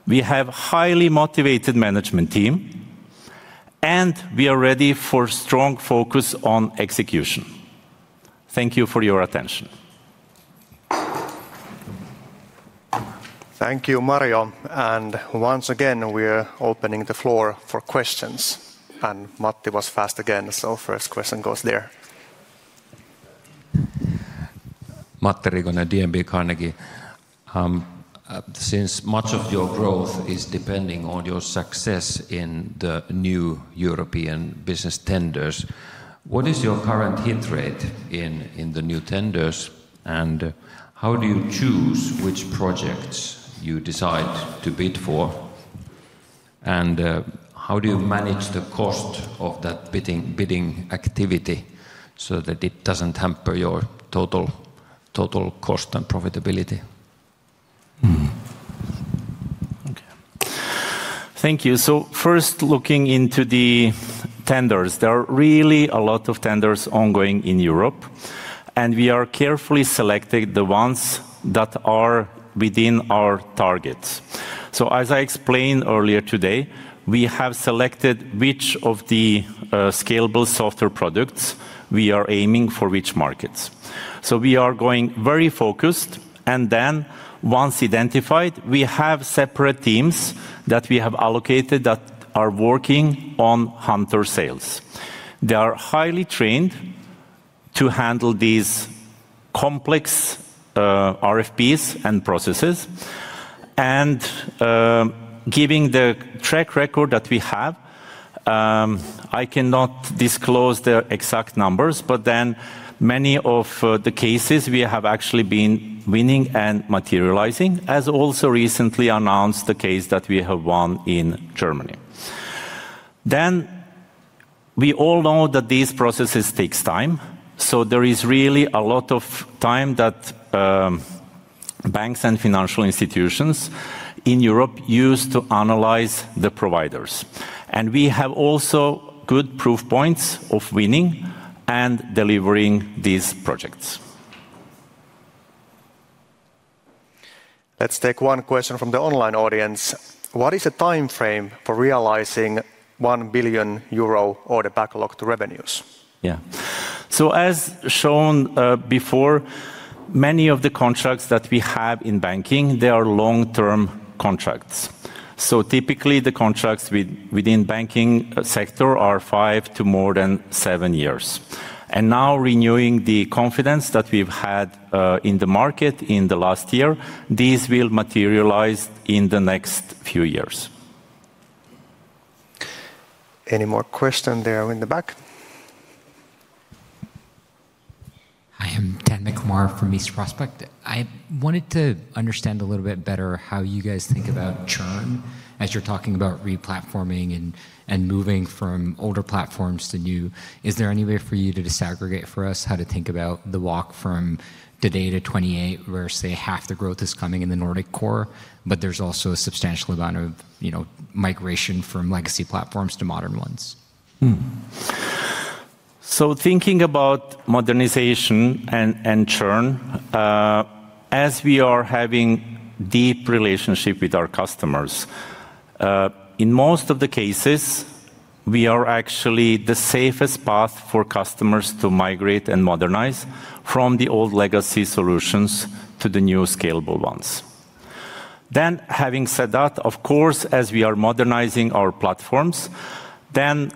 We have a highly motivated management team, and we are ready for a strong focus on execution. Thank you for your attention. Thank you, Mario. Once again, we are opening the floor for questions. Matti was fast again, so the first question goes there. Matti Riikonen, DNB Carnegie. Since much of your growth is depending on your success in the new European business tenders, what is your current hit rate in the new tenders, and how do you choose which projects you decide to bid for, and how do you manage the cost of that bidding activity so that it doesn't hamper your total cost and profitability? Okay. Thank you. First, looking into the tenders, there are really a lot of tenders ongoing in Europe, and we are carefully selecting the ones that are within our targets. As I explained earlier today, we have selected which of the scalable software products we are aiming for which markets. We are going very focused, and then once identified, we have separate teams that we have allocated that are working on Hunter sales. They are highly trained to handle these complex RFPs and processes. Given the track record that we have, I cannot disclose the exact numbers, but then many of the cases we have actually been winning and materializing, as also recently announced the case that we have won in Germany. We all know that these processes take time, so there is really a lot of time that banks and financial institutions in Europe use to analyze the providers. We have also good proof points of winning and delivering these projects. Let's take one question from the online audience. What is the timeframe for realizing 1 billion euro order backlog to revenues? Yeah. As shown before, many of the contracts that we have in banking, they are long-term contracts. Typically, the contracts within the banking sector are five to more than seven years. Now renewing the confidence that we've had in the market in the last year, these will materialize in the next few years. Any more questions there in the back? Hi, I'm Dan McLemore from East Prospect. I wanted to understand a little bit better how you guys think about churn as you're talking about replatforming and moving from older platforms to new. Is there any way for you to disaggregate for us how to think about the walk from today to 2028 where, say, half the growth is coming in the Nordic core, but there's also a substantial amount of migration from legacy platforms to modern ones? Thinking about modernization and churn, as we are having a deep relationship with our customers, in most of the cases, we are actually the safest path for customers to migrate and modernize from the old legacy solutions to the new scalable ones. Having said that, of course, as we are modernizing our platforms,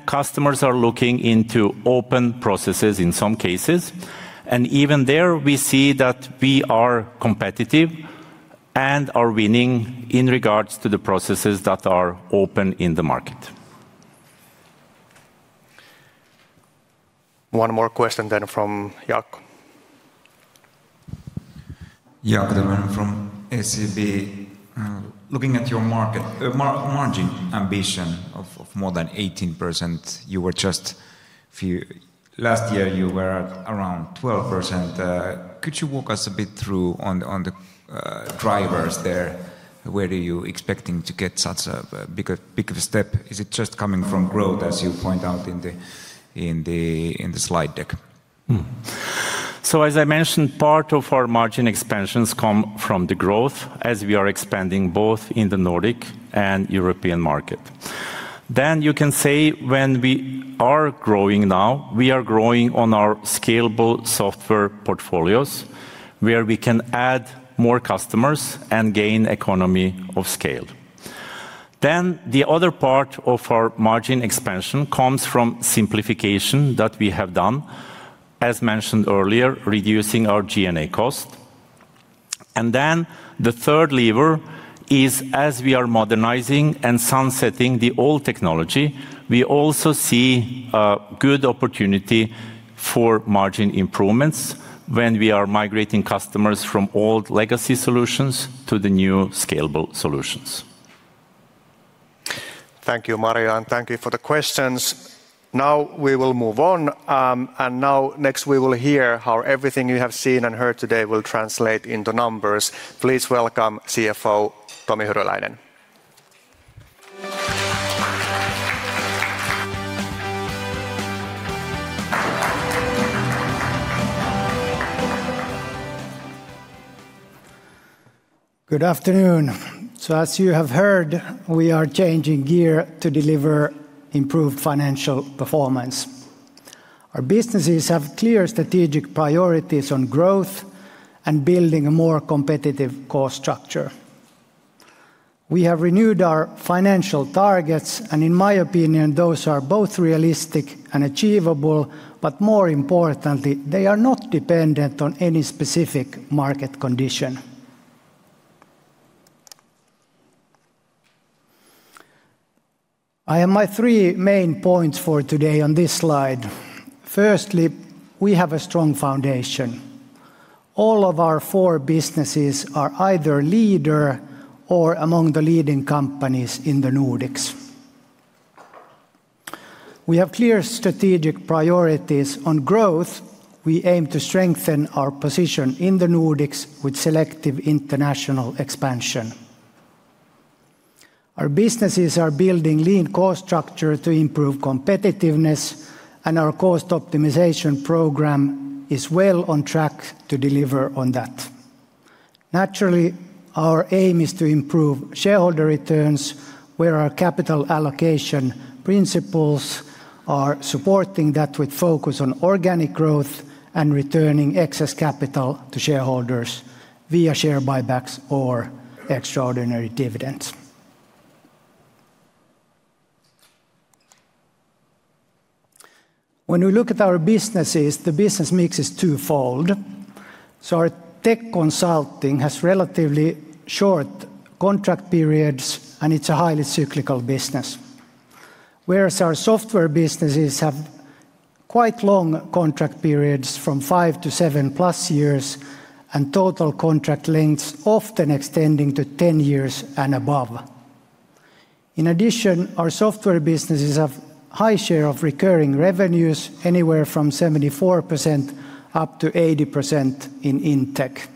customers are looking into open processes in some cases. Even there, we see that we are competitive and are winning in regards to the processes that are open in the market. One more question from Jaakko. Jaakko Tyrväinen from SEB. Looking at your margin ambition of more than 18%, you were just last year, you were at around 12%. Could you walk us a bit through on the drivers there? Where are you expecting to get such a big of a step? Is it just coming from growth, as you point out in the slide deck? As I mentioned, part of our margin expansions come from the growth as we are expanding both in the Nordic and European market. You can say when we are growing now, we are growing on our scalable software portfolios where we can add more customers and gain an economy of scale. The other part of our margin expansion comes from simplification that we have done, as mentioned earlier, reducing our GNA cost. The third lever is, as we are modernizing and sunsetting the old technology, we also see a good opportunity for margin improvements when we are migrating customers from old legacy solutions to the new scalable solutions. Thank you, Mario, and thank you for the questions. Now we will move on. Now next, we will hear how everything you have seen and heard today will translate into numbers. Please welcome CFO Tomi Hyryläinen. Good afternoon. As you have heard, we are changing gear to deliver improved financial performance. Our businesses have clear strategic priorities on growth and building a more competitive core structure. We have renewed our financial targets, and in my opinion, those are both realistic and achievable, but more importantly, they are not dependent on any specific market condition. I have my three main points for today on this slide. Firstly, we have a strong foundation. All of our four businesses are either leaders or among the leading companies in the Nordics. We have clear strategic priorities on growth. We aim to strengthen our position in the Nordics with selective international expansion. Our businesses are building a lean core structure to improve competitiveness, and our cost optimization program is well on track to deliver on that. Naturally, our aim is to improve shareholder returns where our capital allocation principles are supporting that with focus on organic growth and returning excess capital to shareholders via share buybacks or extraordinary dividends. When we look at our businesses, the business mix is twofold. Our tech consulting has relatively short contract periods, and it's a highly cyclical business. Whereas our software businesses have quite long contract periods from five to seven plus years and total contract lengths often extending to 10 years and above. In addition, our software businesses have a high share of recurring revenues anywhere from 74% up to 80% in InTech.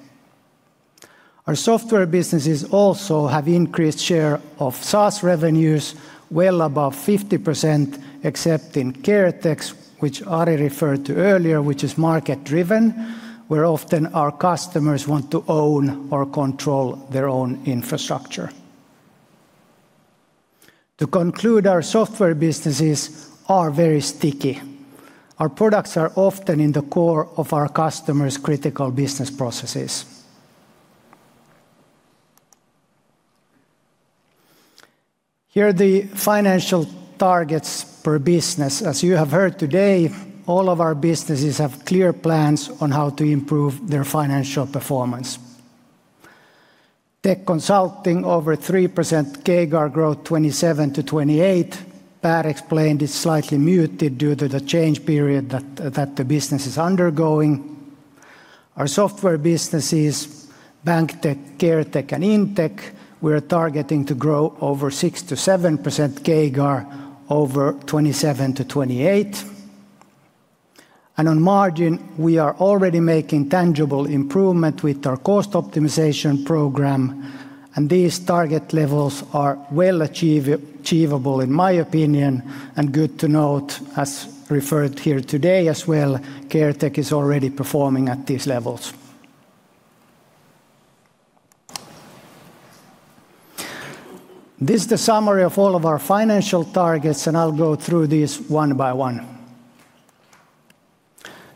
Our software businesses also have an increased share of SaaS revenues, well above 50%, except in care tech, which Ari referred to earlier, which is market-driven, where often our customers want to own or control their own infrastructure. To conclude, our software businesses are very sticky. Our products are often in the core of our customers' critical business processes. Here are the financial targets per business. As you have heard today, all of our businesses have clear plans on how to improve their financial performance. Tech consulting over 3% CAGR growth 2027 to 2028. Per explained it is slightly muted due to the change period that the business is undergoing. Our software businesses, Bank Tech, Care Tech, and InTech, we are targeting to grow over 6-7% CAGR over 2027 to 2028. On margin, we are already making tangible improvements with our cost optimization program, and these target levels are well achievable, in my opinion, and good to note, as referred here today as well, care tech is already performing at these levels. This is the summary of all of our financial targets, and I'll go through these one by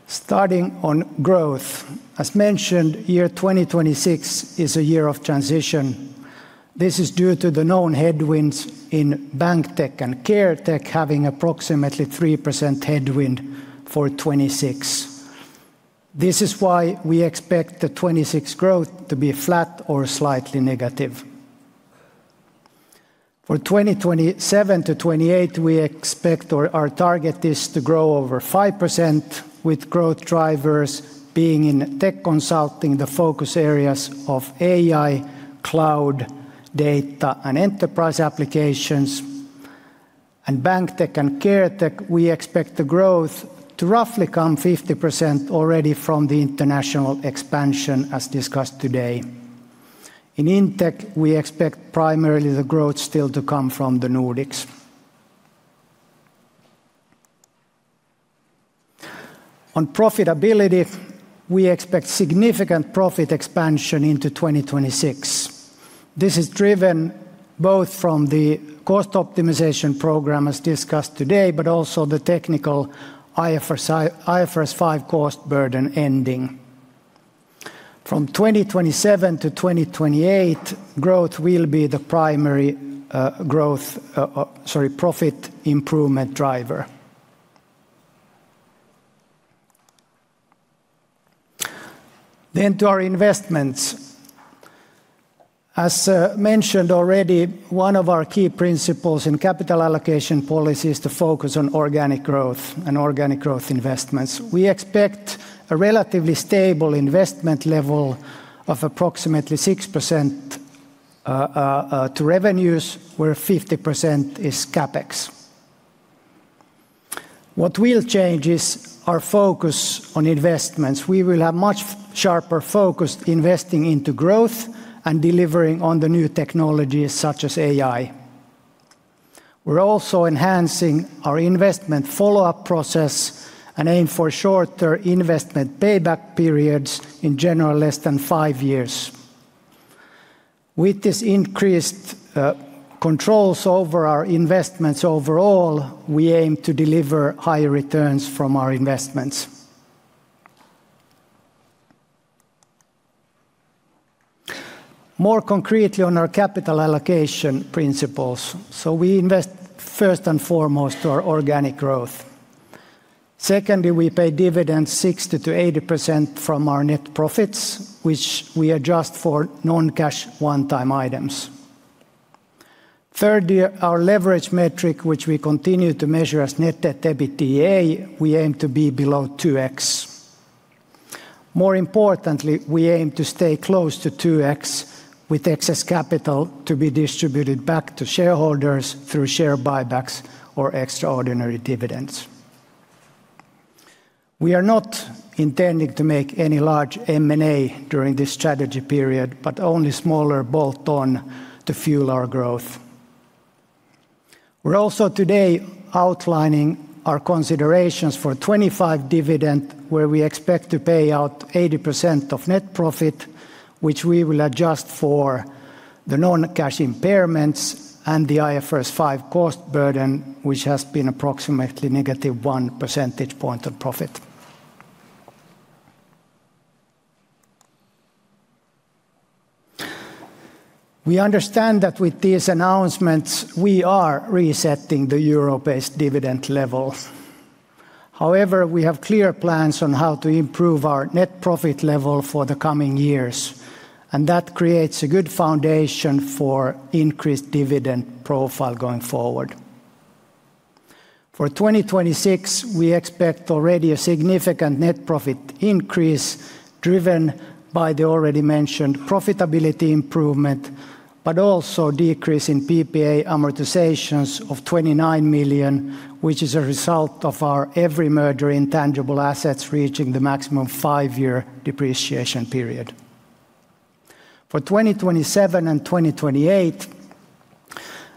one. Starting on growth, as mentioned, year 2026 is a year of transition. This is due to the known headwinds in bank tech and care tech having approximately 3% headwind for 2026. This is why we expect the 2026 growth to be flat or slightly negative. For 2027 to 2028, we expect our target is to grow over 5%, with growth drivers being InTech consulting, the focus areas of AI, cloud, data, and enterprise applications. Bank tech and care tech, we expect the growth to roughly come 50% already from the international expansion, as discussed today. in InTech, we expect primarily the growth still to come from the Nordics. On profitability, we expect significant profit expansion into 2026. This is driven both from the cost optimization program, as discussed today, but also the technical IFRS 5 cost burden ending. From 2027 to 2028, growth will be the primary growth, sorry, profit improvement driver. To our investments. As mentioned already, one of our key principles in capital allocation policy is to focus on organic growth and organic growth investments. We expect a relatively stable investment level of approximately 6% to revenues, where 50% is CapEx. What will change is our focus on investments. We will have much sharper focus investing into growth and delivering on the new technologies such as AI. We're also enhancing our investment follow-up process and aim for shorter investment payback periods in general, less than five years. With this increased controls over our investments overall, we aim to deliver higher returns from our investments. More concretely on our capital allocation principles. We invest first and foremost to our organic growth. Secondly, we pay dividends 60-80% from our net profits, which we adjust for non-cash one-time items. Thirdly, our leverage metric, which we continue to measure as net debt EBITDA, we aim to be below 2x. More importantly, we aim to stay close to 2x with excess capital to be distributed back to shareholders through share buybacks or extraordinary dividends. We are not intending to make any large M&A during this strategy period, but only smaller bolt-on to fuel our growth. We're also today outlining our considerations for 2025 dividend, where we expect to pay out 80% of net profit, which we will adjust for the non-cash impairments and the IFRS 5 cost burden, which has been approximately negative 1 percentage point of profit. We understand that with these announcements, we are resetting the euro-based dividend level. However, we have clear plans on how to improve our net profit level for the coming years, and that creates a good foundation for increased dividend profile going forward. For 2026, we expect already a significant net profit increase driven by the already mentioned profitability improvement, but also a decrease in PPA amortizations of 29 million, which is a result of our every merger in tangible assets reaching the maximum five-year depreciation period. For 2027 and 2028,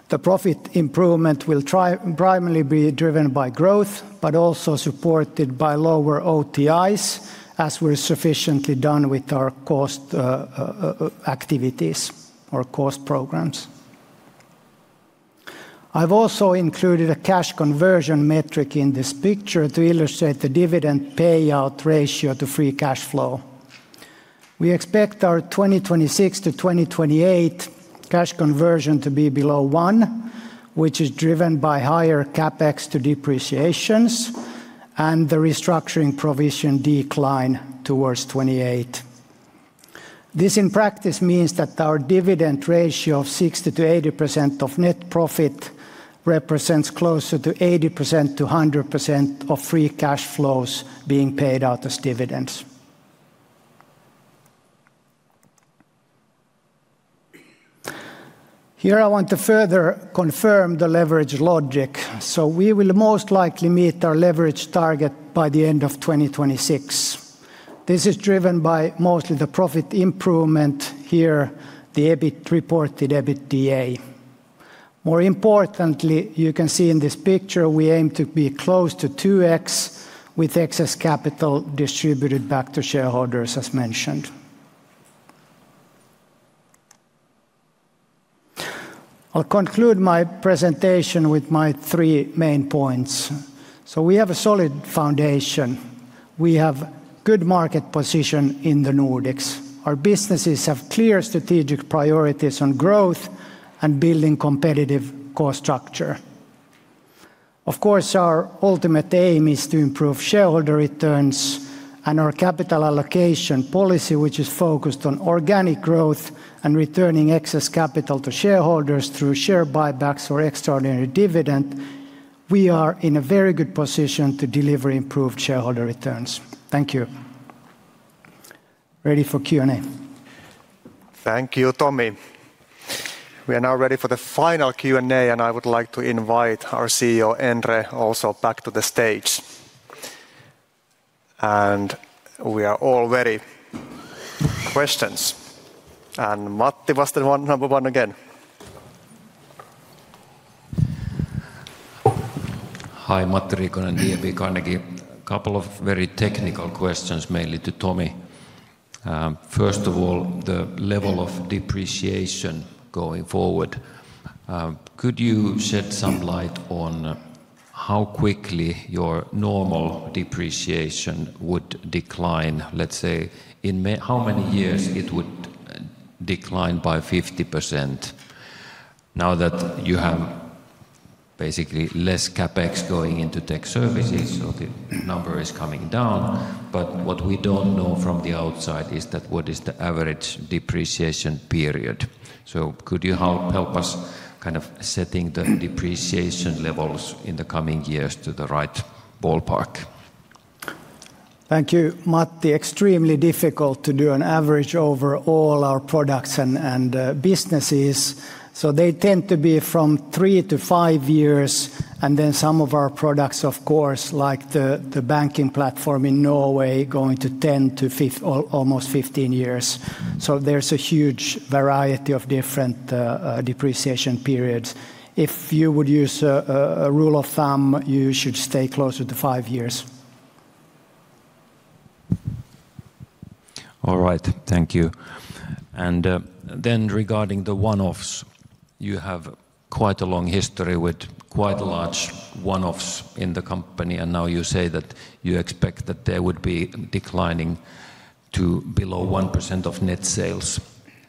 the profit improvement will primarily be driven by growth, but also supported by lower OTIs as we're sufficiently done with our cost activities or cost programs. I've also included a cash conversion metric in this picture to illustrate the dividend payout ratio to free cash flow. We expect our 2026 to 2028 cash conversion to be below one, which is driven by higher CapEx to depreciations and the restructuring provision decline towards 2028. This, in practice, means that our dividend ratio of 60-80% of net profit represents closer to 80-100% of free cash flows being paid out as dividends. Here I want to further confirm the leverage logic. We will most likely meet our leverage target by the end of 2026. This is driven by mostly the profit improvement here, the reported EBITDA. More importantly, you can see in this picture, we aim to be close to 2x with excess capital distributed back to shareholders, as mentioned. I'll conclude my presentation with my three main points. We have a solid foundation. We have a good market position in the Nordics. Our businesses have clear strategic priorities on growth and building a competitive core structure. Of course, our ultimate aim is to improve shareholder returns and our capital allocation policy, which is focused on organic growth and returning excess capital to shareholders through share buybacks or extraordinary dividends. We are in a very good position to deliver improved shareholder returns. Thank you. Ready for Q&A. Thank you, Tomi. We are now ready for the final Q&A, and I would like to invite our CEO, Endre, also back to the stage. We are all ready. Questions. And Matti, what's the number one again? Hi, Matti Riikonen, DNB Carnegie. A couple of very technical questions, mainly to Tommy. First of all, the level of depreciation going forward. Could you shed some light on how quickly your normal depreciation would decline, let's say, in how many years it would decline by 50% now that you have basically less CapEx going into tech services, so the number is coming down. What we don't know from the outside is what is the average depreciation period. Could you help us kind of setting the depreciation levels in the coming years to the right ballpark? Thank you, Matti. Extremely difficult to do an average over all our products and businesses. They tend to be from three to five years, and then some of our products, of course, like the banking platform in Norway, going to 10 to almost 15 years. There is a huge variety of different depreciation periods. If you would use a rule of thumb, you should stay closer to five years. All right, thank you. Regarding the one-offs, you have quite a long history with quite large one-offs in the company, and now you say that you expect that they would be declining to below 1% of net sales.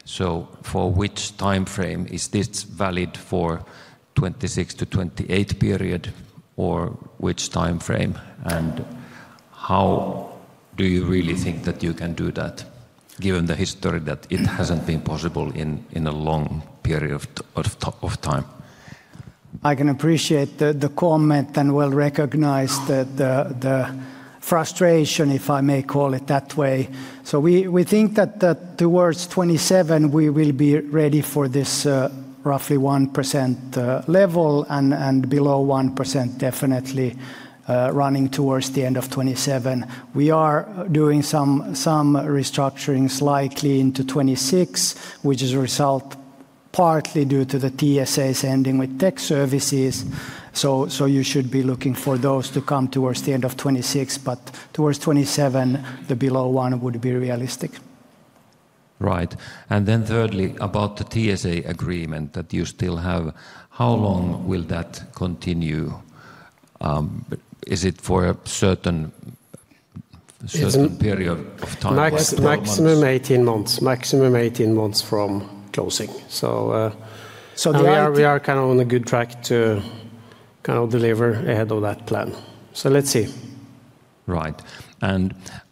For which timeframe is this valid, for the 2026 to 2028 period, or which timeframe, and how do you really think that you can do that, given the history that it has not been possible in a long period of time? I can appreciate the comment and recognize the frustration, if I may call it that way. We think that towards 2027, we will be ready for this roughly 1% level and below 1% definitely running towards the end of 2027. We are doing some restructurings likely into 2026, which is a result partly due to the TSA's ending with tech services. You should be looking for those to come towards the end of 2026, but towards 2027, the below one would be realistic. Right. Thirdly, about the TSA agreement that you still have, how long will that continue? Is it for a certain period of time? Maximum 18 months. Maximum 18 months from closing. We are kind of on a good track to kind of deliver ahead of that plan. Let's see. Right.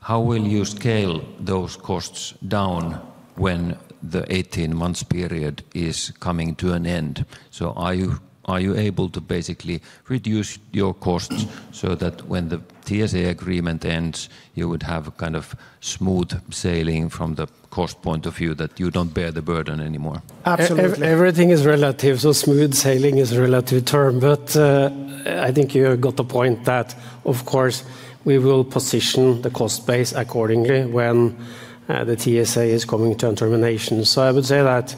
How will you scale those costs down when the 18-month period is coming to an end? Are you able to basically reduce your costs so that when the TSA agreement ends, you would have kind of smooth sailing from the cost point of view that you do not bear the burden anymore? Absolutely. Everything is relative, so smooth sailing is a relative term. I think you got the point that, of course, we will position the cost base accordingly when the TSA is coming to a termination. I would say that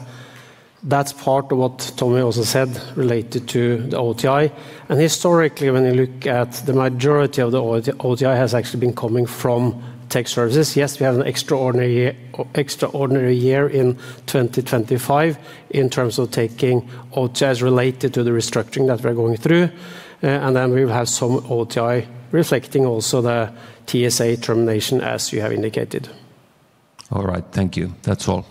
is part of what Tomi also said related to the OTI. Historically, when you look at the majority of the OTI, it has actually been coming from tech services. Yes, we have an extraordinary year in 2025 in terms of taking OTIs related to the restructuring that we are going through. We will have some OTI reflecting also the TSA termination, as you have indicated. All right, thank you. That is all.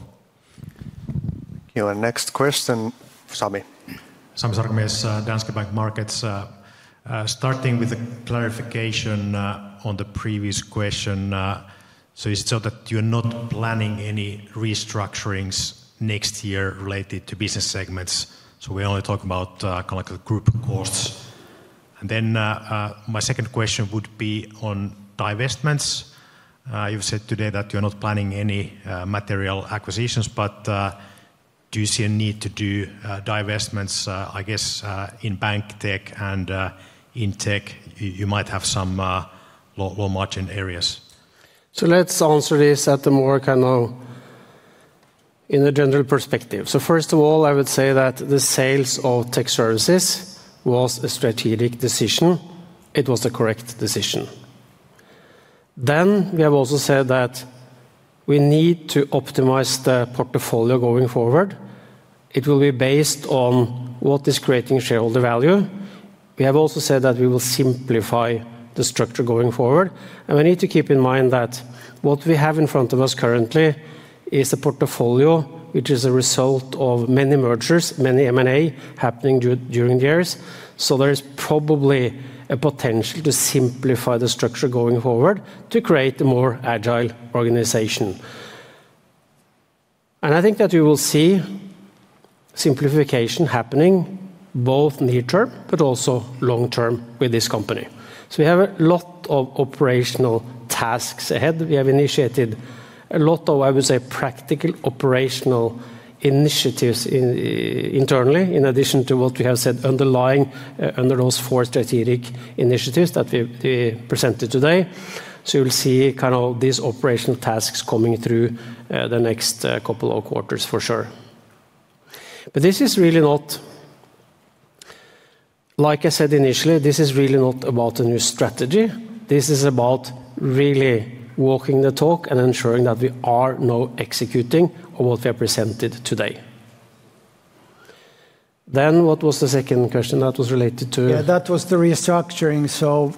Next question, Sami. Sami, Danske Bank Markets. Starting with a clarification on the previous question. Is it so that you're not planning any restructurings next year related to business segments? We only talk about kind of group costs. My second question would be on divestments. You've said today that you're not planning any material acquisitions, but do you see a need to do divestments, I guess, in bank tech and InTech? You might have some low margin areas. Let's answer this at a more kind of in a general perspective. First of all, I would say that the sales of tech services was a strategic decision. It was the correct decision. We have also said that we need to optimize the portfolio going forward. It will be based on what is creating shareholder value. We have also said that we will simplify the structure going forward. We need to keep in mind that what we have in front of us currently is a portfolio which is a result of many mergers, many M&A happening during the years. There is probably a potential to simplify the structure going forward to create a more agile organization. I think that you will see simplification happening both near-term, but also long-term with this company. We have a lot of operational tasks ahead. We have initiated a lot of, I would say, practical operational initiatives internally, in addition to what we have said underlying under those four strategic initiatives that we presented today. You will see kind of these operational tasks coming through the next couple of quarters for sure. This is really not, like I said initially, this is really not about a new strategy. This is about really walking the talk and ensuring that we are now executing on what we have presented today. What was the second question that was related to? Yeah, that was the restructuring.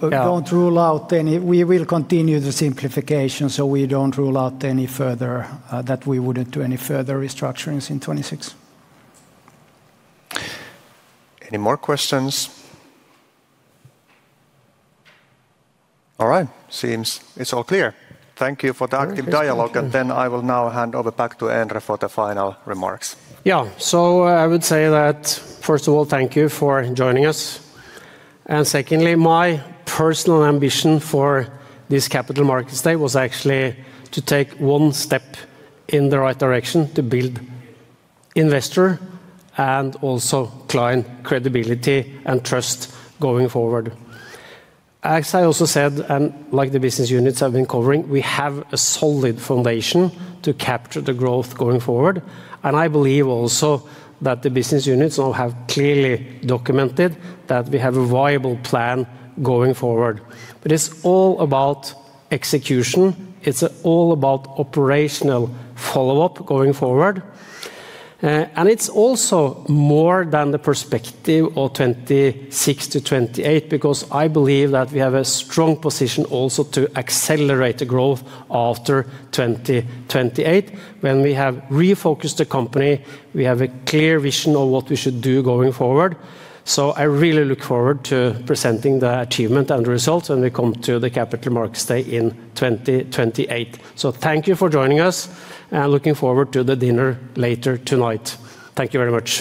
Do not rule out any, we will continue the simplification. We do not rule out any further that we would not do any further restructurings in 2026. Any more questions? All right, seems it is all clear. Thank you for the active dialogue. I will now hand over back to Endre for the final remarks. Yeah, I would say that first of all, thank you for joining us. Secondly, my personal ambition for this capital markets day was actually to take one step in the right direction to build investor and also client credibility and trust going forward. As I also said, like the business units have been covering, we have a solid foundation to capture the growth going forward. I believe also that the business units now have clearly documented that we have a viable plan going forward. It's all about execution. It's all about operational follow-up going forward. It's also more than the perspective of 2026 to 2028, because I believe that we have a strong position also to accelerate the growth after 2028, when we have refocused the company, we have a clear vision of what we should do going forward. I really look forward to presenting the achievement and the results when we come to the capital markets day in 2028. Thank you for joining us and looking forward to the dinner later tonight. Thank you very much.